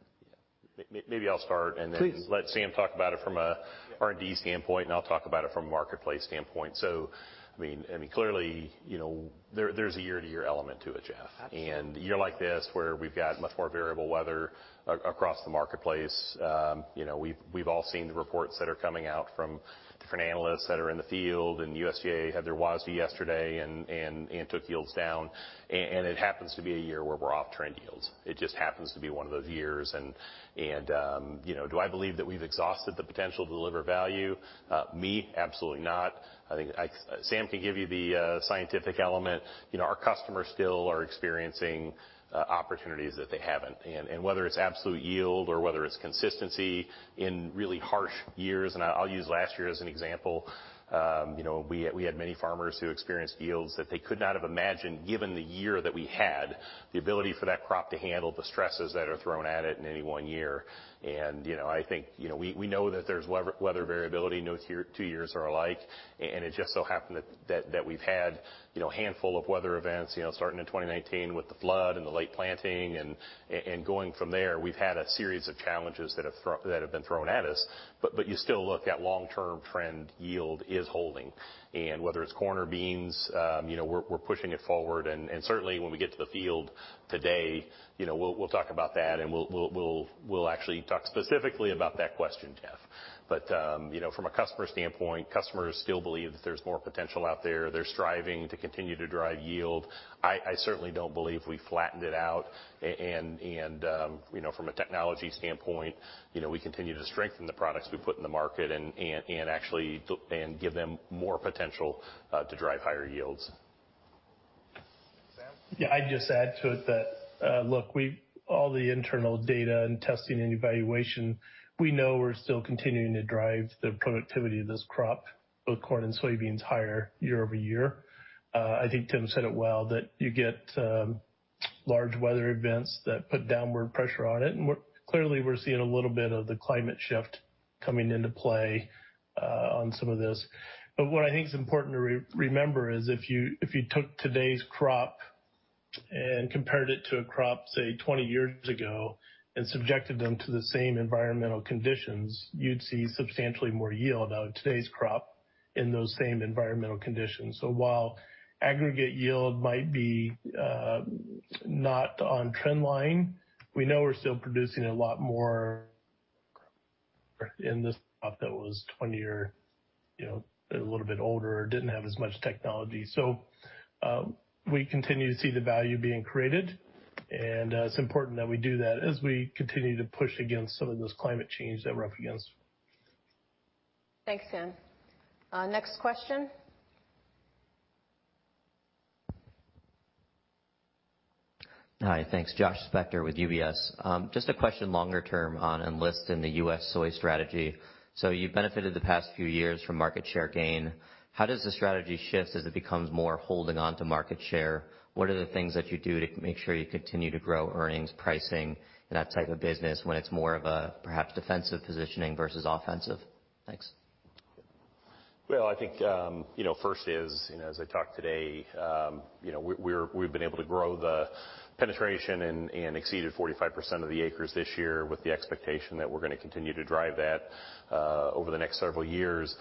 Maybe I'll start. Please. Let Sam talk about it from a R&D standpoint, and I'll talk about it from a marketplace standpoint. I mean, clearly, you know, there's a year-to-year element to it, Jeff. Absolutely. A year like this, where we've got much more variable weather across the marketplace, you know, we've all seen the reports that are coming out from different analysts that are in the field, and USDA had their WASDE yesterday and took yields down. It happens to be a year where we're off-trend yields. It just happens to be one of those years, you know, do I believe that we've exhausted the potential to deliver value? Me, absolutely not. I think Sam can give you the scientific element. You know, our customers still are experiencing opportunities that they haven't. Whether it's absolute yield or whether it's consistency in really harsh years, and I'll use last year as an example. You know, we had many farmers who experienced yields that they could not have imagined, given the year that we had, the ability for that crop to handle the stresses that are thrown at it in any one year. You know, I think, you know, we know that there's weather variability. No two years are alike. It just so happened that we've had, you know, a handful of weather events, you know, starting in 2019 with the flood and the late planting and, going from there, we've had a series of challenges that have been thrown at us. But you still look at long-term trend, yield is holding. Whether it's corn or beans, you know, we're pushing it forward. Certainly when we get to the field today, you know, we'll actually talk specifically about that question, Jeff. From a customer standpoint, customers still believe that there's more potential out there. They're striving to continue to drive yield. I certainly don't believe we flattened it out. From a technology standpoint, you know, we continue to strengthen the products we put in the market and actually give them more potential to drive higher yields. Sam? Yeah, I'd just add to it that, look, we've all the internal data and testing and evaluation. We know we're still continuing to drive the productivity of this crop, both corn and soybeans, higher year-over-year. I think Tim said it well, that you get large weather events that put downward pressure on it, and clearly, we're seeing a little bit of the climate shift coming into play on some of this. What I think is important to remember is if you took today's crop and compared it to a crop, say, 20 years ago and subjected them to the same environmental conditions, you'd see substantially more yield out of today's crop in those same environmental conditions. While aggregate yield might be, not on trend line, we know we're still producing a lot more in this crop that was 20 year, you know, a little bit older or didn't have as much technology. We continue to see the value being created, and it's important that we do that as we continue to push against some of this climate change that we're up against. Thanks, Tim. Next question. Hi. Thanks. Josh Spector with UBS. Just a question longer term on Enlist in the U.S. soy strategy. You benefited the past few years from market share gain. How does the strategy shift as it becomes more holding onto market share? What are the things that you do to make sure you continue to grow earnings, pricing, and that type of business when it's more of a perhaps defensive positioning versus offensive? Thanks. Well, I think, you know, first is, you know, as I talked today, you know, we've been able to grow the penetration and exceeded 45% of the acres this year with the expectation that we're gonna continue to drive that over the next several years.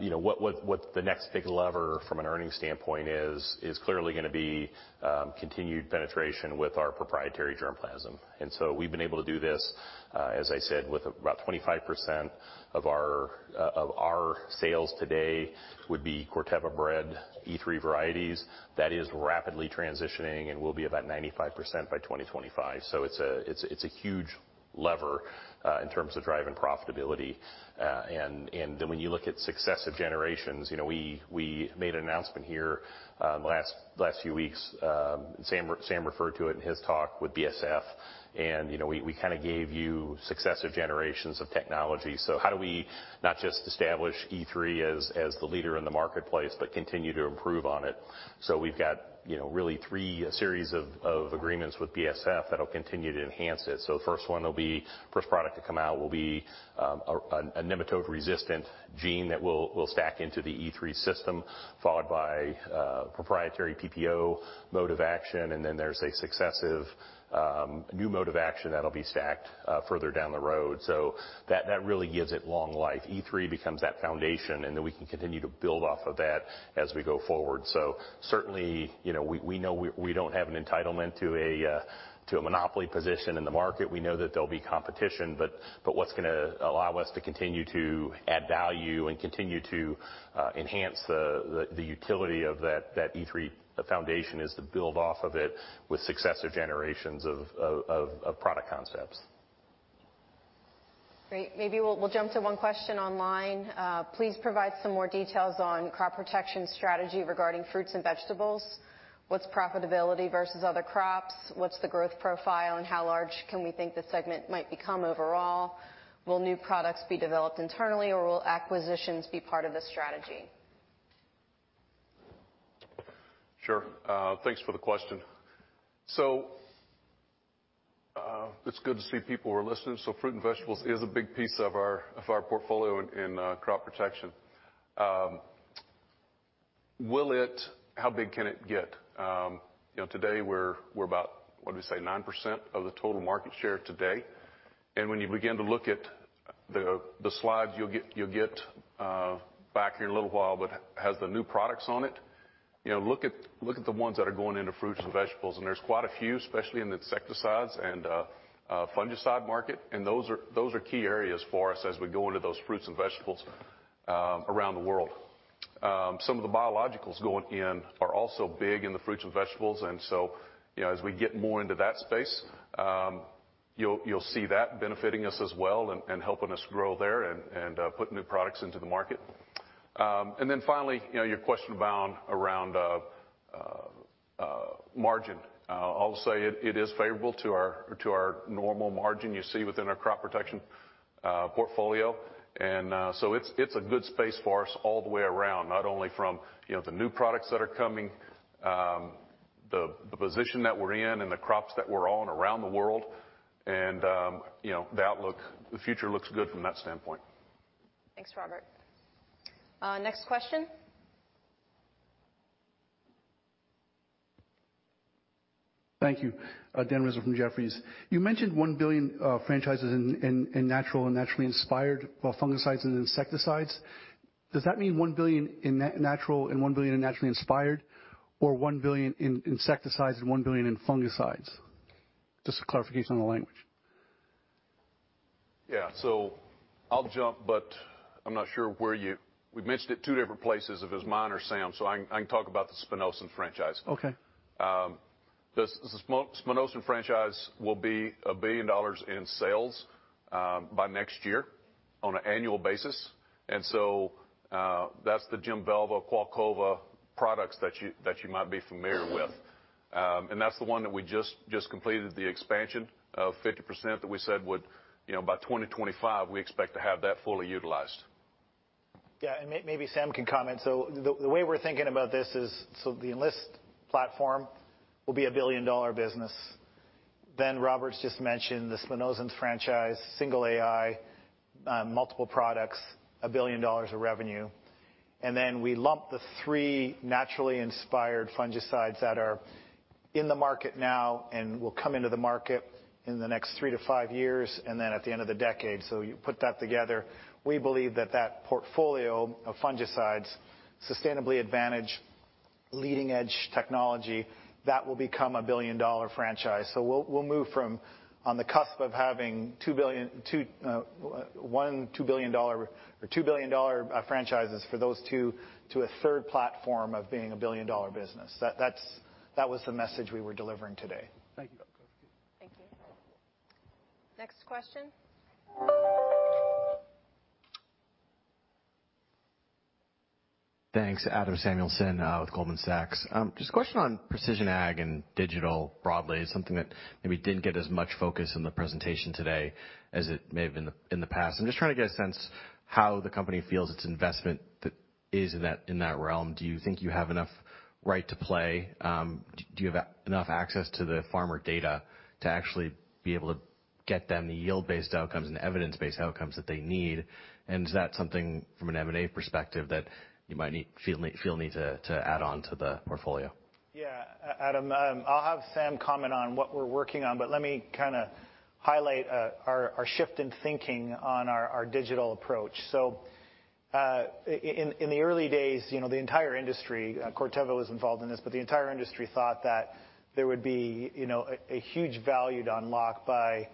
You know, what the next big lever from an earnings standpoint is is clearly gonna be continued penetration with our proprietary germplasm. And so we've been able to do this, as I said, with about 25% of our sales today would be Corteva bred E3 varieties. That is rapidly transitioning and will be about 95% by 2025. It's a huge lever in terms of driving profitability. When you look at successive generations, you know, we made an announcement here the last few weeks. Sam referred to it in his talk with BASF. You know, we kinda gave you successive generations of technology. How do we not just establish E3 as the leader in the marketplace, but continue to improve on it? We've got, you know, really three series of agreements with BASF that'll continue to enhance it. The first product to come out will be a nematode-resistant gene that we'll stack into the E3 system, followed by proprietary PPO mode of action, and then there's a successive new mode of action that'll be stacked further down the road. That really gives it long life. E3 becomes that foundation, and then we can continue to build off of that as we go forward. Certainly, we know we don't have an entitlement to a monopoly position in the market. We know that there'll be competition, but what's gonna allow us to continue to add value and continue to enhance the utility of that E3 foundation is to build off of it with successive generations of product concepts. Great. Maybe we'll jump to one question online. "Please provide some more details on crop protection strategy regarding fruits and vegetables. What's profitability versus other crops? What's the growth profile, and how large can we think this segment might become overall? Will new products be developed internally, or will acquisitions be part of the strategy? Sure. Thanks for the question. It's good to see people are listening. Fruit and vegetables is a big piece of our portfolio in crop protection. How big can it get? You know, today we're about 9% of the total market share today. When you begin to look at the slides you'll get back here in a little while, but it has the new products on it. You know, look at the ones that are going into fruits and vegetables, and there's quite a few, especially in the insecticides and fungicide market. Those are key areas for us as we go into those fruits and vegetables around the world. Some of the biologicals going in are also big in the fruits and vegetables. You know, as we get more into that space, you'll see that benefiting us as well and put new products into the market. Finally, you know, your question around margin. I'll say it is favorable to our normal margin you see within our crop protection portfolio. It's a good space for us all the way around, not only from, you know, the new products that are coming, the position that we're in and the crops that we're on around the world. You know, the outlook, the future looks good from that standpoint. Thanks, Robert. Next question. Thank you. Dan Rizzo from Jefferies. You mentioned $1 billion franchises in natural and naturally inspired fungicides and insecticides. Does that mean $1 billion in natural and $1 billion in naturally inspired, or $1 billion in insecticides and $1 billion in fungicides? Just a clarification on the language. Yeah. I'll jump, but I'm not sure where we mentioned it two different places if it's mine or Sam, so I can talk about the Spinosyns franchise. Okay. The Spinosyns franchise will be $1 billion in sales by next year on an annual basis. That's the Jemvelva, Qalcova products that you might be familiar with. That's the one that we just completed the expansion of 50% that we said would, you know, by 2025, we expect to have that fully utilized. Yeah. Maybe Sam can comment. The way we're thinking about this is the Enlist platform will be a billion-dollar business. Then Robert's just mentioned the Spinosyns franchise, single AI, multiple products, $1 billion of revenue. Then we lump the three naturally inspired fungicides that are in the market now and will come into the market in the next three to five years, and then at the end of the decade. You put that together, we believe that portfolio of fungicides sustainably advantage leading-edge technology, that will become a billion-dollar franchise. We'll move from on the cusp of having two $2 billion-dollar franchises for those two to a third platform of being a billion-dollar business. That's the message we were delivering today. Thank you. Next question. Thanks. Adam Samuelson with Goldman Sachs. Just a question on precision ag and digital broadly is something that maybe didn't get as much focus in the presentation today as it may have in the past. I'm just trying to get a sense how the company feels its investment that is in that realm. Do you think you have enough right to play? Do you have enough access to the farmer data to actually be able to get them the yield-based outcomes and evidence-based outcomes that they need? Is that something from an M&A perspective that you might need to add on to the portfolio? Adam, I'll have Sam comment on what we're working on, but let me kinda highlight our shift in thinking on our digital approach. In the early days, you know, the entire industry, Corteva was involved in this, but the entire industry thought that there would be, you know, a huge value to unlock by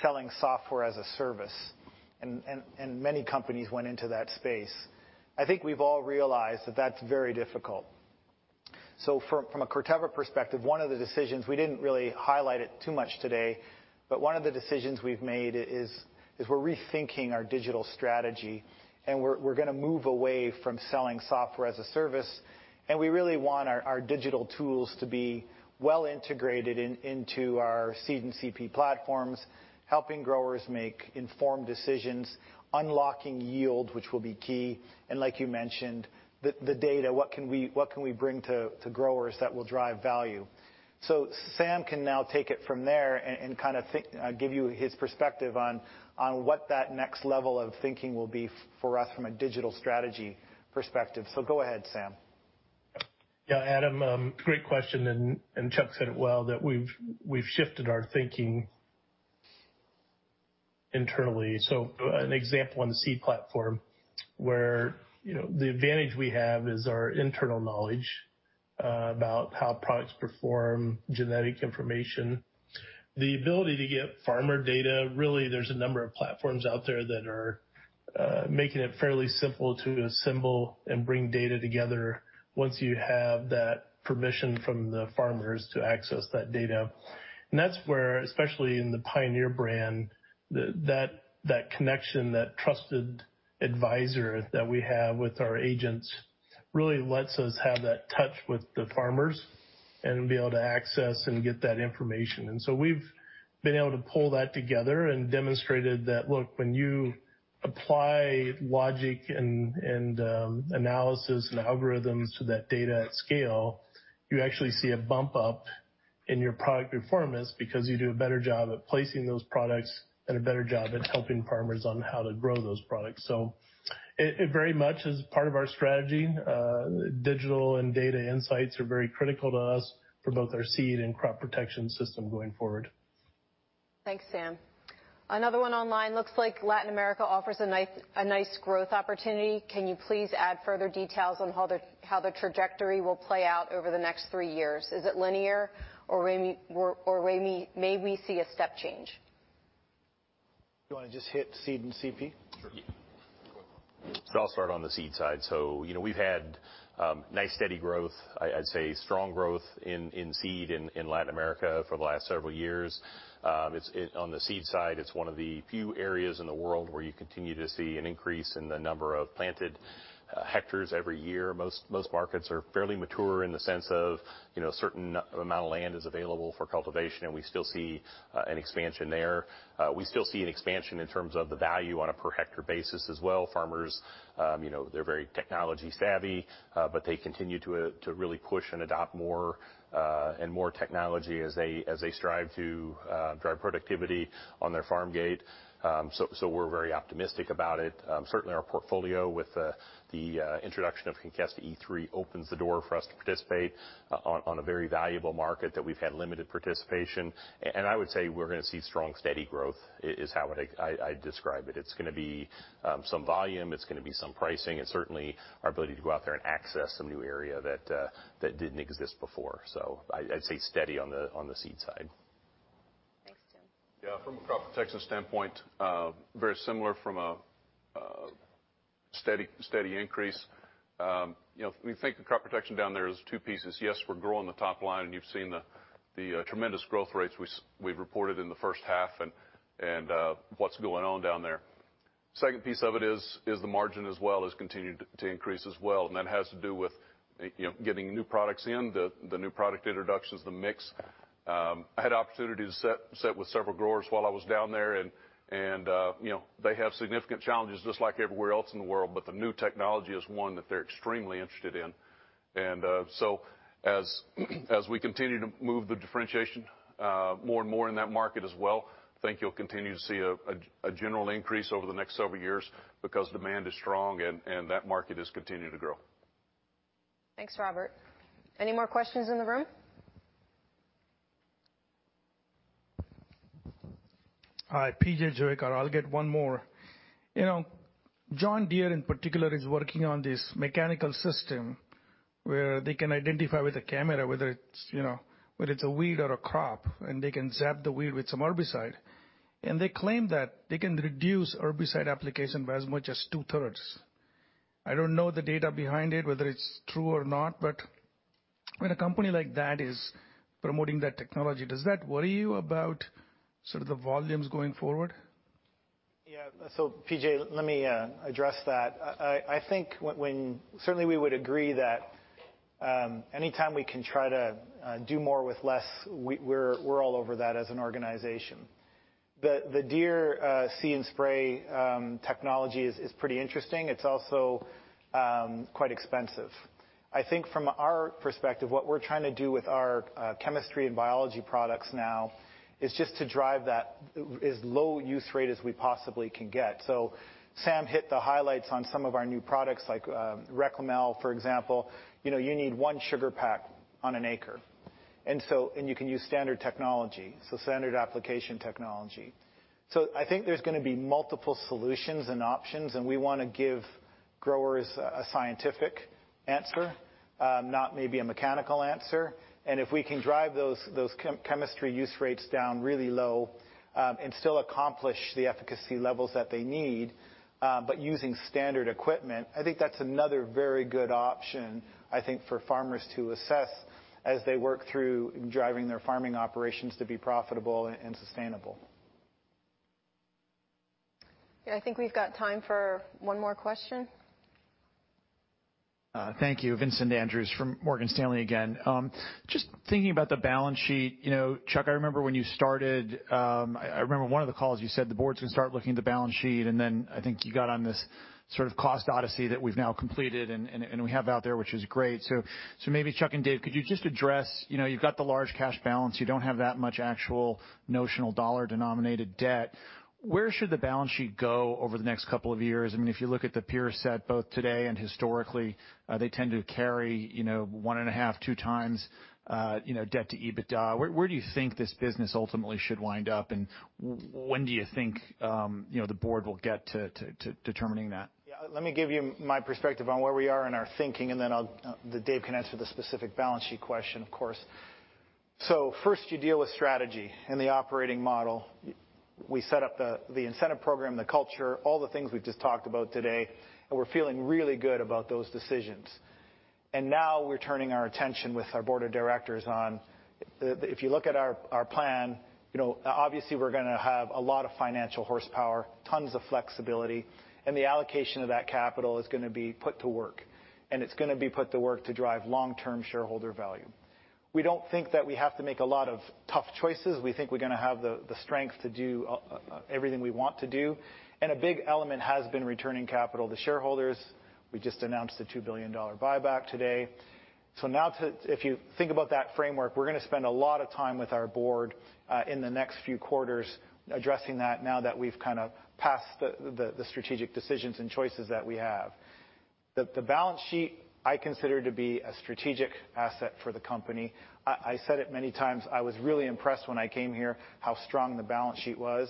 selling software as a service. Many companies went into that space. I think we've all realized that that's very difficult. From a Corteva perspective, one of the decisions we didn't really highlight it too much today, but one of the decisions we've made is we're rethinking our digital strategy, and we're gonna move away from selling software as a service. We really want our digital tools to be well integrated into our seed and CP platforms, helping growers make informed decisions, unlocking yield, which will be key. Like you mentioned, the data, what can we bring to growers that will drive value? Sam can now take it from there and kind of give you his perspective on what that next level of thinking will be for us from a digital strategy perspective. Go ahead, Sam. Yeah, Adam, great question, and Chuck said it well, that we've shifted our thinking internally. An example on the seed platform where, you know, the advantage we have is our internal knowledge about how products perform, genetic information. The ability to get farmer data, really, there's a number of platforms out there that are making it fairly simple to assemble and bring data together once you have that permission from the farmers to access that data. That's where, especially in the Pioneer brand, that connection, that trusted advisor that we have with our agents really lets us have that touch with the farmers and be able to access and get that information. We've been able to pull that together and demonstrated that, look, when you apply logic and analysis and algorithms to that data at scale, you actually see a bump up in your product performance because you do a better job at placing those products and a better job at helping farmers on how to grow those products. It very much is part of our strategy. Digital and data insights are very critical to us for both our seed and crop protection system going forward. Thanks, Sam. Another one online. Looks like Latin America offers a nice growth opportunity. Can you please add further details on how the trajectory will play out over the next three years? Is it linear or may we see a step change? You wanna just hit seed and CP? Sure. I'll start on the seed side. You know, we've had nice steady growth. I'd say strong growth in seed in Latin America for the last several years. On the seed side, it's one of the few areas in the world where you continue to see an increase in the number of planted hectares every year. Most markets are fairly mature in the sense of, you know, a certain n-amount of land is available for cultivation, and we still see an expansion there. We still see an expansion in terms of the value on a per hectare basis as well. Farmers, you know, they're very technology savvy, but they continue to really push and adopt more and more technology as they strive to drive productivity on their farm gate. We're very optimistic about it. Certainly our portfolio with the introduction of Conkesta E3 opens the door for us to participate on a very valuable market that we've had limited participation. I would say we're gonna see strong, steady growth is how I'd describe it. It's gonna be some volume. It's gonna be some pricing, and certainly our ability to go out there and access some new area that didn't exist before. I'd say steady on the seed side. Thanks, Tim. Yeah, from a crop protection standpoint, very similar from a steady increase. You know, we think the crop protection down there is two pieces. Yes, we're growing the top line, and you've seen the tremendous growth rates we've reported in the first half and what's going on down there. Second piece of it is the margin as well has continued to increase as well, and that has to do with, you know, getting new products in, the new product introductions, the mix. I had opportunity to sit with several growers while I was down there and, you know, they have significant challenges just like everywhere else in the world, but the new technology is one that they're extremely interested in. As we continue to move the differentiation more and more in that market as well, I think you'll continue to see a general increase over the next several years because demand is strong and that market has continued to grow. Thanks, Robert. Any more questions in the room? All right. PJ Juvekar. I'll get one more. You know, John Deere in particular is working on this mechanical system where they can identify with a camera, whether it's, you know, whether it's a weed or a crop, and they can zap the weed with some herbicide. They claim that they can reduce herbicide application by as much as two-thirds. I don't know the data behind it, whether it's true or not, but when a company like that is promoting that technology, does that worry you about sort of the volumes going forward? Yeah. PJ, let me address that. I think certainly we would agree that any time we can try to do more with less, we're all over that as an organization. The Deere See & Spray technology is pretty interesting. It's also quite expensive. I think from our perspective, what we're trying to do with our chemistry and biology products now is just to drive that as low use rate as we possibly can get. Sam hit the highlights on some of our new products like Reklemel, for example. You know, you need one sugar pack on an acre. You can use standard technology, so standard application technology. I think there's gonna be multiple solutions and options, and we wanna give growers a scientific answer, not maybe a mechanical answer. If we can drive those chemistry use rates down really low, and still accomplish the efficacy levels that they need, but using standard equipment, I think that's another very good option, I think, for farmers to assess as they work through driving their farming operations to be profitable and sustainable. Yeah, I think we've got time for one more question. Thank you. Vincent Andrews from Morgan Stanley again. Just thinking about the balance sheet. You know, Chuck, I remember when you started, I remember one of the calls you said the board's gonna start looking at the balance sheet, and then I think you got on this sort of cost odyssey that we've now completed and we have out there, which is great. Maybe Chuck and Dave, could you just address, you know, you've got the large cash balance, you don't have that much actual notional dollar-denominated debt. Where should the balance sheet go over the next couple of years? I mean, if you look at the peer set both today and historically, they tend to carry, you know, 1.5-2 times, you know, debt to EBITDA. Where do you think this business ultimately should wind up, and when do you think, you know, the board will get to determining that? Yeah. Let me give you my perspective on where we are in our thinking, and then I'll then Dave can answer the specific balance sheet question, of course. First you deal with strategy and the operating model. We set up the incentive program, the culture, all the things we've just talked about today, and we're feeling really good about those decisions. Now we're turning our attention with our board of directors on the. If you look at our plan, you know, obviously we're gonna have a lot of financial horsepower, tons of flexibility, and the allocation of that capital is gonna be put to work, and it's gonna be put to work to drive long-term shareholder value. We don't think that we have to make a lot of tough choices. We think we're gonna have the strength to do everything we want to do. A big element has been returning capital to shareholders. We just announced the $2 billion buyback today. Now if you think about that framework, we're gonna spend a lot of time with our board in the next few quarters addressing that now that we've kinda passed the strategic decisions and choices that we have. The balance sheet I consider to be a strategic asset for the company. I said it many times. I was really impressed when I came here how strong the balance sheet was.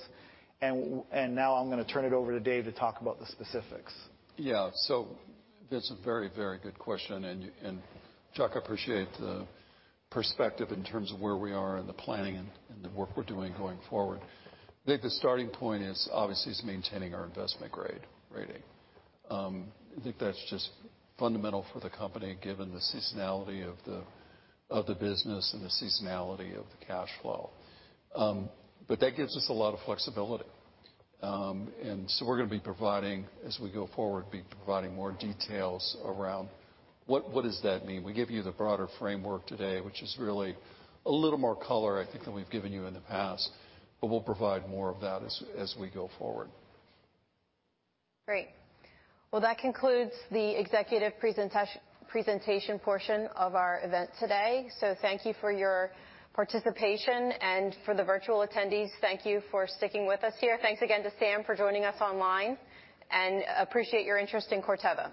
Now I'm gonna turn it over to Dave to talk about the specifics. That's a very, very good question. Chuck, I appreciate the perspective in terms of where we are in the planning and the work we're doing going forward. I think the starting point is obviously maintaining our investment grade rating. I think that's just fundamental for the company given the seasonality of the business and the seasonality of the cash flow. That gives us a lot of flexibility. We're gonna be providing, as we go forward, more details around what that does mean. We give you the broader framework today, which is really a little more color I think than we've given you in the past, but we'll provide more of that as we go forward. Great. Well, that concludes the executive presentation portion of our event today. Thank you for your participation. For the virtual attendees, thank you for sticking with us here. Thanks again to Sam for joining us online. Appreciate your interest in Corteva.